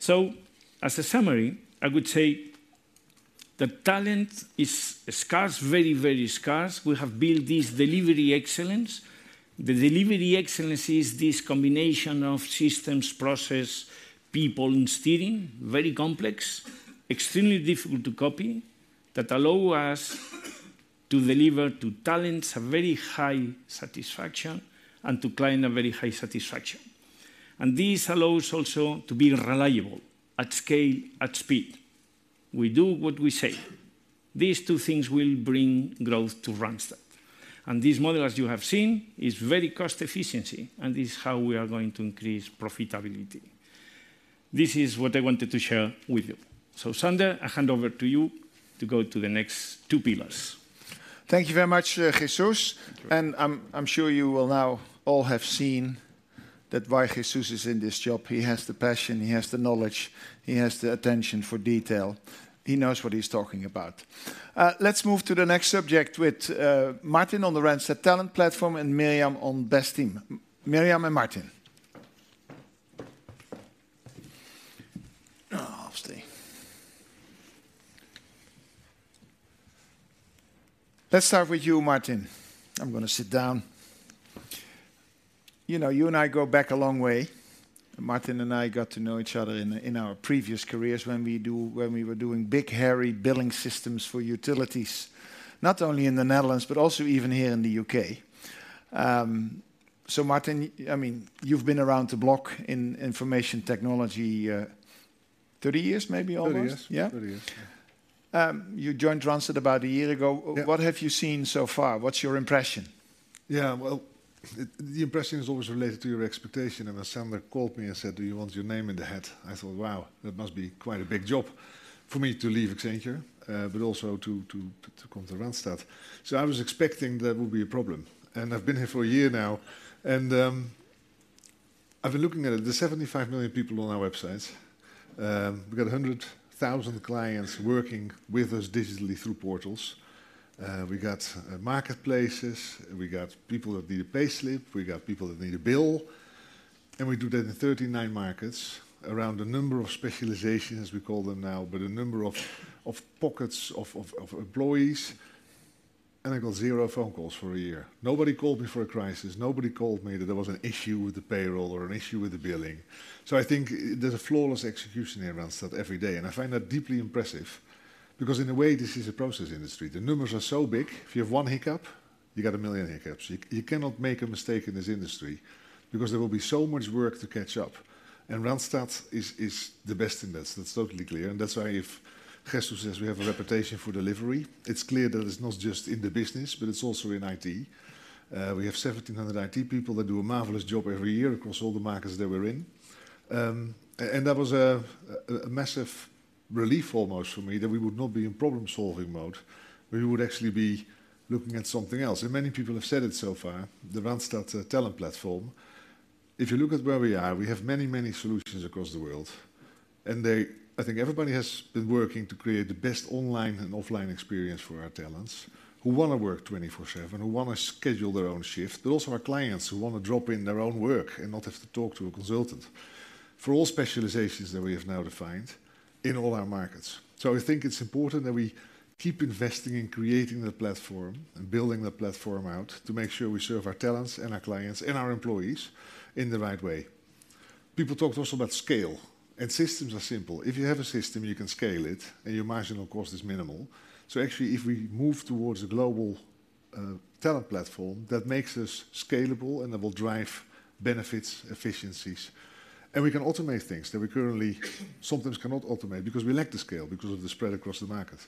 So as a summary, I would say. The talent is scarce, very, very scarce. We have built this delivery excellence. The delivery excellence is this combination of systems, process, people, and steering. Very complex, extremely difficult to copy, that allow us to deliver to talents a very high satisfaction and to client a very high satisfaction. This allows also to be reliable at scale, at speed. We do what we say. These two things will bring growth to Randstad. And this model, as you have seen, is very cost efficiency, and this is how we are going to increase profitability. This is what I wanted to share with you. So, Sander, I hand over to you to go to the next two pillars. Thank you very much, Jesús. Thank you. I'm sure you will now all have seen that why Jesús is in this job. He has the passion, he has the knowledge, he has the attention for detail. He knows what he's talking about. Let's move to the next subject with Martin on the Randstad Talent Platform, and Myriam on Best Team. Myriam and Martin. Oh, stay. Let's start with you, Martin. I'm gonna sit down. You know, you and I go back a long way. Martin and I got to know each other in our previous careers when we were doing big, hairy billing systems for utilities, not only in the Netherlands, but also even here in the U.K. So Martin, I mean, you've been around the block in information technology, 30 years, maybe, almost? Thirty years. Yeah. Thirty years. You joined Randstad about a year ago. Yeah. What have you seen so far? What's your impression? Yeah, well, the impression is always related to your expectation. When Sander called me and said, "Do you want your name in the hat?" I thought, "Wow, that must be quite a big job for me to leave Accenture, but also to come to Randstad." So I was expecting there would be a problem. I've been here for a year now, and I've been looking at it. There's 75 million people on our websites. We've got 100,000 clients working with us digitally through portals. We got marketplaces, we got people that need a payslip, we got people that need a bill, and we do that in 39 markets, around a number of specializations, we call them now, but a number of pockets of employees, and I got zero phone calls for a year. Nobody called me for a crisis. Nobody called me that there was an issue with the payroll or an issue with the billing. So I think there's a flawless execution here at Randstad every day, and I find that deeply impressive because, in a way, this is a process industry. The numbers are so big; if you have one hiccup, you got a million hiccups. You cannot make a mistake in this industry because there will be so much work to catch up, and Randstad is the best in this. That's totally clear. And that's why if Jesús says we have a reputation for delivery, it's clear that it's not just in the business, but it's also in IT. We have 1,700 IT people that do a marvelous job every year across all the markets that we're in. And that was a massive relief almost for me, that we would not be in problem-solving mode, but we would actually be looking at something else. And many people have said it so far, the Randstad Talent Platform, if you look at where we are, we have many, many solutions across the world, and they—I think everybody has been working to create the best online and offline experience for our talents, who wanna work 24/7, who wanna schedule their own shift, but also our clients, who wanna drop in their own work and not have to talk to a consultant for all specializations that we have now defined in all our markets. I think it's important that we keep investing in creating that platform and building that platform out, to make sure we serve our talents, and our clients, and our employees in the right way. People talked also about scale, and systems are simple. If you have a system, you can scale it, and your marginal cost is minimal. So actually, if we move towards a global talent platform, that makes us scalable and that will drive benefits, efficiencies, and we can automate things that we currently sometimes cannot automate because we lack the scale, because of the spread across the market.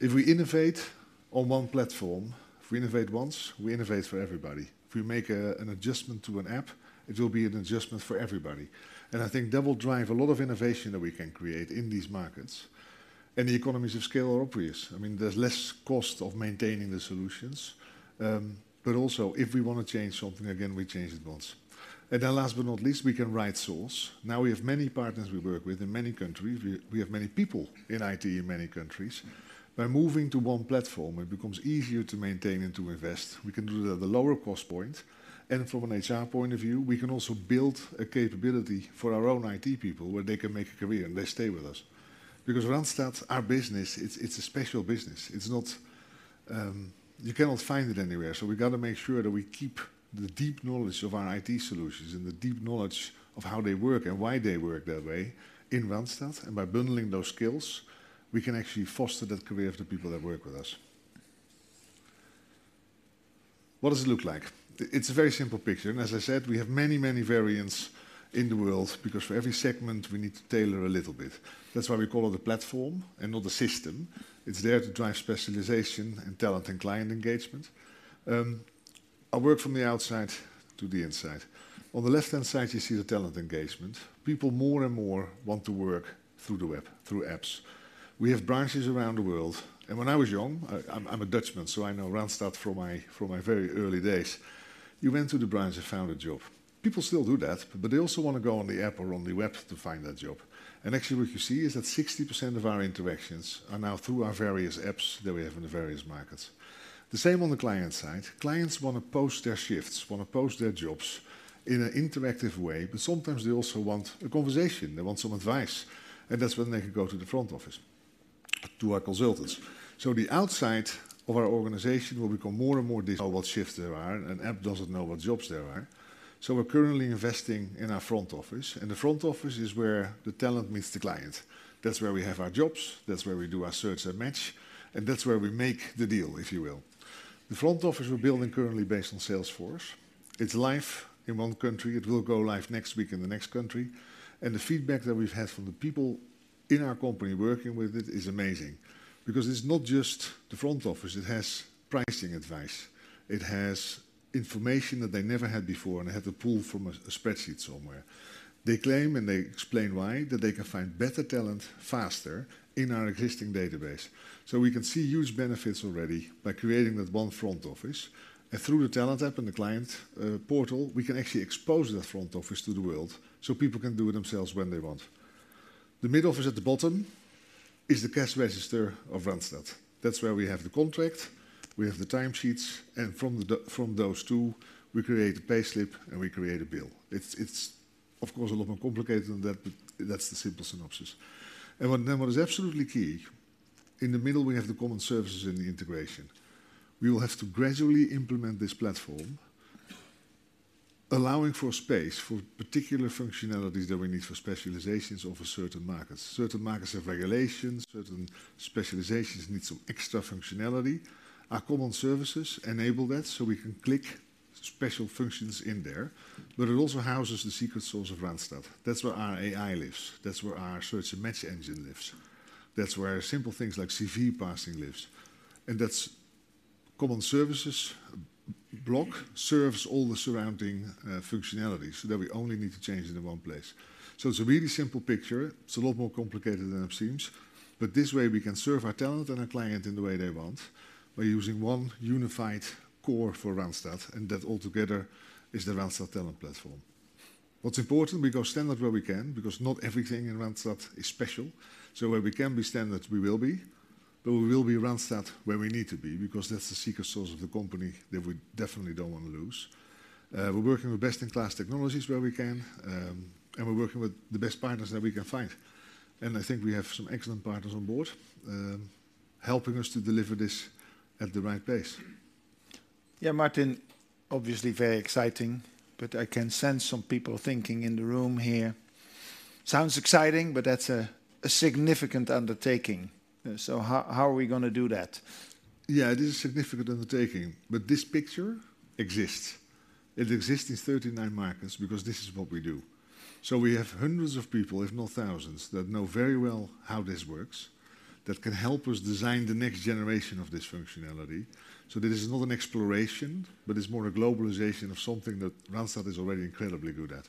If we innovate on one platform, if we innovate once, we innovate for everybody. If we make an adjustment to an app, it will be an adjustment for everybody, and I think that will drive a lot of innovation that we can create in these markets. The economies of scale are obvious. I mean, there's less cost of maintaining the solutions, but also, if we wanna change something again, we change it once. And then last but not least, we can right source. Now, we have many partners we work with in many countries. We have many people in IT in many countries. By moving to one platform, it becomes easier to maintain and to invest. We can do that at a lower cost point, and from an HR point of view, we can also build a capability for our own IT people, where they can make a career, and they stay with us. Because Randstad, our business, it's a special business, it's not... You cannot find it anywhere, so we've got to make sure that we keep the deep knowledge of our IT solutions and the deep knowledge of how they work and why they work that way in Randstad, and by bundling those skills, we can actually foster the career of the people that work with us. What does it look like? It's a very simple picture, and as I said, we have many, many variants in the world because for every segment, we need to tailor a little bit. That's why we call it a platform and not a system. It's there to drive specialization and talent and client engagement. I work from the outside to the inside. On the left-hand side, you see the talent engagement. People more and more want to work through the web, through apps. We have branches around the world, and when I was young—I, I'm, I'm a Dutchman, so I know Randstad from my, from my very early days. You went to the branch and found a job. People still do that, but they also want to go on the app or on the web to find a job. And actually, what you see is that 60% of our interactions are now through our various apps that we have in the various markets. The same on the client side. Clients wanna post their shifts, wanna post their jobs in an interactive way, but sometimes they also want a conversation. They want some advice, and that's when they can go to the front office... to our consultants. So the outside of our organization will become more and more digital, what shifts there are, and app doesn't know what jobs there are. So we're currently investing in our front office, and the front office is where the talent meets the client. That's where we have our jobs, that's where we do our search and match, and that's where we make the deal, if you will. The front office we're building currently based on Salesforce, it's live in one country. It will go live next week in the next country, and the feedback that we've had from the people in our company working with it is amazing. Because it's not just the front office, it has pricing advice, it has information that they never had before, and they had to pull from a spreadsheet somewhere. They claim, and they explain why, that they can find better talent faster in our existing database. So we can see huge benefits already by creating that one front office, and through the talent app and the client portal, we can actually expose that front office to the world so people can do it themselves when they want. The mid office at the bottom is the cash register of Randstad. That's where we have the contract, we have the time sheets, and from those two, we create a payslip, and we create a bill. It's of course a lot more complicated than that, but that's the simple synopsis. And then what is absolutely key, in the middle, we have the common services and the integration. We will have to gradually implement this platform, allowing for space for particular functionalities that we need for specializations or for certain markets. Certain markets have regulations, certain specializations need some extra functionality. Our common services enable that, so we can click special functions in there, but it also houses the secret source of Randstad. That's where our AI lives, that's where our search and match engine lives, that's where simple things like CV parsing lives, and that's common services. Block serves all the surrounding functionalities, so that we only need to change it in one place. So it's a really simple picture. It's a lot more complicated than it seems, but this way we can serve our talent and our client in the way they want by using one unified core for Randstad, and that altogether is the Randstad Talent Platform. What's important, we go standard where we can, because not everything in Randstad is special. Where we can be standard, we will be, but we will be Randstad where we need to be, because that's the secret sauce of the company that we definitely don't want to lose. We're working with best-in-class technologies where we can, and we're working with the best partners that we can find. I think we have some excellent partners on board, helping us to deliver this at the right pace. Yeah, Martin, obviously very exciting, but I can sense some people thinking in the room here, "Sounds exciting, but that's a significant undertaking." So how are we gonna do that? Yeah, it is a significant undertaking, but this picture exists. It exists in 39 markets because this is what we do. So we have hundreds of people, if not thousands, that know very well how this works, that can help us design the next generation of this functionality. So this is not an exploration, but it's more a globalization of something that Randstad is already incredibly good at.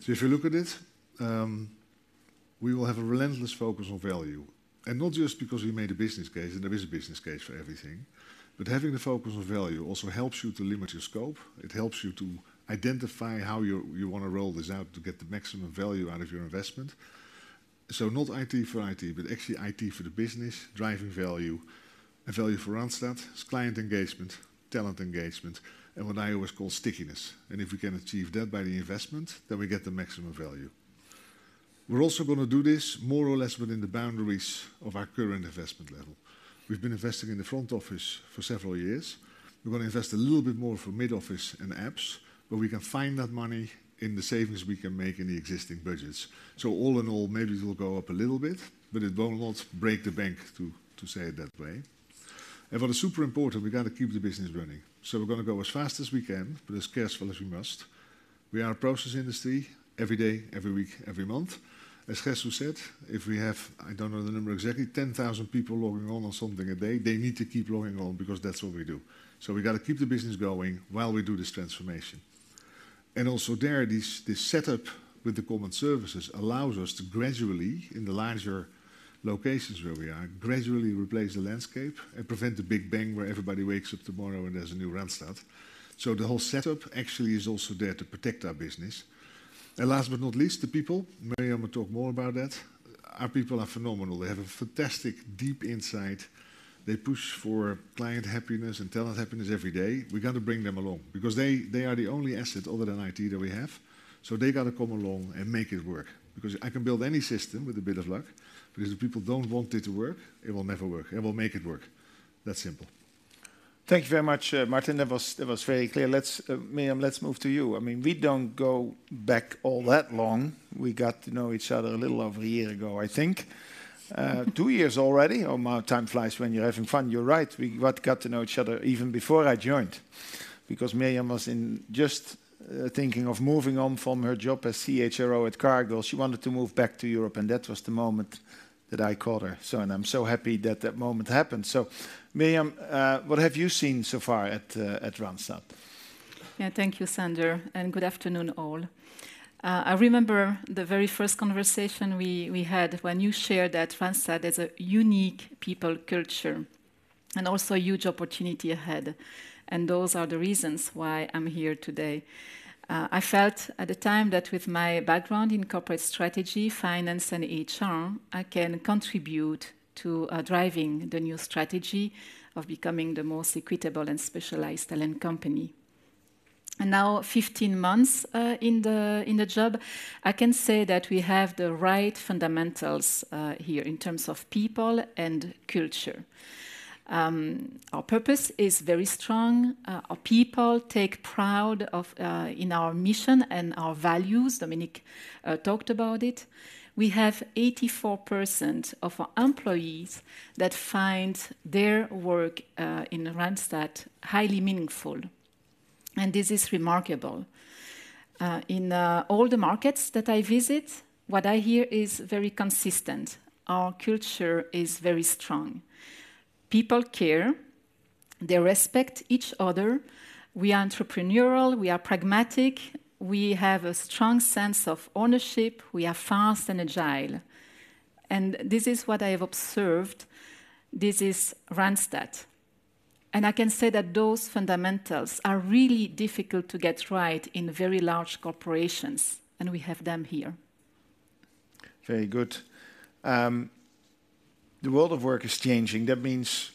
So if you look at it, we will have a relentless focus on value, and not just because we made a business case, and there is a business case for everything. But having the focus on value also helps you to limit your scope, it helps you to identify how you wanna roll this out to get the maximum value out of your investment. So not IT for IT, but actually IT for the business, driving value and value for Randstad, it's client engagement, talent engagement, and what I always call stickiness. And if we can achieve that by the investment, then we get the maximum value. We're also gonna do this more or less within the boundaries of our current investment level. We've been investing in the front office for several years. We're gonna invest a little bit more for mid office and apps, but we can find that money in the savings we can make in the existing budgets. So all in all, maybe it will go up a little bit, but it won't break the bank, to say it that way. And what is super important, we gotta keep the business running. So we're gonna go as fast as we can, but as careful as we must. We are a process industry every day, every week, every month. As Jesús said, if we have, I don't know the number exactly, 10,000 people logging on or something a day, they need to keep logging on because that's what we do. So we gotta keep the business going while we do this transformation. And also there, this, this setup with the common services allows us to gradually, in the larger locations where we are, gradually replace the landscape and prevent the big bang where everybody wakes up tomorrow and there's a new Randstad. So the whole setup actually is also there to protect our business. And last but not least, the people, Myriam will talk more about that. Our people are phenomenal. They have a fantastic, deep insight. They push for client happiness and talent happiness every day. We gotta bring them along because they, they are the only asset other than IT that we have. So they gotta come along and make it work, because I can build any system with a bit of luck, but if the people don't want it to work, it will never work. It will make it work. That simple. Thank you very much, Martin. That was, that was very clear. Let's, Mirjam, let's move to you. I mean, we don't go back all that long. We got to know each other a little over a year ago, I think. Two years already? Oh, my, time flies when you're having fun. You're right. We got, got to know each other even before I joined, because Myriam was in-- just thinking of moving on from her job as CHRO at Cargill. She wanted to move back to Europe, and that was the moment that I called her. So and I'm so happy that that moment happened. So, Myriam, what have you seen so far at, at Randstad? Yeah. Thank you, Sander, and good afternoon, all. I remember the very first conversation we had when you shared that Randstad is a unique people culture and also a huge opportunity ahead, and those are the reasons why I'm here today. I felt at the time that with my background in corporate strategy, finance, and HR, I can contribute to driving the new strategy of becoming the most equitable and specialized talent company... and now 15 months in the job, I can say that we have the right fundamentals here in terms of people and culture. Our purpose is very strong. Our people take pride in our mission and our values. Dominique talked about it. We have 84% of our employees that find their work in Randstad highly meaningful, and this is remarkable. In all the markets that I visit, what I hear is very consistent. Our culture is very strong. People care, they respect each other. We are entrepreneurial, we are pragmatic, we have a strong sense of ownership, we are fast and agile, and this is what I have observed. This is Randstad, and I can say that those fundamentals are really difficult to get right in very large corporations, and we have them here. Very good. The world of work is changing. That means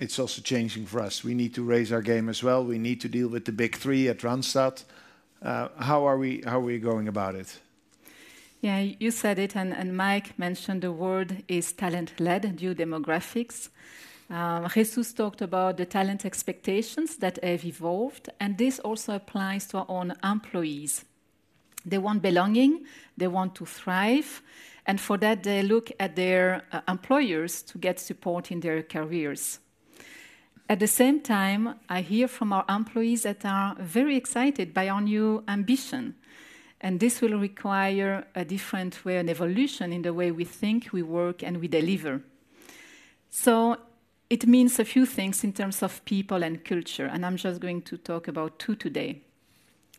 it's also changing for us. We need to raise our game as well. We need to deal with the Big Three at Randstad. How are we going about it? Yeah, you said it, and, and Mike mentioned the word is talent-led due demographics. Jesús talked about the talent expectations that have evolved, and this also applies to our own employees. They want belonging, they want to thrive, and for that, they look at their employers to get support in their careers. At the same time, I hear from our employees that are very excited by our new ambition, and this will require a different way and evolution in the way we think, we work, and we deliver. So it means a few things in terms of people and culture, and I'm just going to talk about two today.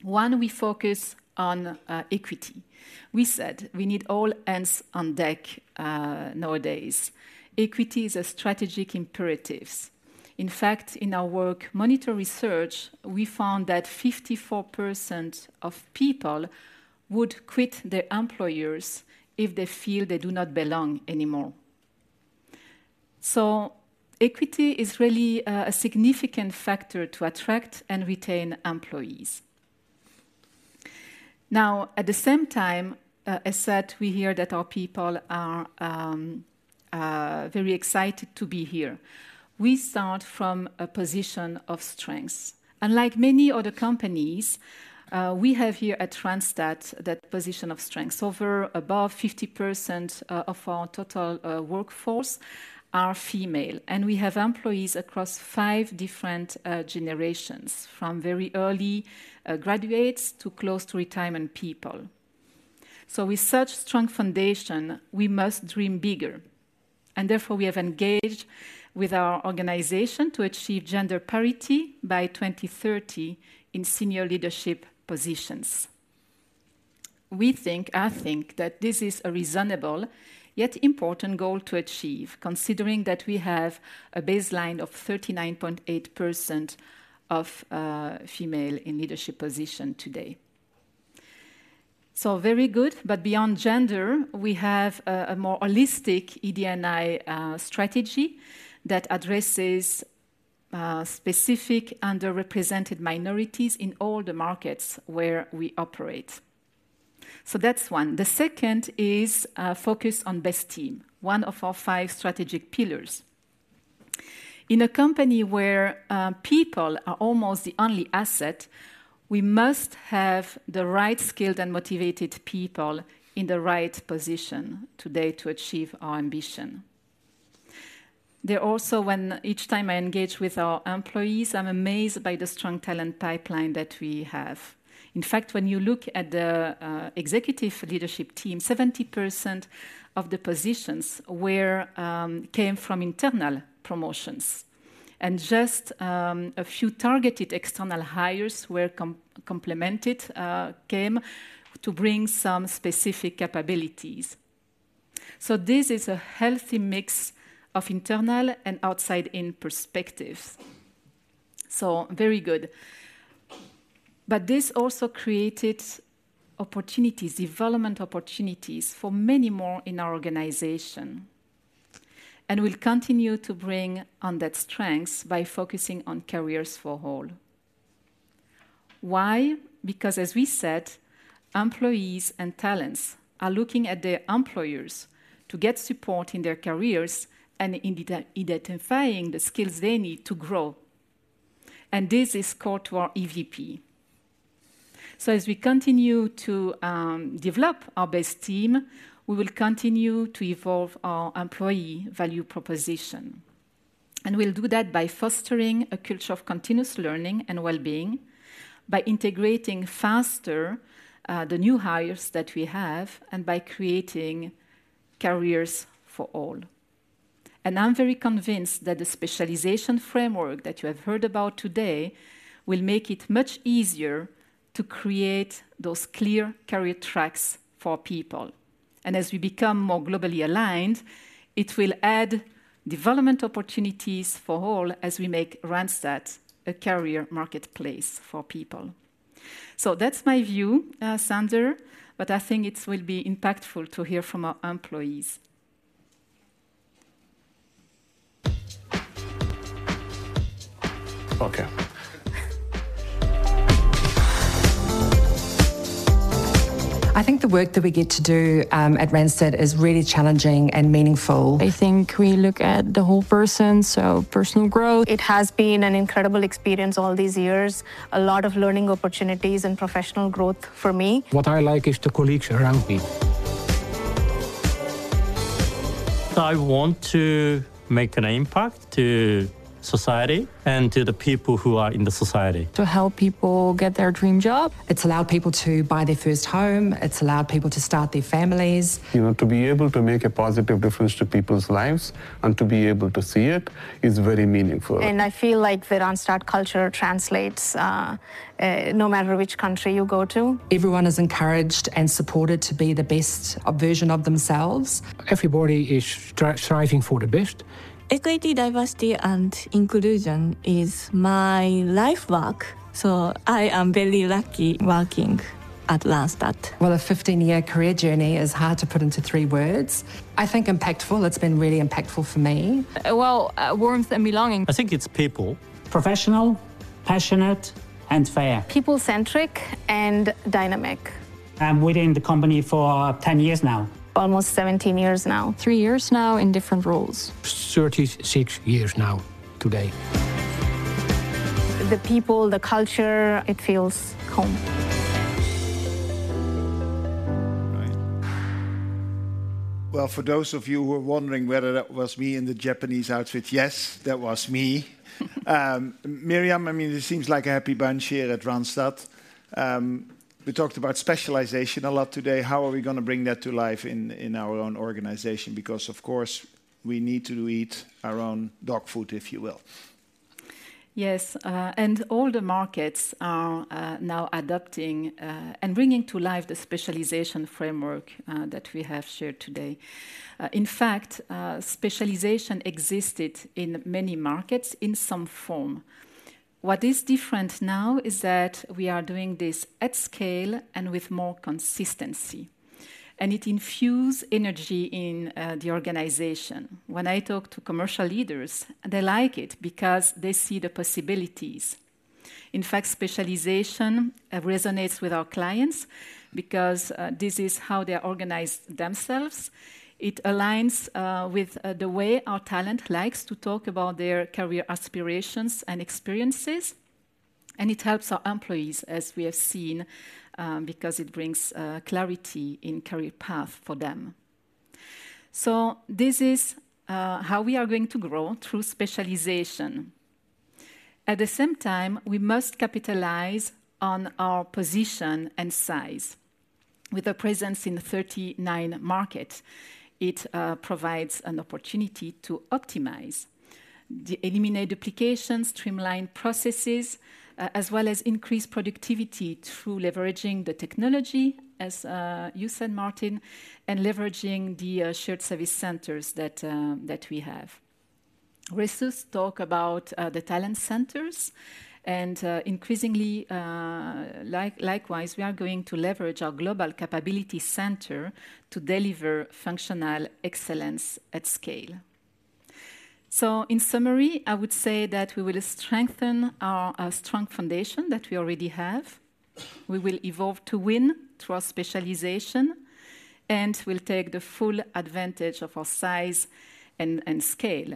One, we focus on equity. We said we need all hands on deck nowadays. Equity is a strategic imperatives. In fact, in our Workmonitor research, we found that 54% of people would quit their employers if they feel they do not belong anymore. So equity is really a significant factor to attract and retain employees. Now, at the same time, I said, we hear that our people are very excited to be here. We start from a position of strength. Unlike many other companies, we have here at Randstad that position of strength. Over above 50% of our total workforce are female, and we have employees across 5 different generations, from very early graduates to close to retirement people. So with such strong foundation, we must dream bigger, and therefore, we have engaged with our organization to achieve gender parity by 2030 in senior leadership positions. We think, I think, that this is a reasonable, yet important goal to achieve, considering that we have a baseline of 39.8% of female in leadership position today. So very good, but beyond gender, we have a more holistic ED&I strategy that addresses specific underrepresented minorities in all the markets where we operate. So that's one. The second is focus on Best Team, one of our five strategic pillars. In a company where people are almost the only asset, we must have the right skilled and motivated people in the right position today to achieve our ambition. There also, when each time I engage with our employees, I'm amazed by the strong talent pipeline that we have. In fact, when you look at the executive leadership team, 70% of the positions came from internal promotions, and just a few targeted external hires came to bring some specific capabilities. So this is a healthy mix of internal and outside-in perspectives. So very good. But this also created opportunities, development opportunities for many more in our organization, and we'll continue to bring on that strength by focusing on careers for all. Why? Because, as we said, employees and talents are looking at their employers to get support in their careers and in identifying the skills they need to grow, and this is core to our EVP. So as we continue to develop our best team, we will continue to evolve our employee value proposition, and we'll do that by fostering a culture of continuous learning and well-being, by integrating faster the new hires that we have, and by creating careers for all. I'm very convinced that the specialization framework that you have heard about today will make it much easier to create those clear career tracks for people. As we become more globally aligned, it will add development opportunities for all as we make Randstad a career marketplace for people. So that's my view, Sander, but I think it will be impactful to hear from our employees. Okay. I think the work that we get to do, at Randstad is really challenging and meaningful. I think we look at the whole person, so personal growth. It has been an incredible experience all these years. A lot of learning opportunities and professional growth for me. What I like is the colleagues around me. I want to make an impact to society and to the people who are in the society. To help people get their dream job. It's allowed people to buy their first home. It's allowed people to start their families. You know, to be able to make a positive difference to people's lives and to be able to see it is very meaningful. And I feel like the Randstad culture translates, no matter which country you go to. Everyone is encouraged and supported to be the best version of themselves. Everybody is striving for the best. Equity, diversity, and inclusion is my life work, so I am very lucky working at Randstad. Well, a 15-year career journey is hard to put into three words. I think impactful. It's been really impactful for me. Well, warmth and belonging. I think it's people. Professional, passionate, and fair. People-centric and dynamic. I'm within the company for 10 years now. Almost 17 years now. Three years now in different roles. 36 years now, today. The people, the culture, it feels home. Right. Well, for those of you who are wondering whether that was me in the Japanese outfit, yes, that was me. Myriam, I mean, it seems like a happy bunch here at Randstad. We talked about specialization a lot today. How are we gonna bring that to life in our own organization? Because, of course, we need to eat our own dog food, if you will. Yes. And all the markets are now adopting and bringing to life the specialization framework that we have shared today. In fact, specialization existed in many markets in some form. What is different now is that we are doing this at scale and with more consistency, and it infuse energy in the organization. When I talk to commercial leaders, they like it because they see the possibilities. In fact, specialization resonates with our clients because this is how they organize themselves. It aligns with the way our talent likes to talk about their career aspirations and experiences, and it helps our employees, as we have seen, because it brings clarity in career path for them. So this is how we are going to grow through specialization. At the same time, we must capitalize on our position and size. With a presence in 39 markets, it provides an opportunity to optimize, eliminate applications, streamline processes, as well as increase productivity through leveraging the technology, as you said, Martin, and leveraging the shared service centers that we have. We have talked about the talent centers, and increasingly, likewise, we are going to leverage our global capability center to deliver functional excellence at scale. So in summary, I would say that we will strengthen our strong foundation that we already have. We will evolve to win through our specialization, and we'll take the full advantage of our size and scale.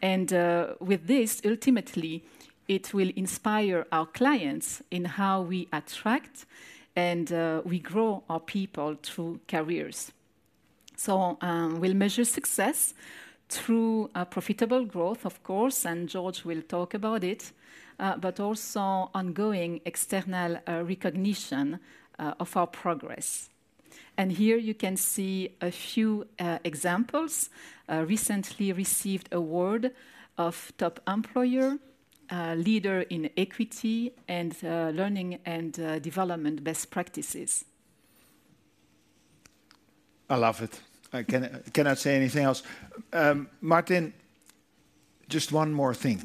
With this, ultimately, it will inspire our clients in how we attract and we grow our people through careers. We'll measure success through profitable growth, of course, and Jorge will talk about it, but also ongoing external recognition of our progress. Here you can see a few examples. A recently received award of Top Employer leader in equity, and learning and development best practices. I love it. I cannot say anything else. Martin, just one more thing.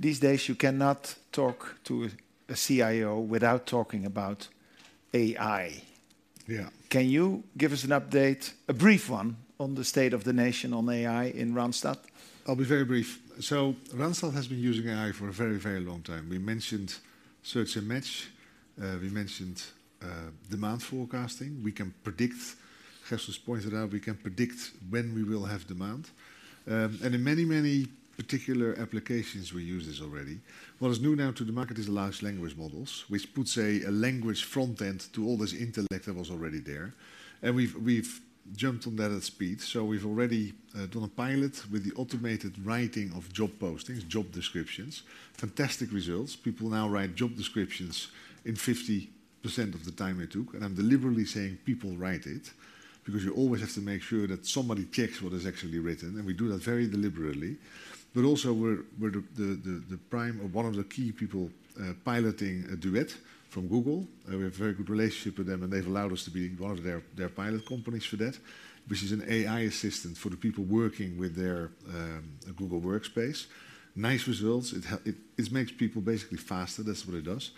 These days, you cannot talk to a CIO without talking about AI. Yeah. Can you give us an update, a brief one, on the state of the nation on AI in Randstad? I'll be very brief. So Randstad has been using AI for a very, very long time. We mentioned search and match. We mentioned demand forecasting. We can predict, Jesús pointed out, we can predict when we will have demand, and in many, many particular applications, we use this already. What is new now to the market is large language models, which puts a language front end to all this intellect that was already there, and we've jumped on that at speed. So we've already done a pilot with the automated writing of job postings, job descriptions. Fantastic results. People now write job descriptions in 50% of the time it took, and I'm deliberately saying people write it because you always have to make sure that somebody checks what is actually written, and we do that very deliberately. But also, we're the prime or one of the key people piloting a Duet from Google, and we have a very good relationship with them, and they've allowed us to be one of their pilot companies for that, which is an AI assistant for the people working with their Google Workspace. Nice results. It makes people basically faster, that's what it does.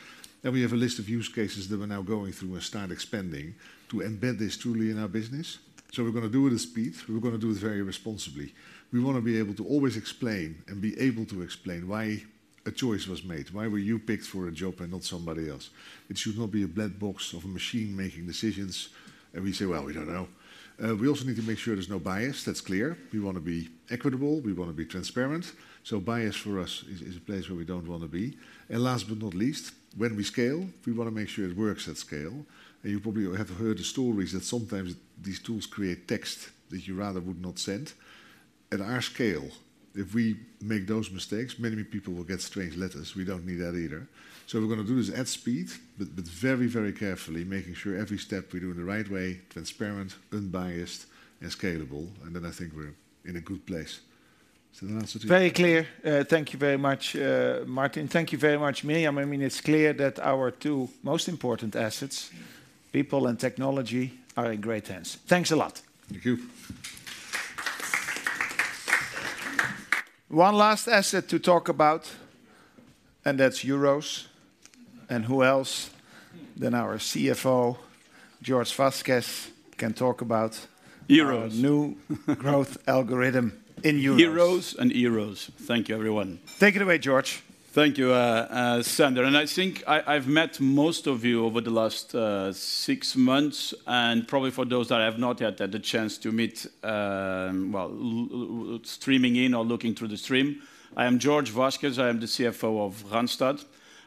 And we have a list of use cases that we're now going through and start expanding to embed this truly in our business. So we're going to do it with speed, we're going to do it very responsibly. We want to be able to always explain, and be able to explain why a choice was made. Why were you picked for a job and not somebody else? It should not be a black box of a machine making decisions, and we say, "Well, we don't know." We also need to make sure there's no bias, that's clear. We want to be equitable, we want to be transparent, so bias for us is, is a place where we don't want to be. And last but not least, when we scale, we want to make sure it works at scale. And you probably have heard the stories that sometimes these tools create text that you rather would not send. At our scale, if we make those mistakes, many, many people will get strange letters. We don't need that either. So we're going to do this at speed, but, but very, very carefully, making sure every step we do in the right way, transparent, unbiased, and scalable, and then I think we're in a good place. Does that answer to you? Very clear. Thank you very much, Martin. Thank you very much, Myriam. I mean, it's clear that our two most important assets, people and technology, are in great hands. Thanks a lot! Thank you. One last asset to talk about, and that's euros. And who else than our CFO, Jorge Vazquez, can talk about- euros Our new growth algorithm in euros. Euros and euros. Thank you, everyone. Take it away, Jorge. Thank you, Sander. I think I've met most of you over the last six months, and probably for those that I have not yet had the chance to meet, well, streaming in or looking through the stream, I am Jorge Vazquez, I am the CFO of Randstad.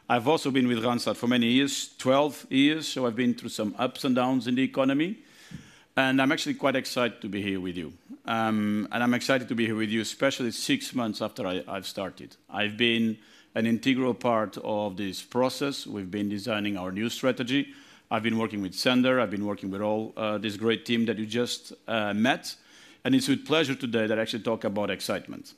I've also been with Randstad for many years, 12 years, so I've been through some ups and downs in the economy, and I'm actually quite excited to be here with you. I'm excited to be here with you, especially six months after I've started. I've been an integral part of this process. We've been designing our new strategy. I've been working with Sander, I've been working with all this great team that you just met, and it's with pleasure today that I actually talk about excitement.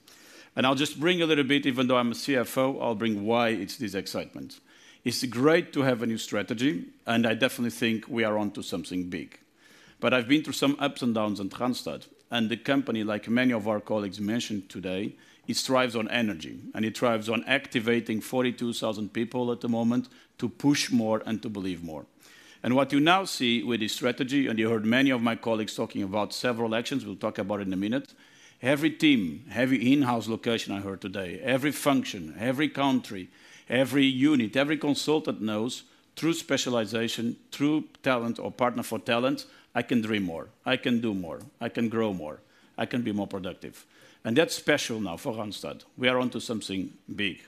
I'll just bring a little bit, even though I'm a CFO, I'll bring why it's this excitement. It's great to have a new strategy, and I definitely think we are onto something big. But I've been through some ups and downs in Randstad, and the company, like many of our colleagues mentioned today, it thrives on energy, and it thrives on activating 42,000 people at the moment to push more and to believe more. And what you now see with this strategy, and you heard many of my colleagues talking about several actions, we'll talk about in a minute. Every team, every in-house location I heard today, every function, every country, every unit, every consultant knows through specialization, through talent or Partner for Talent, "I can dream more, I can do more, I can grow more, I can be more productive." And that's special now for Randstad. We are onto something big.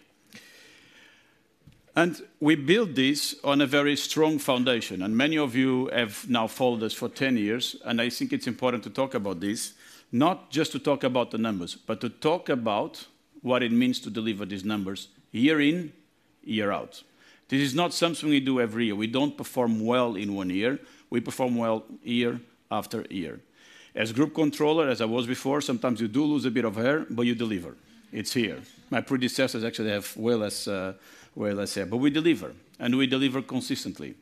We built this on a very strong foundation, and many of you have now followed us for 10 years, and I think it's important to talk about this. Not just to talk about the numbers, but to talk about what it means to deliver these numbers year in, year out. This is not something we do every year. We don't perform well in one year; we perform well year after year. As group controller, as I was before, sometimes you do lose a bit of hair, but you deliver. It's here. My predecessors actually have way less, way less hair. We deliver, and we deliver consistently.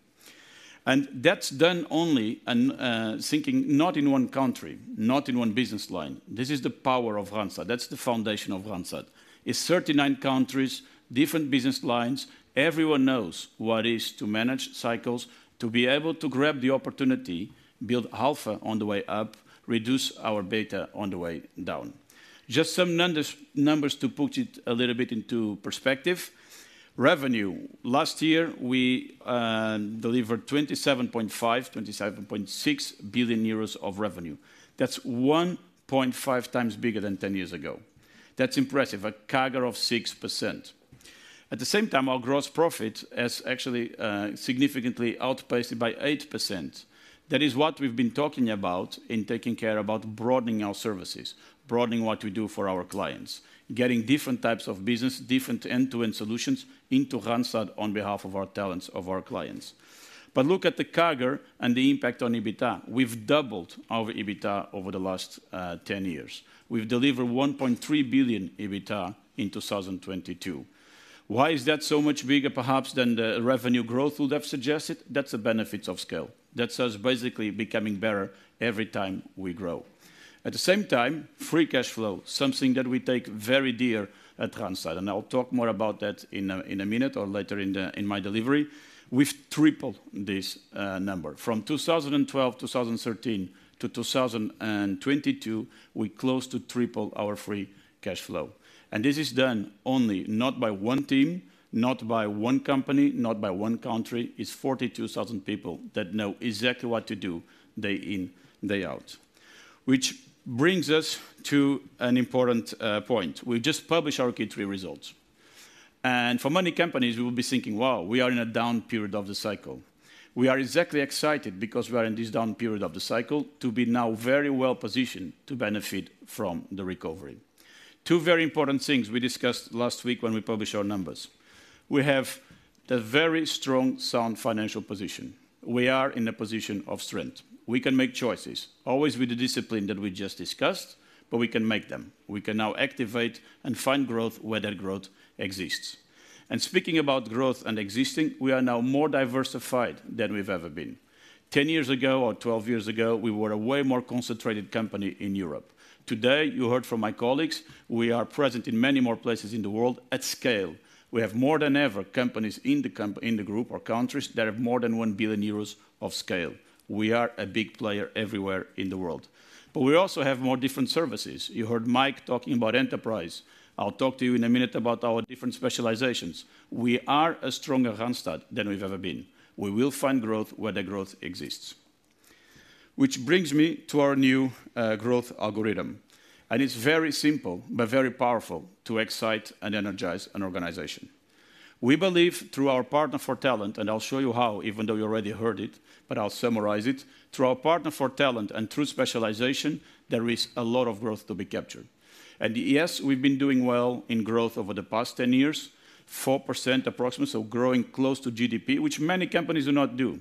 That's done only and, thinking not in one country, not in one business line. This is the power of Randstad. That's the foundation of Randstad. It's 39 countries, different business lines, everyone knows what is to manage cycles, to be able to grab the opportunity, build alpha on the way up, reduce our beta on the way down. Just some numbers, numbers to put it a little bit into perspective. Revenue. Last year, we delivered 27.5 billion-27.6 billion euros of revenue. That's 1.5 times bigger than 10 years ago. That's impressive, a CAGR of 6%. At the same time, our gross profit has actually significantly outpaced it by 8%. That is what we've been talking about in taking care about broadening our services, broadening what we do for our clients. Getting different types of business, different end-to-end solutions into Randstad on behalf of our talents, of our clients. But look at the CAGR and the impact on EBITDA. We've doubled our EBITDA over the last 10 years. We've delivered 1.3 billion EBITDA in 2022. Why is that so much bigger, perhaps, than the revenue growth would have suggested? That's the benefits of scale. That's us basically becoming better every time we grow. At the same time, free cash flow, something that we take very dear at Randstad, and I'll talk more about that in a minute or later in the-- in my delivery. We've tripled this number. From 2012, 2013 to 2022, we closed to triple our free cash flow. And this is done only not by one team, not by one company, not by one country. It's 42,000 people that know exactly what to do day in, day out. Which brings us to an important point. We just published our Q3 results, and for many companies, we will be thinking, "Wow, we are in a down period of the cycle." We are exactly excited because we are in this down period of the cycle to be now very well positioned to benefit from the recovery. Two very important things we discussed last week when we published our numbers: We have a very strong, sound financial position. We are in a position of strength. We can make choices, always with the discipline that we just discussed, but we can make them. We can now activate and find growth where that growth exists. And speaking about growth and existing, we are now more diversified than we've ever been. 10 years ago or 12 years ago, we were a way more concentrated company in Europe. Today, you heard from my colleagues, we are present in many more places in the world at scale. We have more than ever, companies in the group or countries that have more than 1 billion euros of scale. We are a big player everywhere in the world. But we also have more different services. You heard Mike talking about enterprise. I'll talk to you in a minute about our different specializations. We are a stronger Randstad than we've ever been. We will find growth where the growth exists. Which brings me to our new growth algorithm, and it's very simple but very powerful to excite and energize an organization. We believe through our Partner for Talent, and I'll show you how, even though you already heard it, but I'll summarize it. Through our Partner for Talent and through specialization, there is a lot of growth to be captured. Yes, we've been doing well in growth over the past 10 years, 4% approximately, so growing close to GDP, which many companies do not do.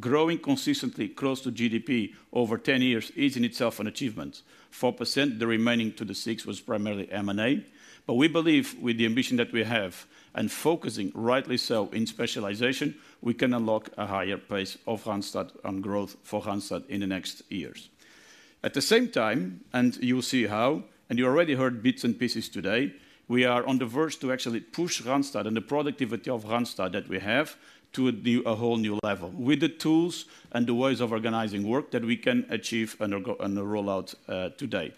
Growing consistently close to GDP over 10 years is in itself an achievement. 4%, the remaining to the 6% was primarily M&A. But we believe with the ambition that we have, and focusing rightly so in specialization, we can unlock a higher pace of Randstad and growth for Randstad in the next years. At the same time, and you will see how, and you already heard bits and pieces today, we are on the verge to actually push Randstad and the productivity of Randstad that we have, to a whole new level with the tools and the ways of organizing work that we can achieve on a rollout today.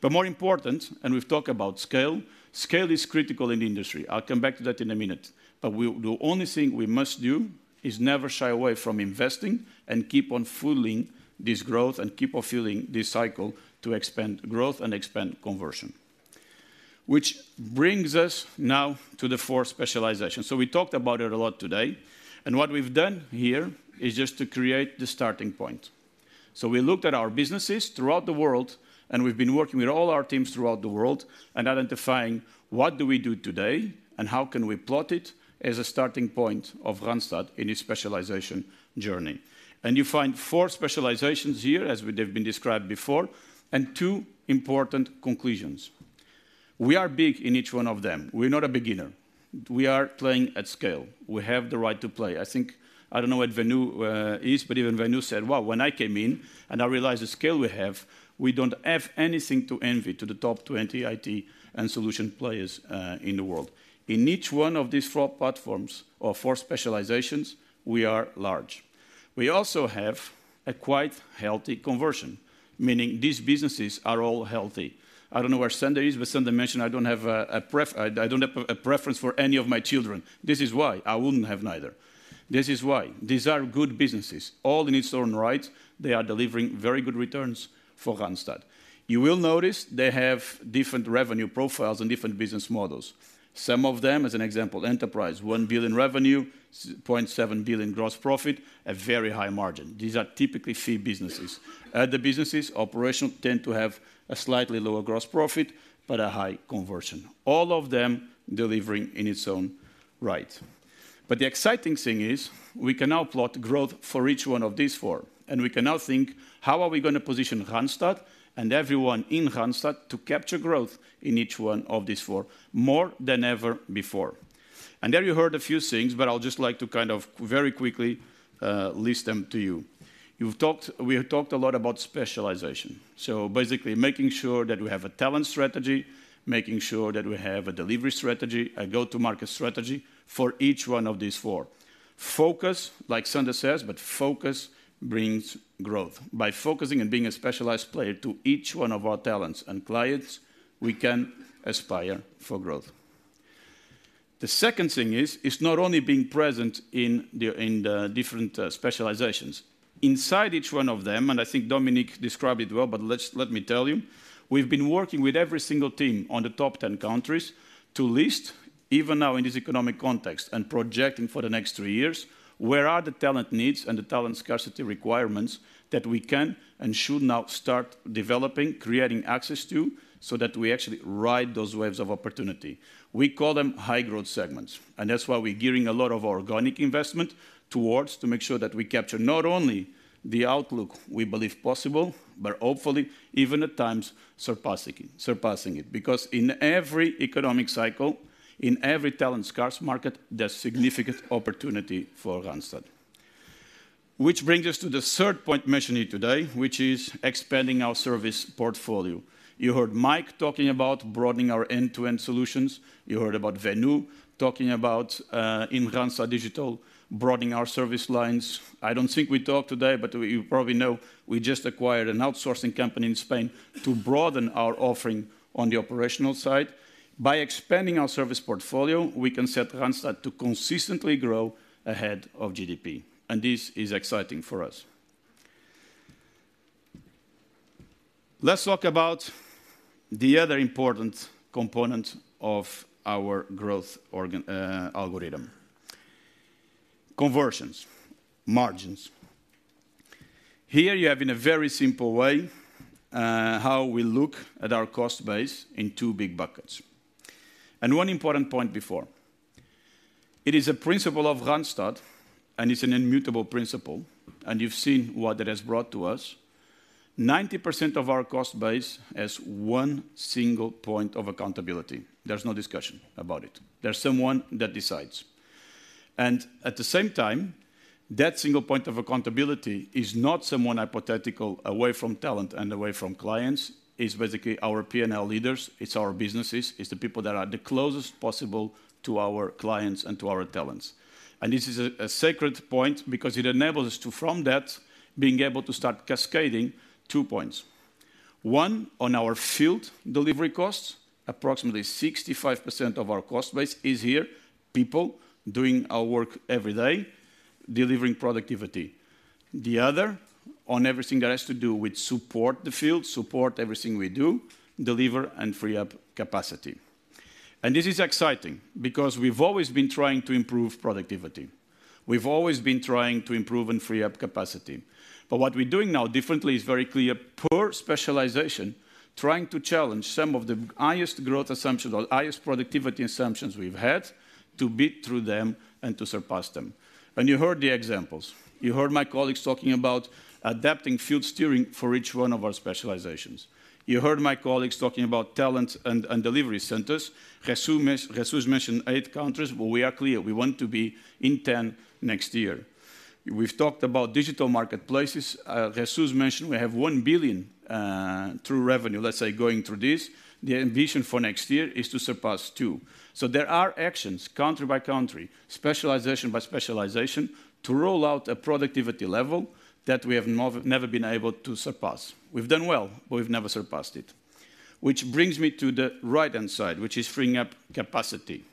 But more important, and we've talked about scale, scale is critical in the industry. I'll come back to that in a minute. But the only thing we must do, is never shy away from investing and keep on fueling this growth, and keep on fueling this cycle to expand growth and expand conversion. Which brings us now to the four specializations. So we talked about it a lot today, and what we've done here is just to create the starting point. So we looked at our businesses throughout the world, and we've been working with all our teams throughout the world and identifying what do we do today, and how can we plot it as a starting point of Randstad in its specialization journey? And you find four specializations here, as they've been described before, and two important conclusions. We are big in each one of them. We're not a beginner. We are playing at scale. We have the right to play. I think... I don't know where Venu is, but even Venu said: "Well, when I came in and I realized the scale we have, we don't have anything to envy to the top 20 IT and solution players in the world." In each one of these four platforms or four specializations, we are large. We also have a quite healthy conversion, meaning these businesses are all healthy. I don't know where Sander is, but Sander mentioned I don't have a preference for any of my children. This is why. I wouldn't have neither. This is why. These are good businesses. All in its own right, they are delivering very good returns for Randstad. You will notice they have different revenue profiles and different business models. Some of them, as an example, enterprise, 1 billion revenue, point seven billion gross profit, a very high margin. These are typically fee businesses. The businesses operational tend to have a slightly lower gross profit, but a high conversion. All of them delivering in its own right. The exciting thing is, we can now plot growth for each one of these four, and we can now think: How are we going to position Randstad and everyone in Randstad to capture growth in each one of these four, more than ever before? There you heard a few things, but I'd just like to kind of very quickly list them to you. You've talked, we have talked a lot about specialization, so basically making sure that we have a talent strategy, making sure that we have a delivery strategy, a go-to-market strategy for each one of these four. Focus, like Sander says, but focus brings growth. By focusing and being a specialized player to each one of our talents and clients, we can aspire for growth. The second thing is, it's not only being present in the different specializations. Inside each one of them, and I think Dominique described it well, but let's, let me tell you, we've been working with every single team on the top 10 countries to list, even now in this economic context, and projecting for the next three years, where are the talent needs and the talent scarcity requirements that we can and should now start developing, creating access to, so that we actually ride those waves of opportunity. We call them high growth segments, and that's why we're gearing a lot of organic investment towards, to make sure that we capture not only the outlook we believe possible, but hopefully even at times surpassing it, surpassing it. Because in every economic cycle, in every talent scarce market, there's significant opportunity for Randstad. Which brings us to the third point mentioned here today, which is expanding our service portfolio. You heard Mike talking about broadening our end-to-end solutions. You heard about Venu talking about, in Randstad Digital, broadening our service lines. I don't think we talked today, but you probably know we just acquired an outsourcing company in Spain to broaden our offering on the operational side. By expanding our service portfolio, we can set Randstad to consistently grow ahead of GDP, and this is exciting for us. Let's talk about the other important component of our growth organ, algorithm: conversions, margins. Here you have, in a very simple way, how we look at our cost base in two big buckets. One important point before, it is a principle of Randstad, and it's an immutable principle, and you've seen what it has brought to us. 90% of our cost base has one single point of accountability. There's no discussion about it. There's someone that decides. At the same time, that single point of accountability is not someone hypothetical, away from talent and away from clients. It's basically our P&L leaders, it's our businesses, it's the people that are the closest possible to our clients and to our talents. This is a, a sacred point because it enables us to, from that, being able to start cascading two points. One, on our field delivery costs, approximately 65% of our cost base is here, people doing our work every day, delivering productivity. The other, on everything that has to do with support the field, support everything we do, deliver and free up capacity. This is exciting because we've always been trying to improve productivity. We've always been trying to improve and free up capacity. But what we're doing now differently is very clear: per specialization, trying to challenge some of the highest growth assumptions or highest productivity assumptions we've had, to beat through them and to surpass them. And you heard the examples. You heard my colleagues talking about adapting field steering for each one of our specializations. You heard my colleagues talking about talent and delivery centers. Jesús mentioned 8 countries, but we are clear, we want to be in 10 next year. We've talked about digital marketplaces. Jesús mentioned we have 1 billion through revenue, let's say, going through this. The ambition for next year is to surpass 2 billion. So there are actions, country by country, specialization by specialization, to roll out a productivity level that we have never been able to surpass. We've done well, but we've never surpassed it. Which brings me to the right-hand side, which is freeing up capacity.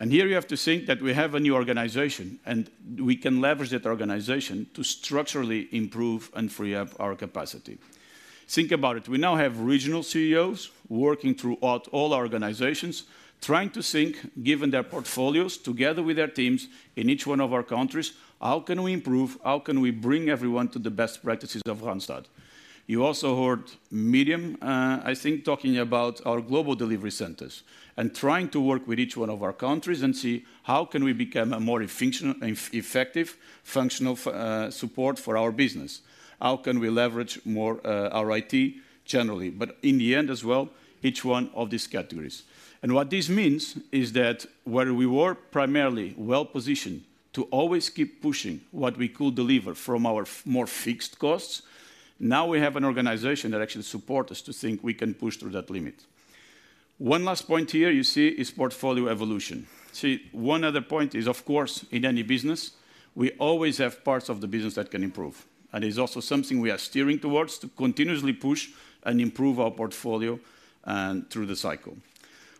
Here you have to think that we have a new organization, and we can leverage that organization to structurally improve and free up our capacity. Think about it. We now have regional CEOs working throughout all our organizations, trying to think, given their portfolios, together with their teams in each one of our countries, "How can we improve? How can we bring everyone to the best practices of Randstad?" You also heard Myriam, I think, talking about our global delivery centers and trying to work with each one of our countries and see how can we become a more efficient, effective, functional support for our business? How can we leverage more our IT generally, but in the end as well, each one of these categories. And what this means is that where we were primarily well-positioned to always keep pushing what we could deliver from our more fixed costs, now we have an organization that actually support us to think we can push through that limit. One last point here you see is portfolio evolution. See, one other point is, of course, in any business, we always have parts of the business that can improve. And it's also something we are steering towards, to continuously push and improve our portfolio through the cycle.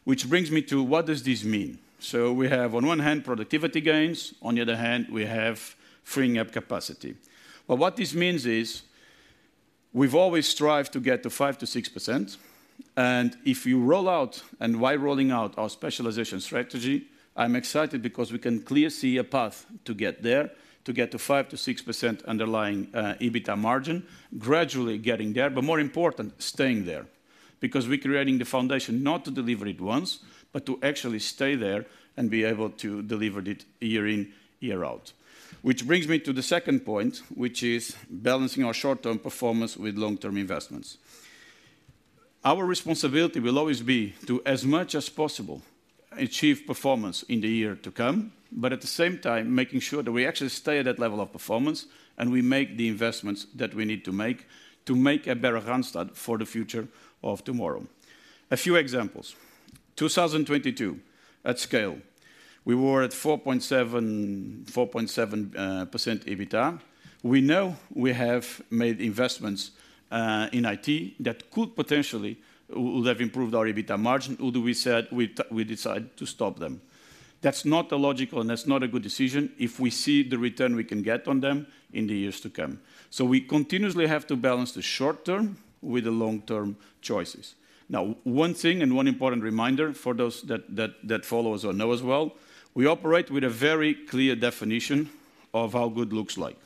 Which brings me to: what does this mean? So we have, on one hand, productivity gains, on the other hand, we have freeing up capacity. But what this means is, we've always strived to get to 5%-6%, and if you roll out, and while rolling out our specialization strategy, I'm excited because we can clearly see a path to get there, to get to 5%-6% underlying EBITDA margin, gradually getting there, but more important, staying there. Because we're creating the foundation not to deliver it once, but to actually stay there and be able to deliver it year in, year out. Which brings me to the second point, which is balancing our short-term performance with long-term investments. Our responsibility will always be to, as much as possible, achieve performance in the year to come, but at the same time, making sure that we actually stay at that level of performance and we make the investments that we need to make to make a better Randstad for the future of tomorrow. A few examples. 2022, at scale, we were at 4.7, 4.7% EBITDA. We know we have made investments in IT that could potentially would have improved our EBITDA margin, although we said we decided to stop them. That's not a logical and that's not a good decision if we see the return we can get on them in the years to come. So we continuously have to balance the short term with the long-term choices. Now, one thing, and one important reminder for those that follow us or know us well, we operate with a very clear definition of how good looks like.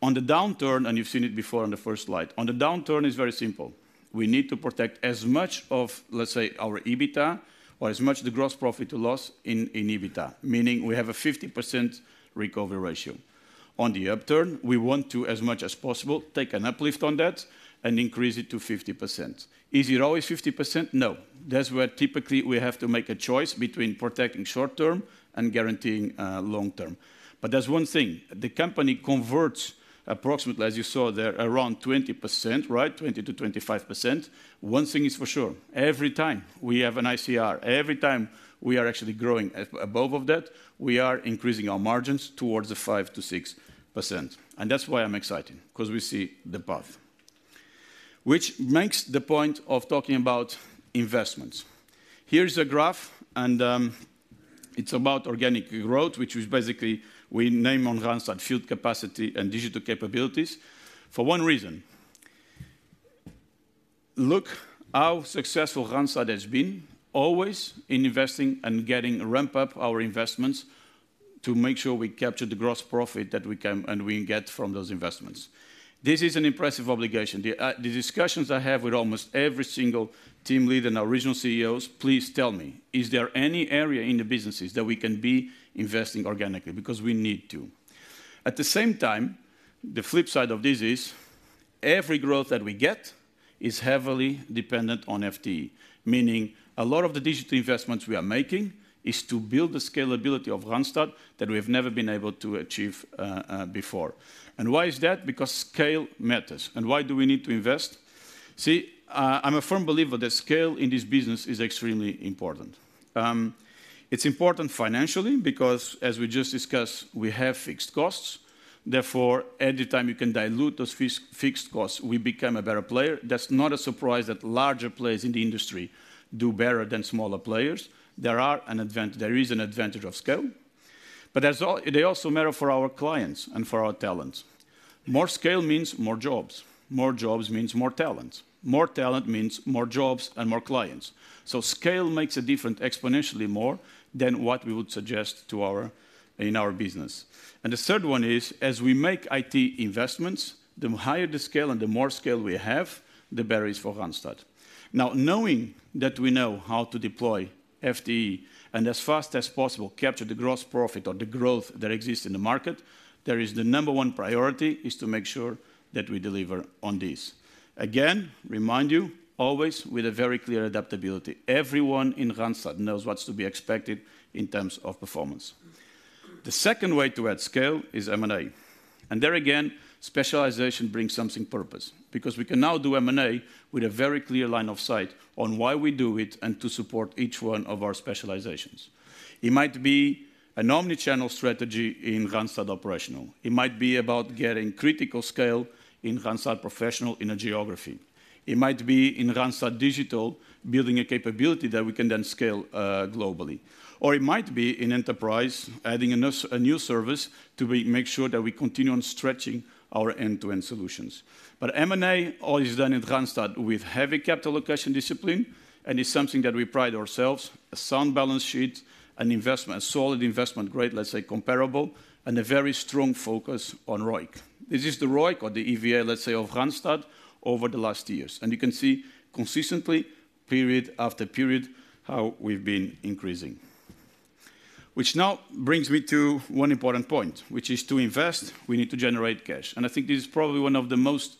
On the downturn, and you've seen it before on the first slide, on the downturn, it's very simple: we need to protect as much of, let's say, our EBITDA or as much of the gross profit to loss in EBITDA, meaning we have a 50% recovery ratio. On the upturn, we want to, as much as possible, take an uplift on that and increase it to 50%. Is it always 50%? No. That's where typically we have to make a choice between protecting short term and guaranteeing long term. But there's one thing, the company converts approximately, as you saw there, around 20%, right? 20%-25%. One thing is for sure, every time we have an ICR, every time we are actually growing above of that, we are increasing our margins towards the 5%-6%. And that's why I'm excited, 'cause we see the path. Which makes the point of talking about investments. Here is a graph, and it's about organic growth, which is basically we name on Randstad field capacity and digital capabilities for one reason: look how successful Randstad has been, always in investing and getting ramp up our investments to make sure we capture the gross profit that we can, and we get from those investments. This is an impressive obligation. The discussions I have with almost every single team lead and our regional CEOs, "Please tell me, is there any area in the businesses that we can be investing organically? Because we need to."... At the same time, the flip side of this is, every growth that we get is heavily dependent on FTE. Meaning a lot of the digital investments we are making is to build the scalability of Randstad that we have never been able to achieve before. And why is that? Because scale matters. And why do we need to invest? See, I'm a firm believer that scale in this business is extremely important. It's important financially because, as we just discussed, we have fixed costs. Therefore, any time you can dilute those fixed costs, we become a better player. That's not a surprise that larger players in the industry do better than smaller players. There is an advantage of scale, but they also matter for our clients and for our talents. More scale means more jobs. More jobs means more talents. More talent means more jobs and more clients. So scale makes a difference exponentially more than what we would suggest in our business. And the third one is, as we make IT investments, the higher the scale and the more scale we have, the better it is for Randstad. Now, knowing that we know how to deploy FTE and as fast as possible, capture the gross profit or the growth that exists in the market, there is the number one priority, is to make sure that we deliver on this. Again, remind you, always with a very clear adaptability. Everyone in Randstad knows what's to be expected in terms of performance. The second way to add scale is M&A, and there again, specialization brings something purpose, because we can now do M&A with a very clear line of sight on why we do it and to support each one of our specializations. It might be an omni-channel strategy in Randstad Operational. It might be about getting critical scale in Randstad Professional in a geography. It might be in Randstad Digital, building a capability that we can then scale globally. Or it might be in Enterprise, adding a new service to make sure that we continue on stretching our end-to-end solutions. But M&A all is done in Randstad with heavy capital allocation discipline, and is something that we pride ourselves, a sound balance sheet, an investment, a solid investment grade, let's say, comparable, and a very strong focus on ROIC. This is the ROIC or the EVA, let's say, of Randstad over the last years. You can see consistently, period after period, how we've been increasing. Which now brings me to one important point, which is to invest, we need to generate cash. I think this is probably one of the most,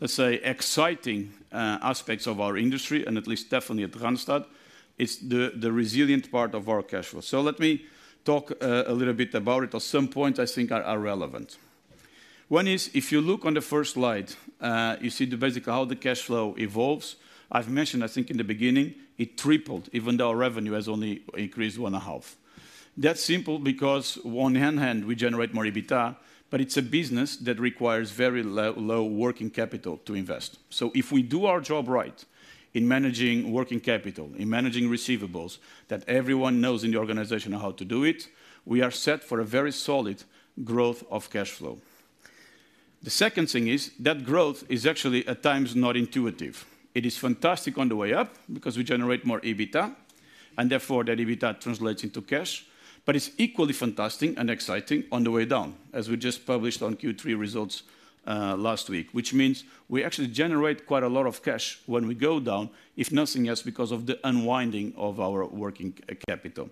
let's say, exciting aspects of our industry, and at least definitely at Randstad, is the resilient part of our cash flow. Let me talk a little bit about it on some points I think are relevant. One is, if you look on the first slide, you see basically how the cash flow evolves. I've mentioned, I think in the beginning, it tripled, even though our revenue has only increased 1.5. That's simple because on one hand, we generate more EBITDA, but it's a business that requires very low working capital to invest. So if we do our job right in managing working capital, in managing receivables, that everyone knows in the organization how to do it, we are set for a very solid growth of cash flow. The second thing is, that growth is actually, at times, not intuitive. It is fantastic on the way up because we generate more EBITDA, and therefore, that EBITDA translates into cash, but it's equally fantastic and exciting on the way down, as we just published our Q3 results last week. Which means we actually generate quite a lot of cash when we go down, if nothing else, because of the unwinding of our working capital.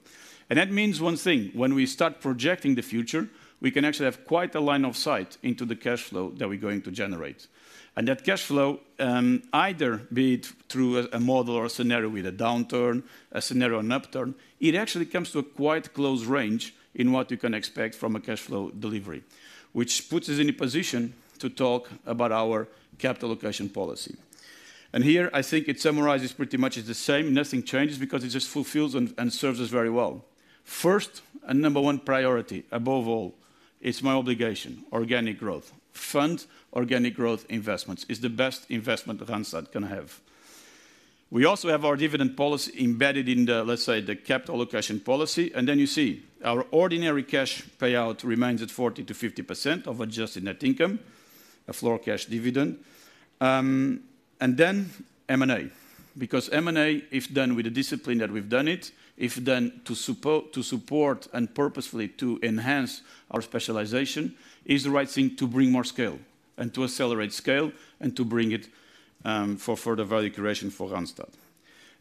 And that means one thing: when we start projecting the future, we can actually have quite a line of sight into the cash flow that we're going to generate. And that cash flow, either be it through a model or a scenario with a downturn, a scenario, an upturn, it actually comes to a quite close range in what you can expect from a cash flow delivery. Which puts us in a position to talk about our capital allocation policy. And here, I think it summarizes pretty much it's the same. Nothing changes because it just fulfills and serves us very well. First, and number one priority, above all, it's my obligation, organic growth. Fund organic growth investments is the best investment Randstad can have. We also have our dividend policy embedded in the, let's say, the capital allocation policy, and then you see our ordinary cash payout remains at 40%-50% of adjusted net income, a floor cash dividend. And then M&A, because M&A, if done with the discipline that we've done it, if done to support and purposefully to enhance our specialization, is the right thing to bring more scale and to accelerate scale, and to bring it, for further value creation for Randstad.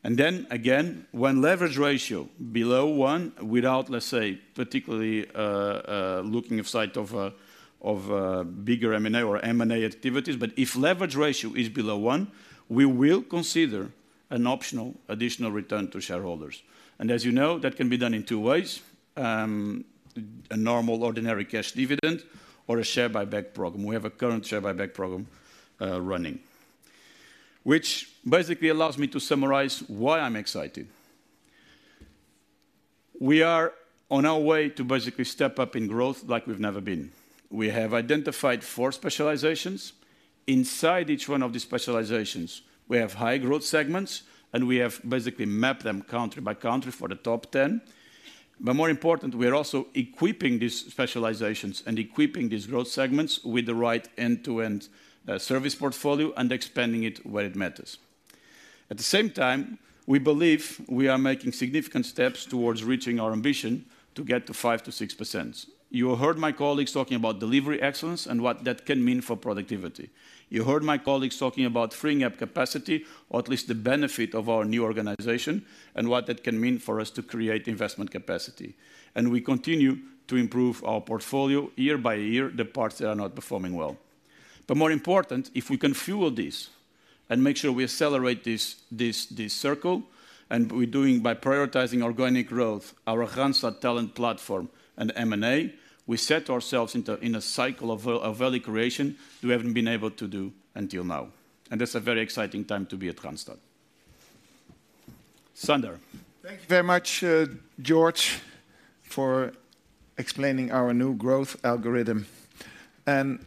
And then again, when leverage ratio below 1, without, let's say, particularly, looking of sight of, of, bigger M&A or M&A activities, but if leverage ratio is below 1, we will consider an optional additional return to shareholders. As you know, that can be done in two ways: a normal, ordinary cash dividend or a share buyback program. We have a current share buyback program running. Which basically allows me to summarize why I'm excited. We are on our way to basically step up in growth like we've never been. We have identified four specializations. Inside each one of these specializations, we have high growth segments, and we have basically mapped them country by country for the top 10. But more important, we are also equipping these specializations and equipping these growth segments with the right end-to-end service portfolio and expanding it where it matters. At the same time, we believe we are making significant steps towards reaching our ambition to get to 5%-6%. You heard my colleagues talking about delivery excellence and what that can mean for productivity. You heard my colleagues talking about freeing up capacity, or at least the benefit of our new organization, and what that can mean for us to create investment capacity. We continue to improve our portfolio year by year, the parts that are not performing well. But more important, if we can fuel this and make sure we accelerate this circle, and we're doing by prioritizing organic growth, our Randstad Talent Platform and M&A. We set ourselves into a cycle of value creation we haven't been able to do until now, and it's a very exciting time to be at Randstad. Sander? Thank you very much, Jorge, for explaining our new growth algorithm. And,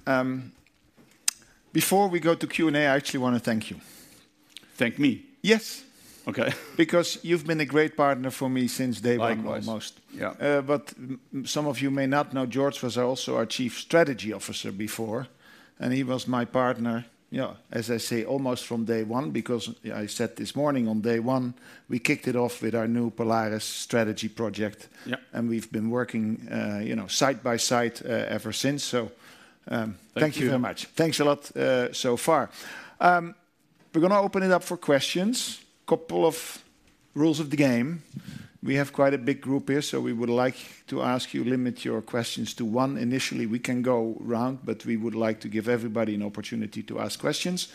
before we go to Q&A, I actually want to thank you. Thank me? Yes. Okay. Because you've been a great partner for me since day one- Likewise. Almost. Yeah. But some of you may not know, Jorge was also our Chief Strategy Officer before, and he was my partner, you know, as I say, almost from day one, because I said this morning, on day one, we kicked it off with our new Polaris strategy project. Yeah. We've been working, you know, side by side, ever since. Thank you. Thank you very much. Thanks a lot, so far. We're gonna open it up for questions. Couple of rules of the game: we have quite a big group here, so we would like to ask you, limit your questions to one initially. We can go around, but we would like to give everybody an opportunity to ask questions.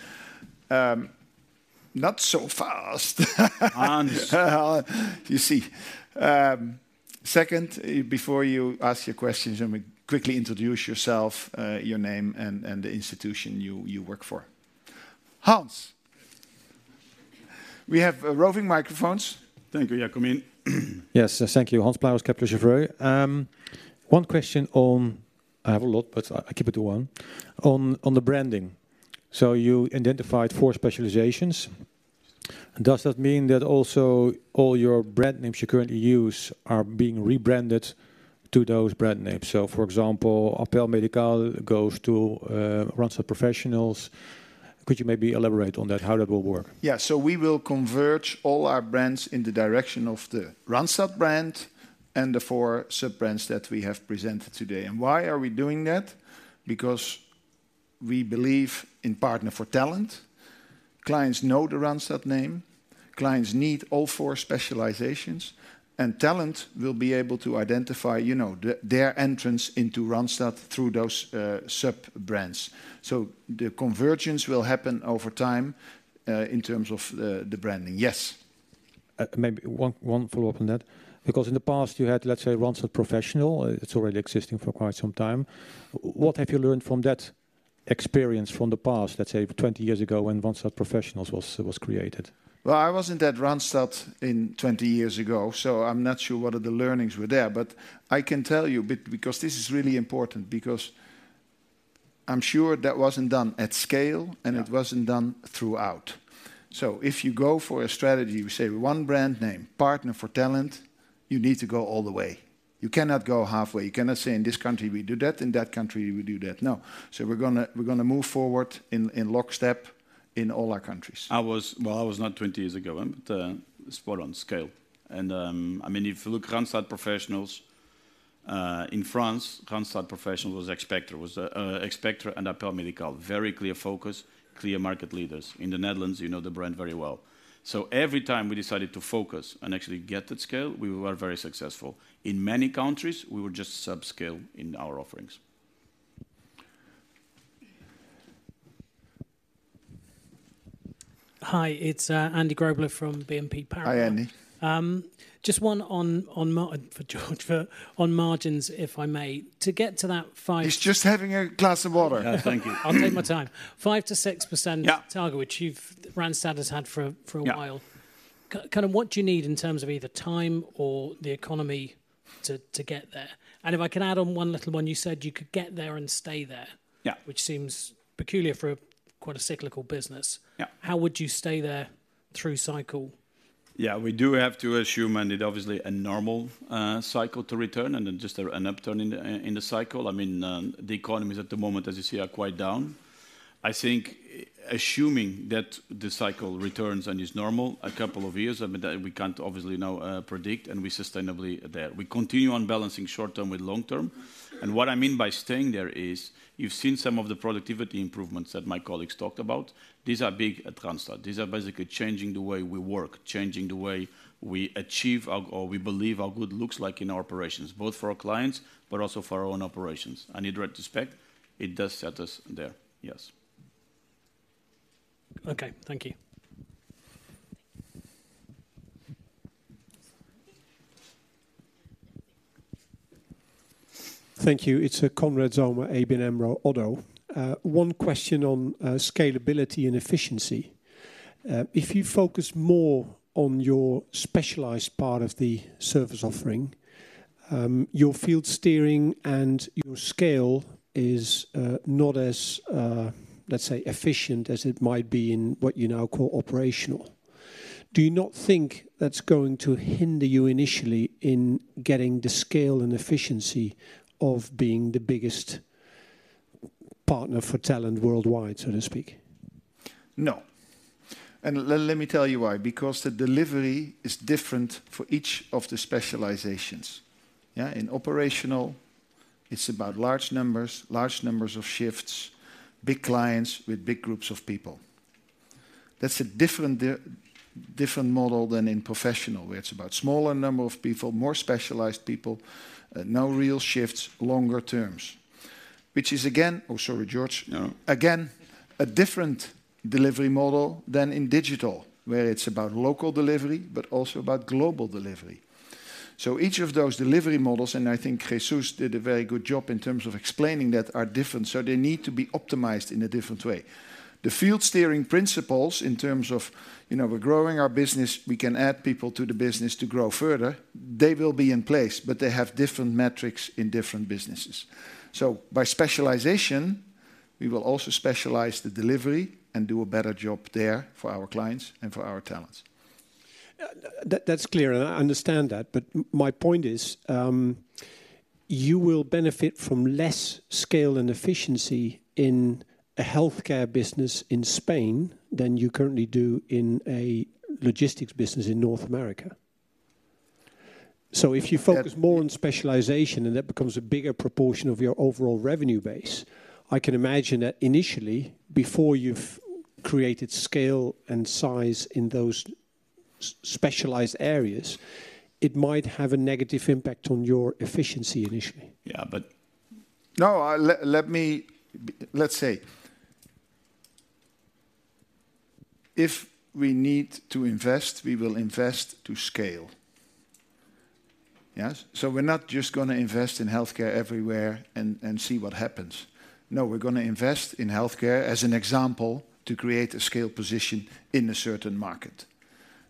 Not so fast. Hans. You see. Second, before you ask your questions, let me quickly introduce yourself, your name and the institution you work for. Hans! We have roving microphones. Thank you, Jacomine. Yes, thank you. Hans Pluijgers, Kepler Cheuvreux. One question on... I have a lot, but I keep it to one. On the branding. So you identified four specializations. Does that mean that also all your brand names you currently use are being rebranded to those brand names? So, for example, Appel Médical goes to Randstad Professionals. Could you maybe elaborate on that, how that will work? Yeah. So we will converge all our brands in the direction of the Randstad brand and the four sub-brands that we have presented today. And why are we doing that? Because we believe in Partner for Talent. Clients know the Randstad name, clients need all four specializations, and talent will be able to identify, you know, their entrance into Randstad through those sub-brands. So the convergence will happen over time in terms of the branding. Yes? Maybe one follow-up on that, because in the past, you had, let's say, Randstad Professional. It's already existing for quite some time. What have you learned from that experience from the past, let's say, 20 years ago, when Randstad Professionals was created? Well, I wasn't at Randstad 20 years ago, so I'm not sure what are the learnings were there. But I can tell you, because this is really important, because I'm sure that wasn't done at scale- Yeah And it wasn't done throughout. So if you go for a strategy, we say one brand name, Partner for Talent, you need to go all the way. You cannot go halfway. You cannot say, in this country, we do that. In that country, we do that. No. So we're gonna, we're gonna move forward in, in lockstep in all our countries. Well, I was not 20 years ago, but spot on scale. I mean, if you look at Randstad Professionals in France, Randstad Professionals was Expectra, was Expectra and Appel Médical. Very clear focus, clear market leaders. In the Netherlands, you know the brand very well. So every time we decided to focus and actually get at scale, we were very successful. In many countries, we were just subscale in our offerings. Hi, it's Andy Grobler from BNP Paribas. Hi, Andy. Just one on margins for Jorge, on margins, if I may. To get to that five- He's just having a glass of water. Yeah. Thank you. I'll take my time. 5%-6%- Yeah Target, which you've, Randstad has had for a while. Yeah. Kind of what do you need in terms of either time or the economy to get there? And if I can add on one little one, you said you could get there and stay there- Yeah Which seems peculiar for quite a cyclical business. Yeah. How would you stay there through cycle? Yeah, we do have to assume, and it obviously a normal cycle to return and then just an upturn in the cycle. I mean, the economies at the moment, as you see, are quite down. I think assuming that the cycle returns and is normal, a couple of years, I mean, that we can't obviously now predict, and we're sustainably there. We continue on balancing short term with long term, and what I mean by staying there is, you've seen some of the productivity improvements that my colleagues talked about. These are big at Randstad. These are basically changing the way we work, changing the way we achieve our, or we believe our good looks like in our operations, both for our clients, but also for our own operations. In retrospect, it does set us there, yes. Okay. Thank you. Thank you. It's, Konrad Zomer, ABN AMRO, Oddo. One question on scalability and efficiency. If you focus more on your specialized part of the service offering, your field steering and your scale is not as, let's say, efficient as it might be in what you now call operational. Do you not think that's going to hinder you initially in getting the scale and efficiency of being the biggest Partner for Talent worldwide, so to speak? No. Let me tell you why. Because the delivery is different for each of the specializations. Yeah, in operational, it's about large numbers, large numbers of shifts, big clients with big groups of people. That's a different different model than in professional, where it's about smaller number of people, more specialized people, no real shifts, longer terms. Which is again. Oh, sorry, Jorge. No. Again, a different delivery model than in digital, where it's about local delivery but also about global delivery. So each of those delivery models, and I think Jesús did a very good job in terms of explaining that, are different, so they need to be optimized in a different way. The field steering principles, in terms of, you know, we're growing our business, we can add people to the business to grow further, they will be in place, but they have different metrics in different businesses. So by specialization, we will also specialize the delivery and do a better job there for our clients and for our talents. That's clear, and I understand that. But my point is, you will benefit from less scale and efficiency in a healthcare business in Spain than you currently do in a logistics business in North America. So if you focus- That- more on specialization, and that becomes a bigger proportion of your overall revenue base. I can imagine that initially, before you've created scale and size in those specialized areas, it might have a negative impact on your efficiency initially. Yeah, but... No, let's say, if we need to invest, we will invest to scale. Yes? So we're not just gonna invest in healthcare everywhere and see what happens. No, we're gonna invest in healthcare, as an example, to create a scale position in a certain market.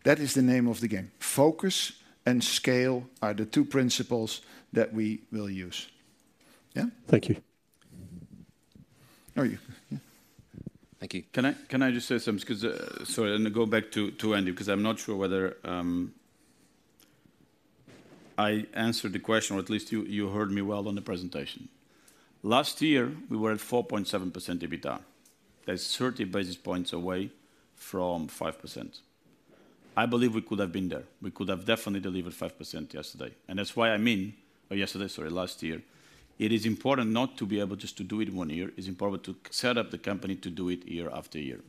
That is the name of the game. Focus and scale are the two principles that we will use. Yeah? Thank you. Oh, you. Yeah. Thank you. Can I just say something? 'Cause... Sorry, I'm gonna go back to Andy, 'cause I'm not sure whether I answered the question, or at least you heard me well on the presentation. Last year, we were at 4.7% EBITDA. That's 30 basis points away from 5%. I believe we could have been there. We could have definitely delivered 5% yesterday, and that's why I mean... Yesterday, sorry, last year. It is important not to be able just to do it one year, it's important to set up the company to do it year after year.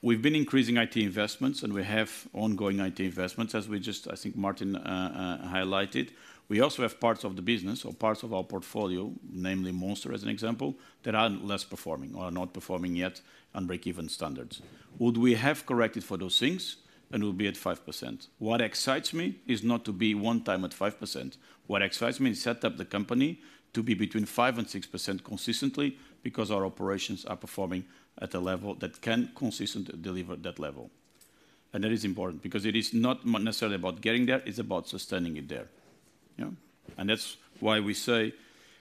We've been increasing IT investments, and we have ongoing IT investments, as we just, I think, Martin, highlighted. We also have parts of the business or parts of our portfolio, namely Monster, as an example, that are less performing or are not performing yet on breakeven standards. Would we have corrected for those things? And we'll be at 5%. What excites me is not to be one time at 5%. What excites me is set up the company to be between 5% and 6% consistently, because our operations are performing at a level that can consistently deliver that level. And that is important, because it is not necessarily about getting there, it's about sustaining it there. Yeah? And that's why we say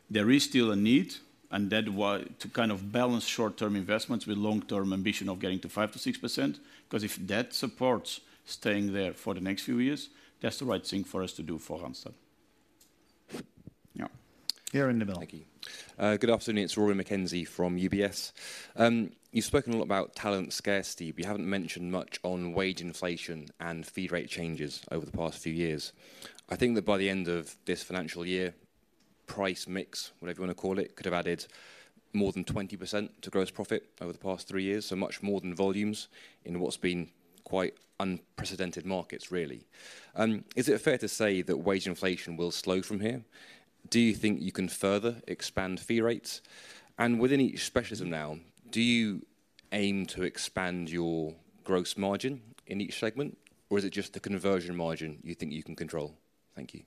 there is still a need, to kind of balance short-term investments with long-term ambition of getting to 5%-6%, 'cause if that supports staying there for the next few years, that's the right thing for us to do for Randstad. Yeah. Here, in the middle. Thank you. Good afternoon. It's Rory McKenzie from UBS. You've spoken a lot about talent scarcity, but you haven't mentioned much on wage inflation and fee rate changes over the past few years. I think that by the end of this financial year, price mix, whatever you wanna call it, could have added more than 20% to gross profit over the past three years, so much more than volumes in what's been quite unprecedented markets, really. Is it fair to say that wage inflation will slow from here? Do you think you can further expand fee rates? And within each specialism now, do you aim to expand your gross margin in each segment, or is it just the conversion margin you think you can control? Thank you.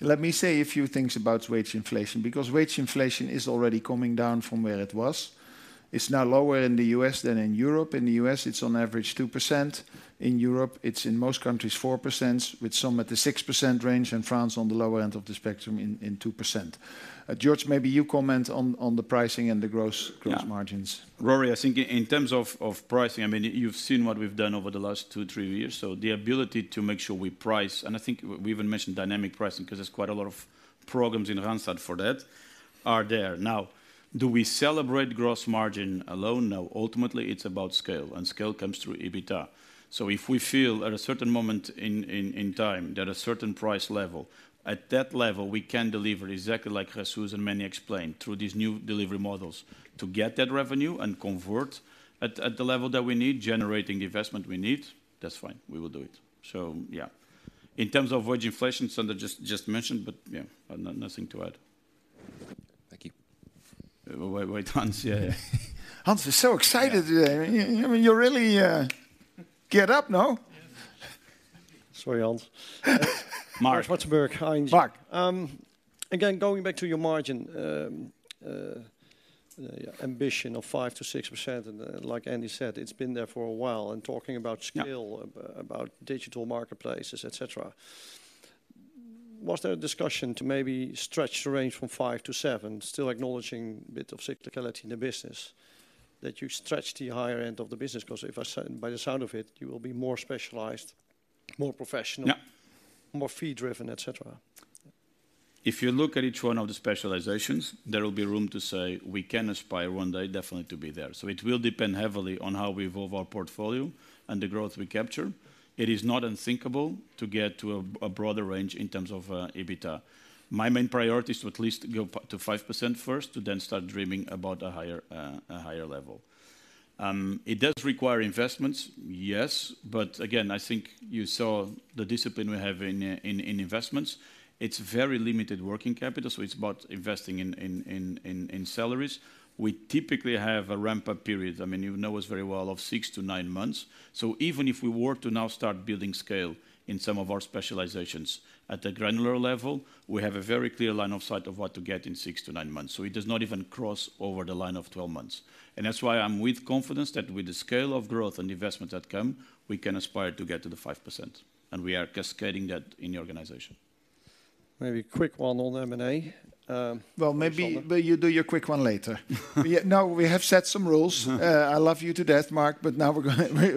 Let me say a few things about wage inflation, because wage inflation is already coming down from where it was. It's now lower in the U.S. than in Europe. In the U.S., it's on average 2%. In Europe, it's in most countries 4%, with some at the 6% range, and France on the lower end of the spectrum in 2%. Jorge, maybe you comment on the pricing and the gross- Yeah Gross margins. Rory, I think in terms of pricing, I mean, you've seen what we've done over the last 2, 3 years. So the ability to make sure we price, and I think we even mentioned dynamic pricing, 'cause there's quite a lot of programs in Randstad for that, are there. Now, do we celebrate gross margin alone? No. Ultimately, it's about scale, and scale comes through EBITDA. So if we feel at a certain moment in time that a certain price level, at that level, we can deliver, exactly like Jesús and Venu explained, through these new delivery models, to get that revenue and convert at the level that we need, generating the investment we need, that's fine, we will do it. So yeah. In terms of wage inflation, Sander just mentioned, but yeah, nothing to add. Thank you. Wait, wait, Hans. Yeah, yeah. Hans is so excited today. I mean, you really, get up, no? Yeah. Sorry, Hans. Marc. Zwartsenburg, ING. Marc. Again, going back to your margin, yeah, ambition of 5%-6%, and, like Andy said, it's been there for a while, and talking about- Yeah. Scale, about digital marketplaces, et cetera. Was there a discussion to maybe stretch the range from 5-7, still acknowledging a bit of cyclicality in the business, that you stretch the higher end of the business? 'Cause if I say, by the sound of it, you will be more specialized, more professional- Yeah More fee-driven, et cetera. If you look at each one of the specializations, there will be room to say, "We can aspire one day definitely to be there." So it will depend heavily on how we evolve our portfolio and the growth we capture. It is not unthinkable to get to a broader range in terms of EBITDA. My main priority is to at least go to 5% first, to then start dreaming about a higher level. It does require investments, yes, but again, I think you saw the discipline we have in investments. It's very limited working capital, so it's about investing in salaries. We typically have a ramp-up period, I mean, you know us very well, of 6-9 months. So even if we were to now start building scale in some of our specializations at a granular level, we have a very clear line of sight of what to get in 6-9 months, so it does not even cross over the line of 12 months. That's why I'm with confidence that with the scale of growth and investment that come, we can aspire to get to the 5%, and we are cascading that in the organization. Maybe a quick one on M&A. Well, maybe, but you do your quick one later. Yeah, no, we have set some rules. I love you to death, Marc, but now we're gonna wait-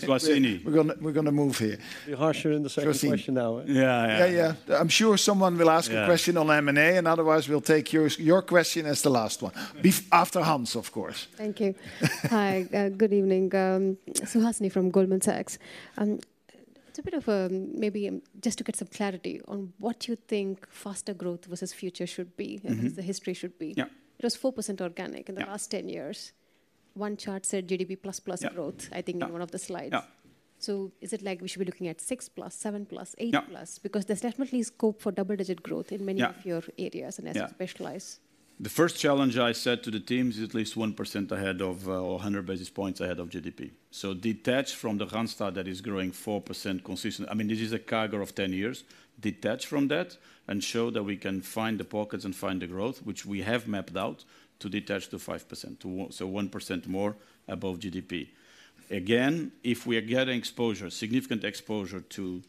Suhasini. We're gonna, we're gonna move here. Be harsher in the second question now, eh? Suhasini. Yeah, yeah. Yeah, yeah. I'm sure someone will ask- Yeah A question on M&A, and otherwise, we'll take yours, your question as the last one. After Hans, of course. Thank you. Hi, good evening. Suhasini from Goldman Sachs. It's a bit of. Maybe, just to get some clarity on what you think faster growth versus future should be- Mm-hmm Versus the history should be. Yeah. It was 4% organic- Yeah In the last 10 years. One chart said GDP plus, plus growth- Yeah I think, in one of the slides. Yeah. Is it like we should be looking at 6+, 7+, 8+? Yeah. Because there's definitely scope for double-digit growth in many- Yeah Of your areas- Yeah And as it specialize. The first challenge I set to the team is at least 1% ahead of, or 100 basis points ahead of GDP. So detached from the Randstad that is growing 4% consistently... I mean, this is a CAGR of 10 years. Detach from that and show that we can find the pockets and find the growth, which we have mapped out, to detach to 5%, so 1% more above GDP. Again, if we are getting exposure, significant exposure, to...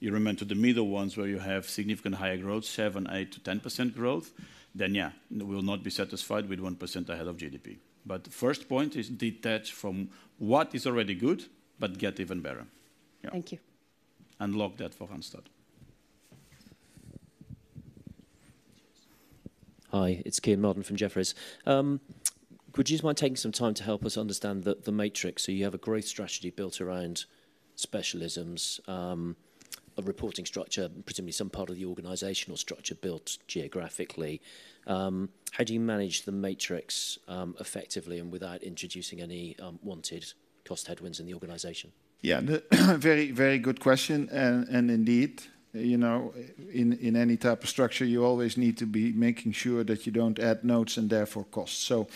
You remember, to the middle ones, where you have significant higher growth, 7%-10% growth, then, yeah, we will not be satisfied with 1% ahead of GDP. But the first point is detach from what is already good, but get even better. Yeah. Thank you. Unlock that for Randstad. Hi, it's Kean Marden from Jefferies. Would you mind taking some time to help us understand the, the matrix? So you have a growth strategy built around specialisms, a reporting structure, presumably some part of the organizational structure built geographically. How do you manage the matrix, effectively and without introducing any, wanted cost headwinds in the organization? Yeah, very, very good question. And indeed, you know, in any type of structure, you always need to be making sure that you don't add nodes and therefore costs. So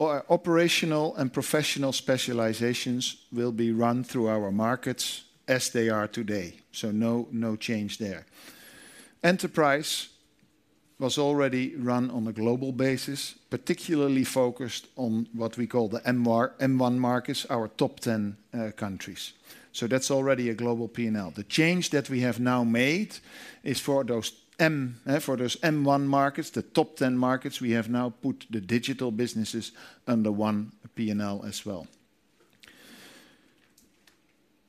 Operational and Professional specializations will be run through our markets as they are today, so no, no change there. Enterprise was already run on a global basis, particularly focused on what we call the M1 markets, our top ten countries. So that's already a global P&L. The change that we have now made is for those M1 markets, the top ten markets, we have now put the digital businesses under one P&L as well.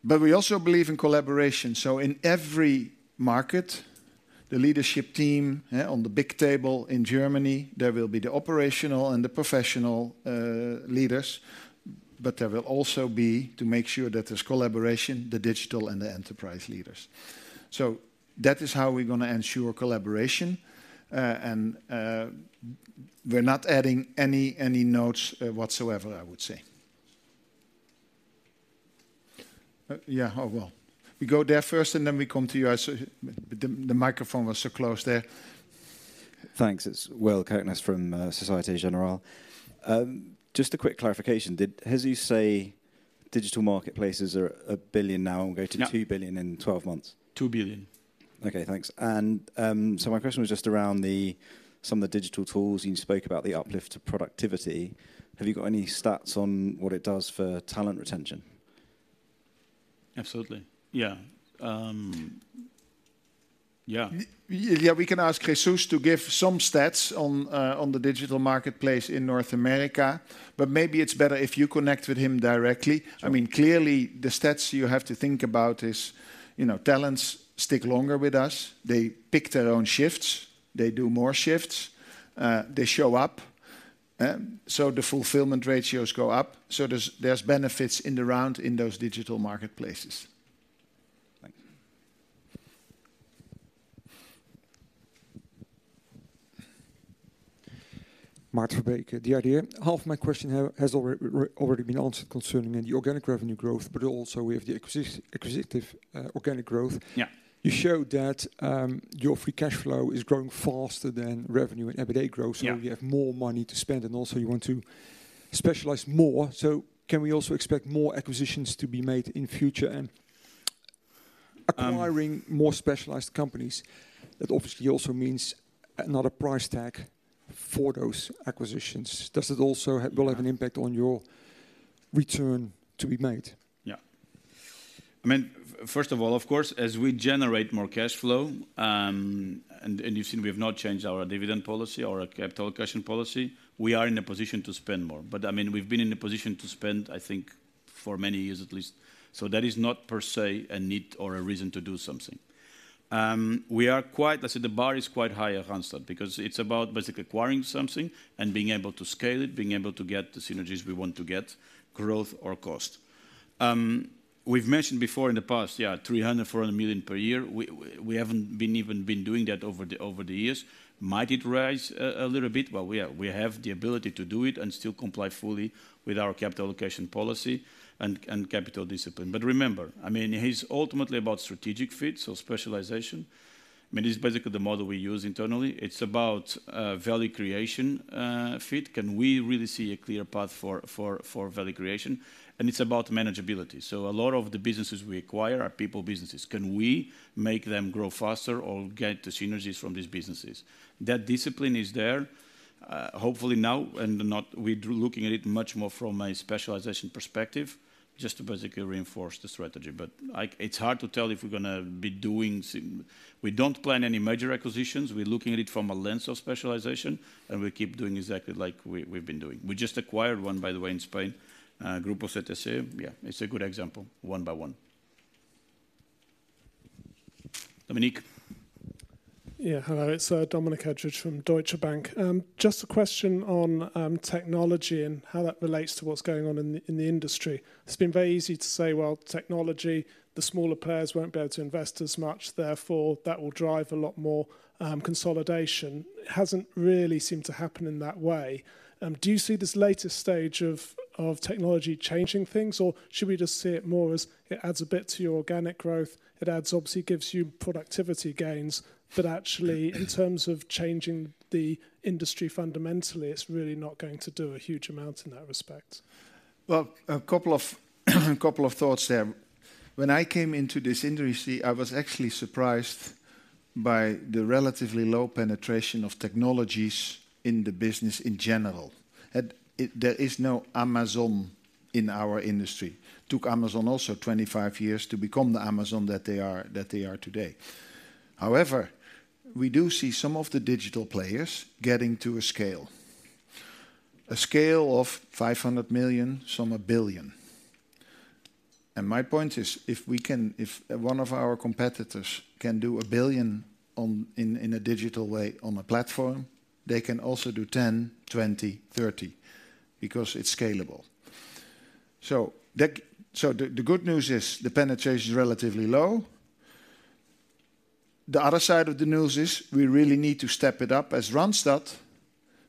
But we also believe in collaboration, so in every market, the leadership team, on the big table in Germany, there will be the operational and the professional leaders, but there will also be, to make sure that there's collaboration, the digital and the enterprise leaders. So that is how we're gonna ensure collaboration, and we're not adding any nodes whatsoever, I would say. Yeah. Oh, well, we go there first, and then we come to you. I so... The microphone was so close there. Thanks. It's Will Kirkness from Société Générale. Just a quick clarification: did Jesús say digital marketplaces are 1 billion now and go to- Yeah 2 billion in 12 months? Two billion. Okay, thanks. And, so my question was just around the, some of the digital tools. You spoke about the uplift to productivity. Have you got any stats on what it does for talent retention? Absolutely, yeah. Yeah. Yeah, we can ask Jesús to give some stats on the digital marketplace in North America, but maybe it's better if you connect with him directly. Sure. I mean, clearly, the stats you have to think about is, you know, talents stick longer with us. They pick their own shifts. They do more shifts. They show up, so the fulfillment ratios go up. So there's benefits in the round in those digital marketplaces. Thanks. Maarten Verbeek, half my question has already been answered concerning the organic revenue growth, but also with the acquisitive organic growth. Yeah. You showed that your free cash flow is growing faster than revenue and EBITDA growth- Yeah So you have more money to spend, and also you want to specialize more. Can we also expect more acquisitions to be made in future? And- Um- Acquiring more specialized companies, that obviously also means another price tag for those acquisitions. Does it also ha- Yeah Will have an impact on your return to be made? Yeah. I mean, first of all, of course, as we generate more cash flow, and you've seen we have not changed our dividend policy or our capital cushion policy, we are in a position to spend more. But, I mean, we've been in a position to spend, I think, for many years at least. So that is not per se a need or a reason to do something. We are quite, let's say the bar is quite high at Randstad, because it's about basically acquiring something and being able to scale it, being able to get the synergies we want to get, growth or cost. We've mentioned before in the past, yeah, 300 million-400 million per year. We haven't even been doing that over the years. Might it rise a little bit? Well, we have the ability to do it and still comply fully with our capital allocation policy and, and capital discipline. But remember, I mean, it is ultimately about strategic fit, so specialization. I mean, this is basically the model we use internally. It's about value creation, fit. Can we really see a clear path for value creation? And it's about manageability. So a lot of the businesses we acquire are people businesses. Can we make them grow faster or get the synergies from these businesses? That discipline is there, hopefully now and not... We're looking at it much more from a specialization perspective, just to basically reinforce the strategy. But like, it's hard to tell if we're going to be doing sim-- We don't plan any major acquisitions. We're looking at it from a lens of specialization, and we keep doing exactly like we've been doing. We just acquired one, by the way, in Spain, Grupo CTC. Yeah, it's a good example, one by one. Dominique? Yeah. Hello, it's Dominic Edridge from Deutsche Bank. Just a question on technology and how that relates to what's going on in the industry. It's been very easy to say: well, technology, the smaller players won't be able to invest as much, therefore, that will drive a lot more consolidation. It hasn't really seemed to happen in that way. Do you see this latest stage of technology changing things, or should we just see it more as it adds a bit to your organic growth? It adds, obviously, gives you productivity gains, but actually, in terms of changing the industry, fundamentally, it's really not going to do a huge amount in that respect. Well, a couple of, a couple of thoughts there. When I came into this industry, I was actually surprised by the relatively low penetration of technologies in the business in general. And, there is no Amazon in our industry. Took Amazon also 25 years to become the Amazon that they are, that they are today. However, we do see some of the digital players getting to a scale, a scale of 500 million, some 1 billion. And my point is, if one of our competitors can do 1 billion on, in, in a digital way on a platform, they can also do 10, 20, 30, because it's scalable. So that... So the, the good news is the penetration is relatively low. The other side of the news is we really need to step it up as Randstad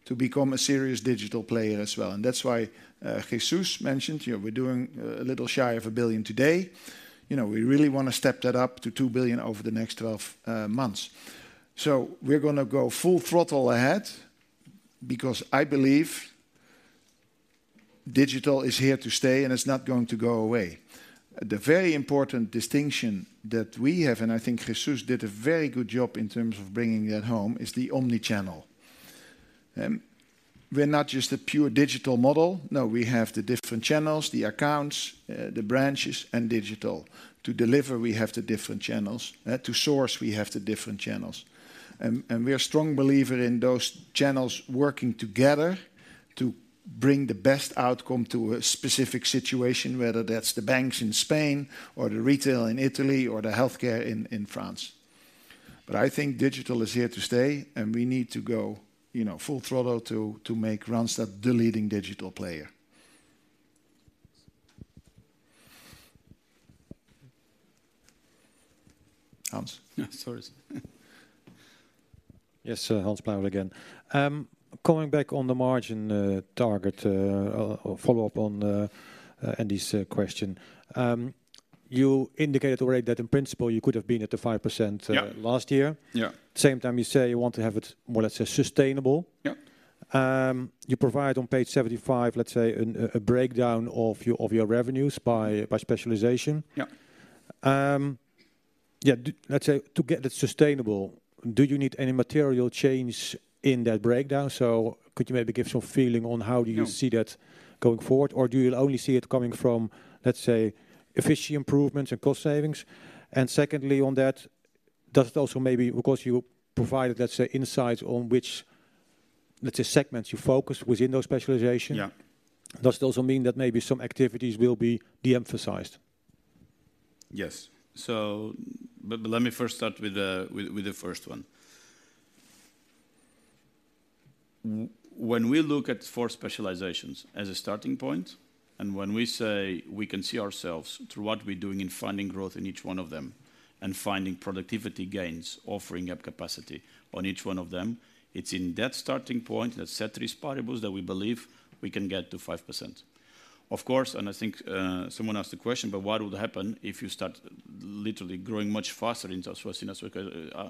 to become a serious digital player as well. And that's why, Jesús mentioned, you know, we're doing a little shy of 1 billion today. You know, we really want to step that up to 2 billion over the next 12 months. So we're going to go full throttle ahead because I believe digital is here to stay, and it's not going to go away. The very important distinction that we have, and I think Jesús did a very good job in terms of bringing it home, is the omni-channel. We're not just a pure digital model. No, we have the different channels, the accounts, the branches, and digital. To deliver, we have the different channels, to source, we have the different channels. We are strong believer in those channels working together to bring the best outcome to a specific situation, whether that's the banks in Spain or the retail in Italy or the healthcare in France. But I think digital is here to stay, and we need to go, you know, full throttle to make Randstad the leading digital player. Hans? Yeah, sorry. Yes, Hans Pluijgers again. Coming back on the margin target, or follow up on Andy's question. You indicated already that in principle, you could have been at the 5%- Yeah Last year. Yeah. Same time, you say you want to have it, more or less, sustainable. Yeah. You provide on page 75, let's say, a breakdown of your revenues by specialization. Yeah. Let's say, to get that sustainable, do you need any material change in that breakdown? So could you maybe give some feeling on how do you- No See that going forward, or do you only see it coming from, let's say, efficiency improvements and cost savings? Secondly, on that, does it also maybe, because you provided, let's say, insights on which, let's say, segments you focus within those specializations? Yeah Does it also mean that maybe some activities will be de-emphasized? Yes. But let me first start with the first one. When we look at four specializations as a starting point, and when we say we can see ourselves through what we're doing in finding growth in each one of them and finding productivity gains, offering up capacity on each one of them, it's in that starting point, that set three variables, that we believe we can get to 5%. Of course, and I think someone asked the question, but what would happen if you start literally growing much faster in North West,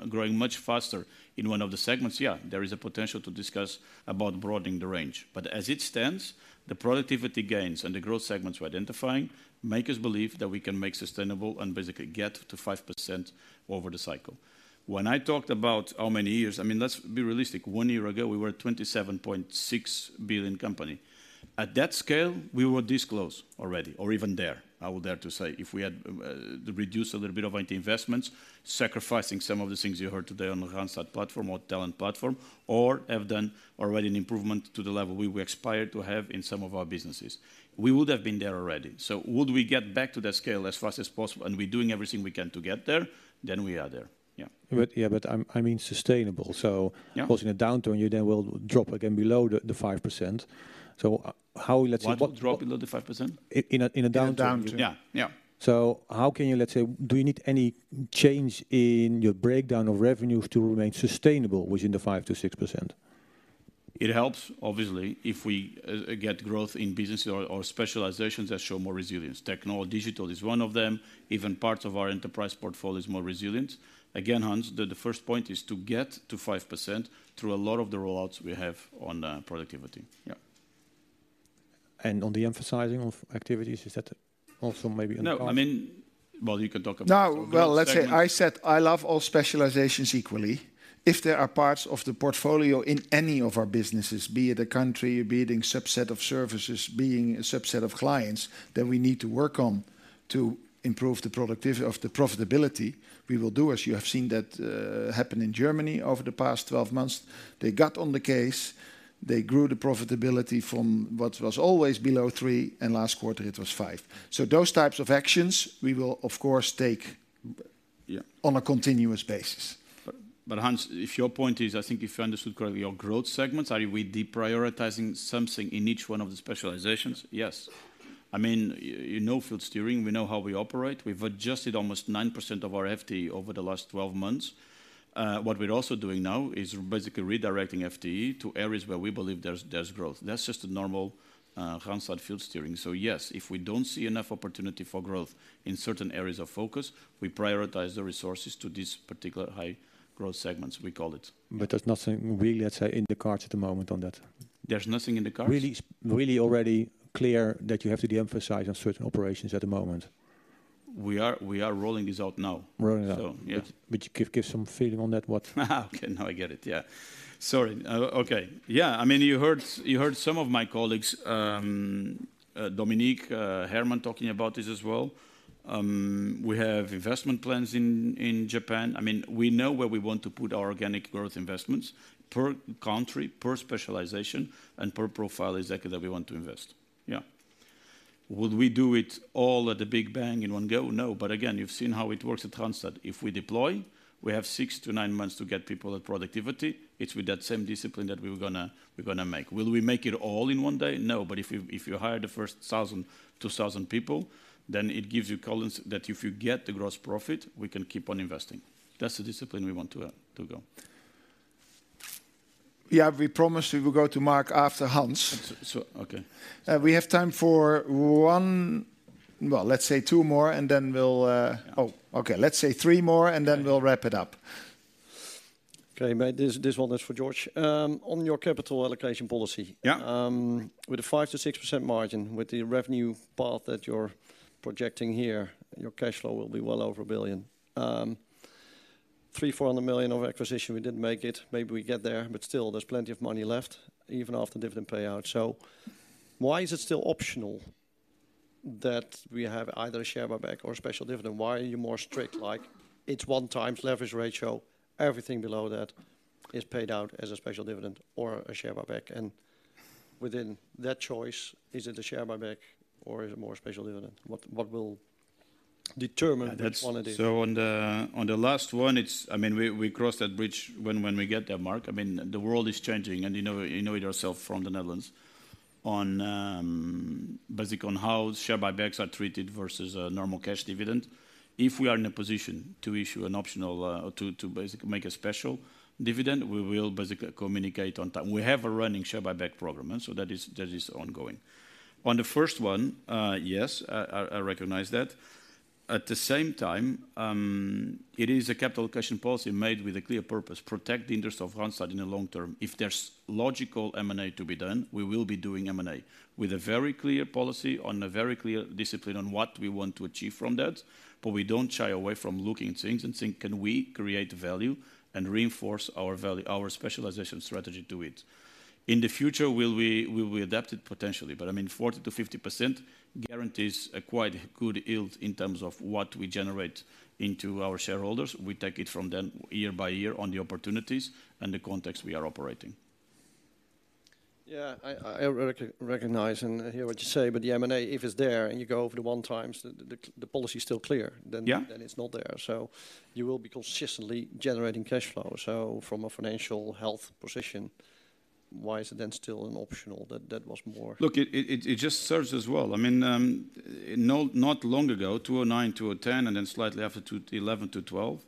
growing much faster in one of the segments? Yeah, there is a potential to discuss about broadening the range. But as it stands, the productivity gains and the growth segments we're identifying make us believe that we can make sustainable and basically get to 5% over the cycle. When I talked about how many years... I mean, let's be realistic. One year ago, we were a 27.6 billion company. At that scale, we were this close already, or even there, I would dare to say. If we had reduced a little bit of IT investments, sacrificing some of the things you heard today on the Randstad platform or talent platform, or have done already an improvement to the level we were aspired to have in some of our businesses, we would have been there already. So would we get back to that scale as fast as possible? And we're doing everything we can to get there, then we are there. Yeah. But yeah, I'm, I mean sustainable. So- Yeah Of course, in a downturn, you then will drop again below the 5%. So how, let's say, what- What will drop below the 5%? In a downturn. In a downturn. Yeah. Yeah. How can you... Let's say, do you need any change in your breakdown of revenues to remain sustainable within the 5%-6%? It helps, obviously, if we get growth in business or specializations that show more resilience. Techno-digital is one of them. Even parts of our enterprise portfolio is more resilient. Again, Hans, the first point is to get to 5% through a lot of the rollouts we have on productivity. Yeah. And on the emphasizing of activities, is that also maybe on the- No, I mean, well, you can talk about- No. Well, let's say, I said I love all specializations equally. If there are parts of the portfolio in any of our businesses, be it a country, be it in subset of services, being a subset of clients, then we need to work on to improve the productivity of the profitability. We will do, as you have seen, that happen in Germany over the past 12 months. They got on the case, they grew the profitability from what was always below 3, and last quarter it was 5. So those types of actions, we will of course take- Yeah. On a continuous basis. But Hans, if your point is, I think if I understood correctly, your growth segments, are we deprioritizing something in each one of the specializations? Yes. I mean, you know, field steering, we know how we operate. We've adjusted almost 9% of our FTE over the last twelve months. What we're also doing now is basically redirecting FTE to areas where we believe there's growth. That's just a normal hands-on field steering. So yes, if we don't see enough opportunity for growth in certain areas of focus, we prioritize the resources to these particular high growth segments, we call it. There's nothing really, let's say, in the cards at the moment on that? There's nothing in the cards? Really, really already clear that you have to de-emphasize on certain operations at the moment. We are rolling this out now. Rolling it out. So, yeah. But give some feeling on that, what? Okay, now I get it. Yeah. Sorry. Okay. Yeah. I mean, you heard some of my colleagues, Dominique Hermans, talking about this as well. We have investment plans in Japan. I mean, we know where we want to put our organic growth investments, per country, per specialization, and per profile, exactly, that we want to invest. Yeah. Would we do it all at the Big Bang in one go? No, but again, you've seen how it works at Randstad. If we deploy, we have 6-9 months to get people at productivity. It's with that same discipline that we're gonna make. Will we make it all in one day? No, but if you hire the first 1,000, 2,000 people, then it gives you confidence that if you get the gross profit, we can keep on investing. That's the discipline we want to go. Yeah, we promised we would go to Marc after Hans. So, okay. We have time for one... Well, let's say two more, and then we'll, Yeah. Oh, okay. Let's say three more, and then we'll wrap it up. Okay, mate, this, this one is for Jorge. On your capital allocation policy- Yeah. With a 5%-6% margin, with the revenue path that you're projecting here, your cash flow will be well over 1 billion. Three, four hundred million of acquisition, we didn't make it. Maybe we get there, but still, there's plenty of money left, even after dividend payout. So why is it still optional that we have either a share buyback or a special dividend? Why are you more strict, like, it's one times leverage ratio, everything below that is paid out as a special dividend or a share buyback? And within that choice, is it a share buyback or is it more special dividend? What, what will determine the quantity? On the last one, it's, I mean, we cross that bridge when we get there, Marc. I mean, the world is changing, and you know it yourself from the Netherlands. On basically how share buybacks are treated versus a normal cash dividend, if we are in a position to issue an optional to basically make a special dividend, we will basically communicate on time. We have a running share buyback program, and so that is ongoing. On the first one, yes, I recognize that. At the same time, it is a capital allocation policy made with a clear purpose: protect the interest of Randstad in the long term. If there's logical M&A to be done, we will be doing M&A with a very clear policy on a very clear discipline on what we want to achieve from that. But we don't shy away from looking at things and think: Can we create value and reinforce our value, our specialization strategy to it? In the future, will we, will we adapt it? Potentially, but I mean, 40%-50% guarantees a quite good yield in terms of what we generate into our shareholders. We take it from then year by year on the opportunities and the context we are operating. Yeah, I recognize and hear what you say, but the M&A, if it's there and you go over the 1 times, the policy is still clear- Yeah. Then it's not there. So you will be consistently generating cash flow. So from a financial health position, why is it then still an optional? That was more- Look, it just serves us well. I mean, not long ago, 2009 to 2010, and then slightly after, 2011 to 2012,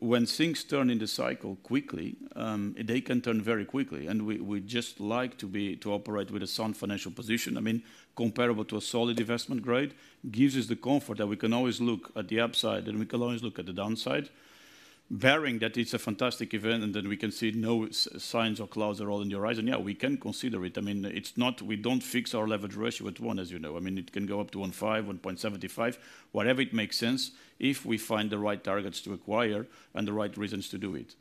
when things turn in the cycle quickly, they can turn very quickly, and we just like to operate with a sound financial position. I mean, comparable to a solid investment grade, gives us the comfort that we can always look at the upside, and we can always look at the downside. Barring that it's a fantastic event, and then we can see no signs of clouds at all on the horizon. Yeah, we can consider it. I mean, it's not... We don't fix our leverage ratio at one, as you know. I mean, it can go up to 1.5, 1.75, whatever it makes sense, if we find the right targets to acquire and the right reasons to do it.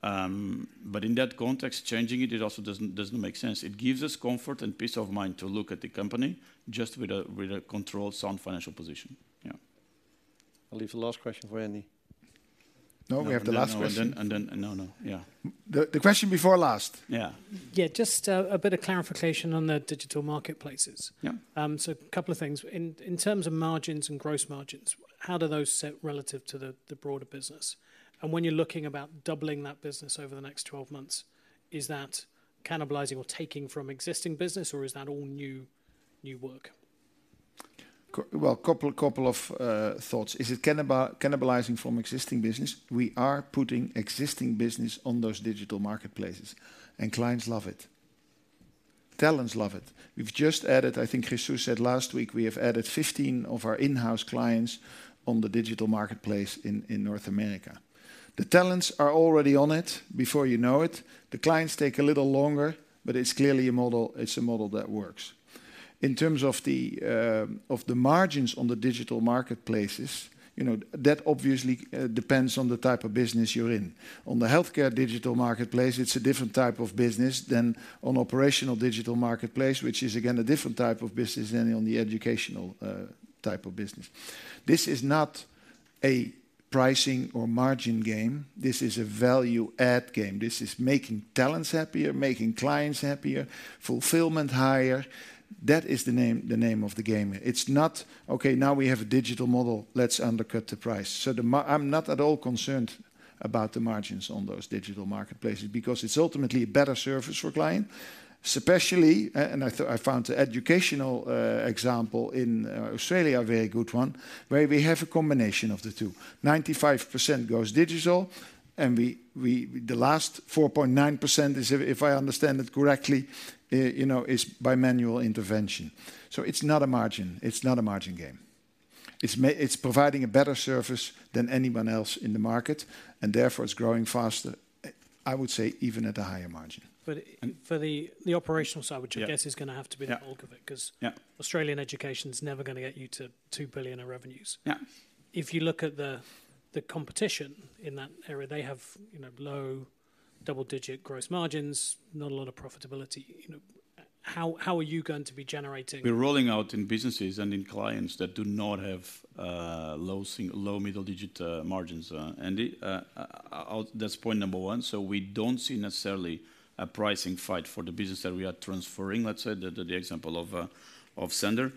But in that context, changing it, it also doesn't make sense. It gives us comfort and peace of mind to look at the company just with a controlled, sound financial position. Yeah. I'll leave the last question for Andy. No, we have the last question. And then... No, no. Yeah. The question before last. Yeah. Yeah, just a bit of clarification on the digital marketplaces. Yeah. So a couple of things. In terms of margins and gross margins, how do those sit relative to the broader business? And when you're looking about doubling that business over the next 12 months, is that cannibalizing or taking from existing business, or is that all new, new work? Well, a couple of thoughts. Is it cannibalizing from existing business? We are putting existing business on those digital marketplaces, and clients love it. Talent love it. We've just added, I think Jesús said last week, we have added 15 of our in-house clients on the digital marketplace in North America. The talents are already on it before you know it. The clients take a little longer, but it's clearly a model, it's a model that works. In terms of the margins on the digital marketplaces, you know, that obviously depends on the type of business you're in. On the healthcare digital marketplace, it's a different type of business than on operational digital marketplace, which is, again, a different type of business than on the educational type of business. This is not a pricing or margin game; this is a value add game. This is making talents happier, making clients happier, fulfillment higher. That is the name, the name of the game. It's not, "Okay, now we have a digital model, let's undercut the price." So I'm not at all concerned about the margins on those digital marketplaces because it's ultimately a better service for client, especially, and I found the educational example in Australia a very good one, where we have a combination of the two. 95% goes digital, and the last 4.9% is, if I understand it correctly, you know, is by manual intervention. So it's not a margin, it's not a margin game. It's ma... It's providing a better service than anyone else in the market, and therefore it's growing faster, I would say, even at a higher margin. But for the operational side- Yeah. which I guess is gonna have to be the bulk of it. Yeah. 'Cause- Yeah. Australian education's never gonna get you to 2 billion in revenues. Yeah. If you look at the competition in that area, they have, you know, low double-digit gross margins, not a lot of profitability. You know, how are you going to be generating- We're rolling out in businesses and in clients that do not have low single- low middle-digit margins. That's point number one, so we don't see necessarily a pricing fight for the business that we are transferring, let's say, the example of Sander.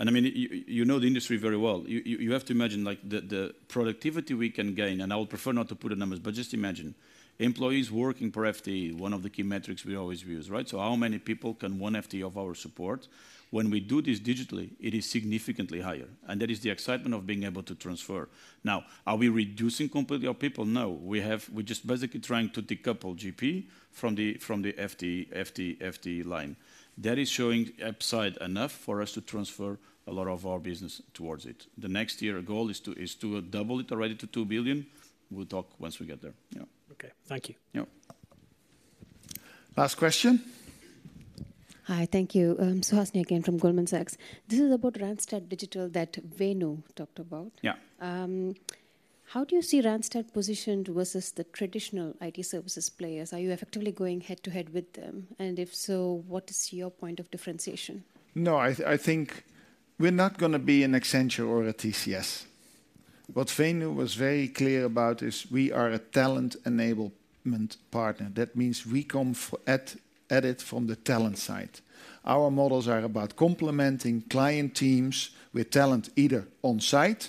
And, I mean, you know the industry very well. You have to imagine, like, the productivity we can gain, and I would prefer not to put the numbers, but just imagine employees working per FTE, one of the key metrics we always use, right? So how many people can one FTE of our support? When we do this digitally, it is significantly higher, and that is the excitement of being able to transfer. Now, are we reducing completely our people? No. We're just basically trying to decouple GP from the FTE line. That is showing upside enough for us to transfer a lot of our business towards it. The next year, our goal is to double it already to 2 billion. We'll talk once we get there. Yeah. Okay. Thank you. Yeah. Last question? Hi, thank you. Suhasini again from Goldman Sachs. This is about Randstad Digital that Venu talked about. Yeah. How do you see Randstad positioned versus the traditional IT services players? Are you effectively going head-to-head with them, and if so, what is your point of differentiation? No, I think we're not gonna be an Accenture or a TCS. What Venu was very clear about is we are a talent enablement partner. That means we come at it from the talent side. Our models are about complementing client teams with talent, either on-site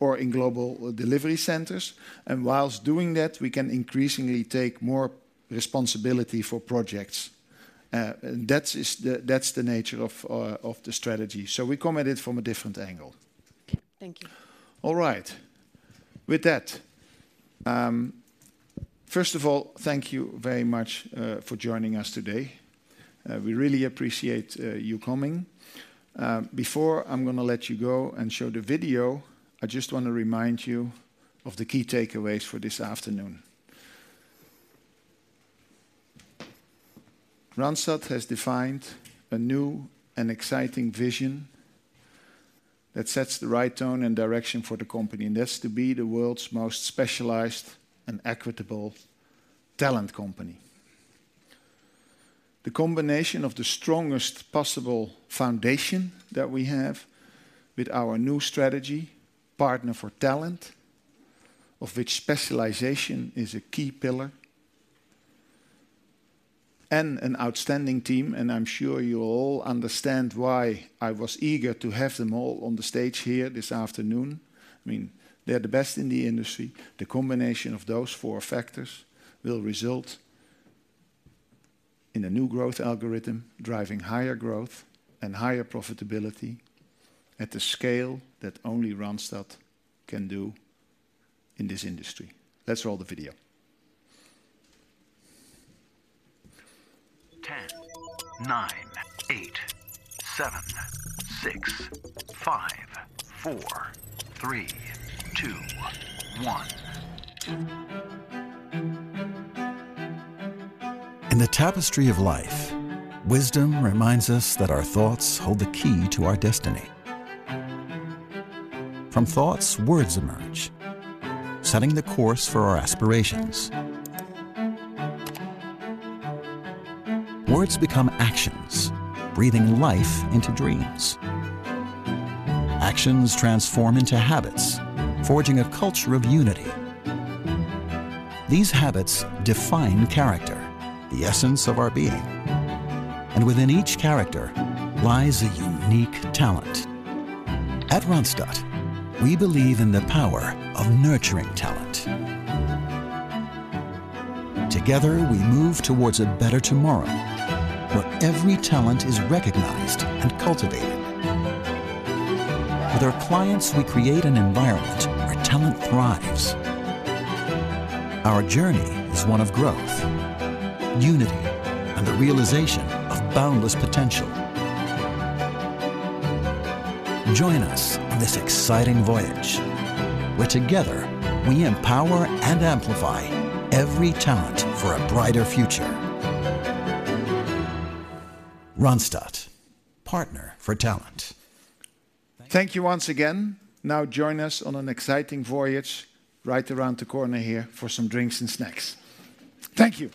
or in global delivery centers, and while doing that, we can increasingly take more responsibility for projects. That's the nature of the strategy. So we come at it from a different angle. Thank you. All right. With that, first of all, thank you very much for joining us today. We really appreciate you coming. Before I'm gonna let you go and show the video, I just want to remind you of the key takeaways for this afternoon. Randstad has defined a new and exciting vision that sets the right tone and direction for the company, and that's to be the world's most specialized and equitable talent company. The combination of the strongest possible foundation that we have with our new strategy, Partner for Talent, of which specialization is a key pillar, and an outstanding team, and I'm sure you all understand why I was eager to have them all on the stage here this afternoon. I mean, they're the best in the industry. The combination of those four factors will result in a new growth algorithm, driving higher growth and higher profitability at the scale that only Randstad can do in this industry. Let's roll the video. Ten, nine, eight, seven, six, five, four, three, two, one. In the tapestry of life, wisdom reminds us that our thoughts hold the key to our destiny. From thoughts, words emerge, setting the course for our aspirations. Words become actions, breathing life into dreams. Actions transform into habits, forging a culture of unity. These habits define character, the essence of our being, and within each character lies a unique talent. At Randstad, we believe in the power of nurturing talent. Together, we move towards a better tomorrow, where every talent is recognized and cultivated. With our clients, we create an environment where talent thrives. Our journey is one of growth, unity, and the realization of boundless potential. Join us on this exciting voyage, where together, we empower and amplify every talent for a brighter future. Randstad: Partner for Talent. Thank you once again. Now, join us on an exciting voyage right around the corner here for some drinks and snacks. Thank you!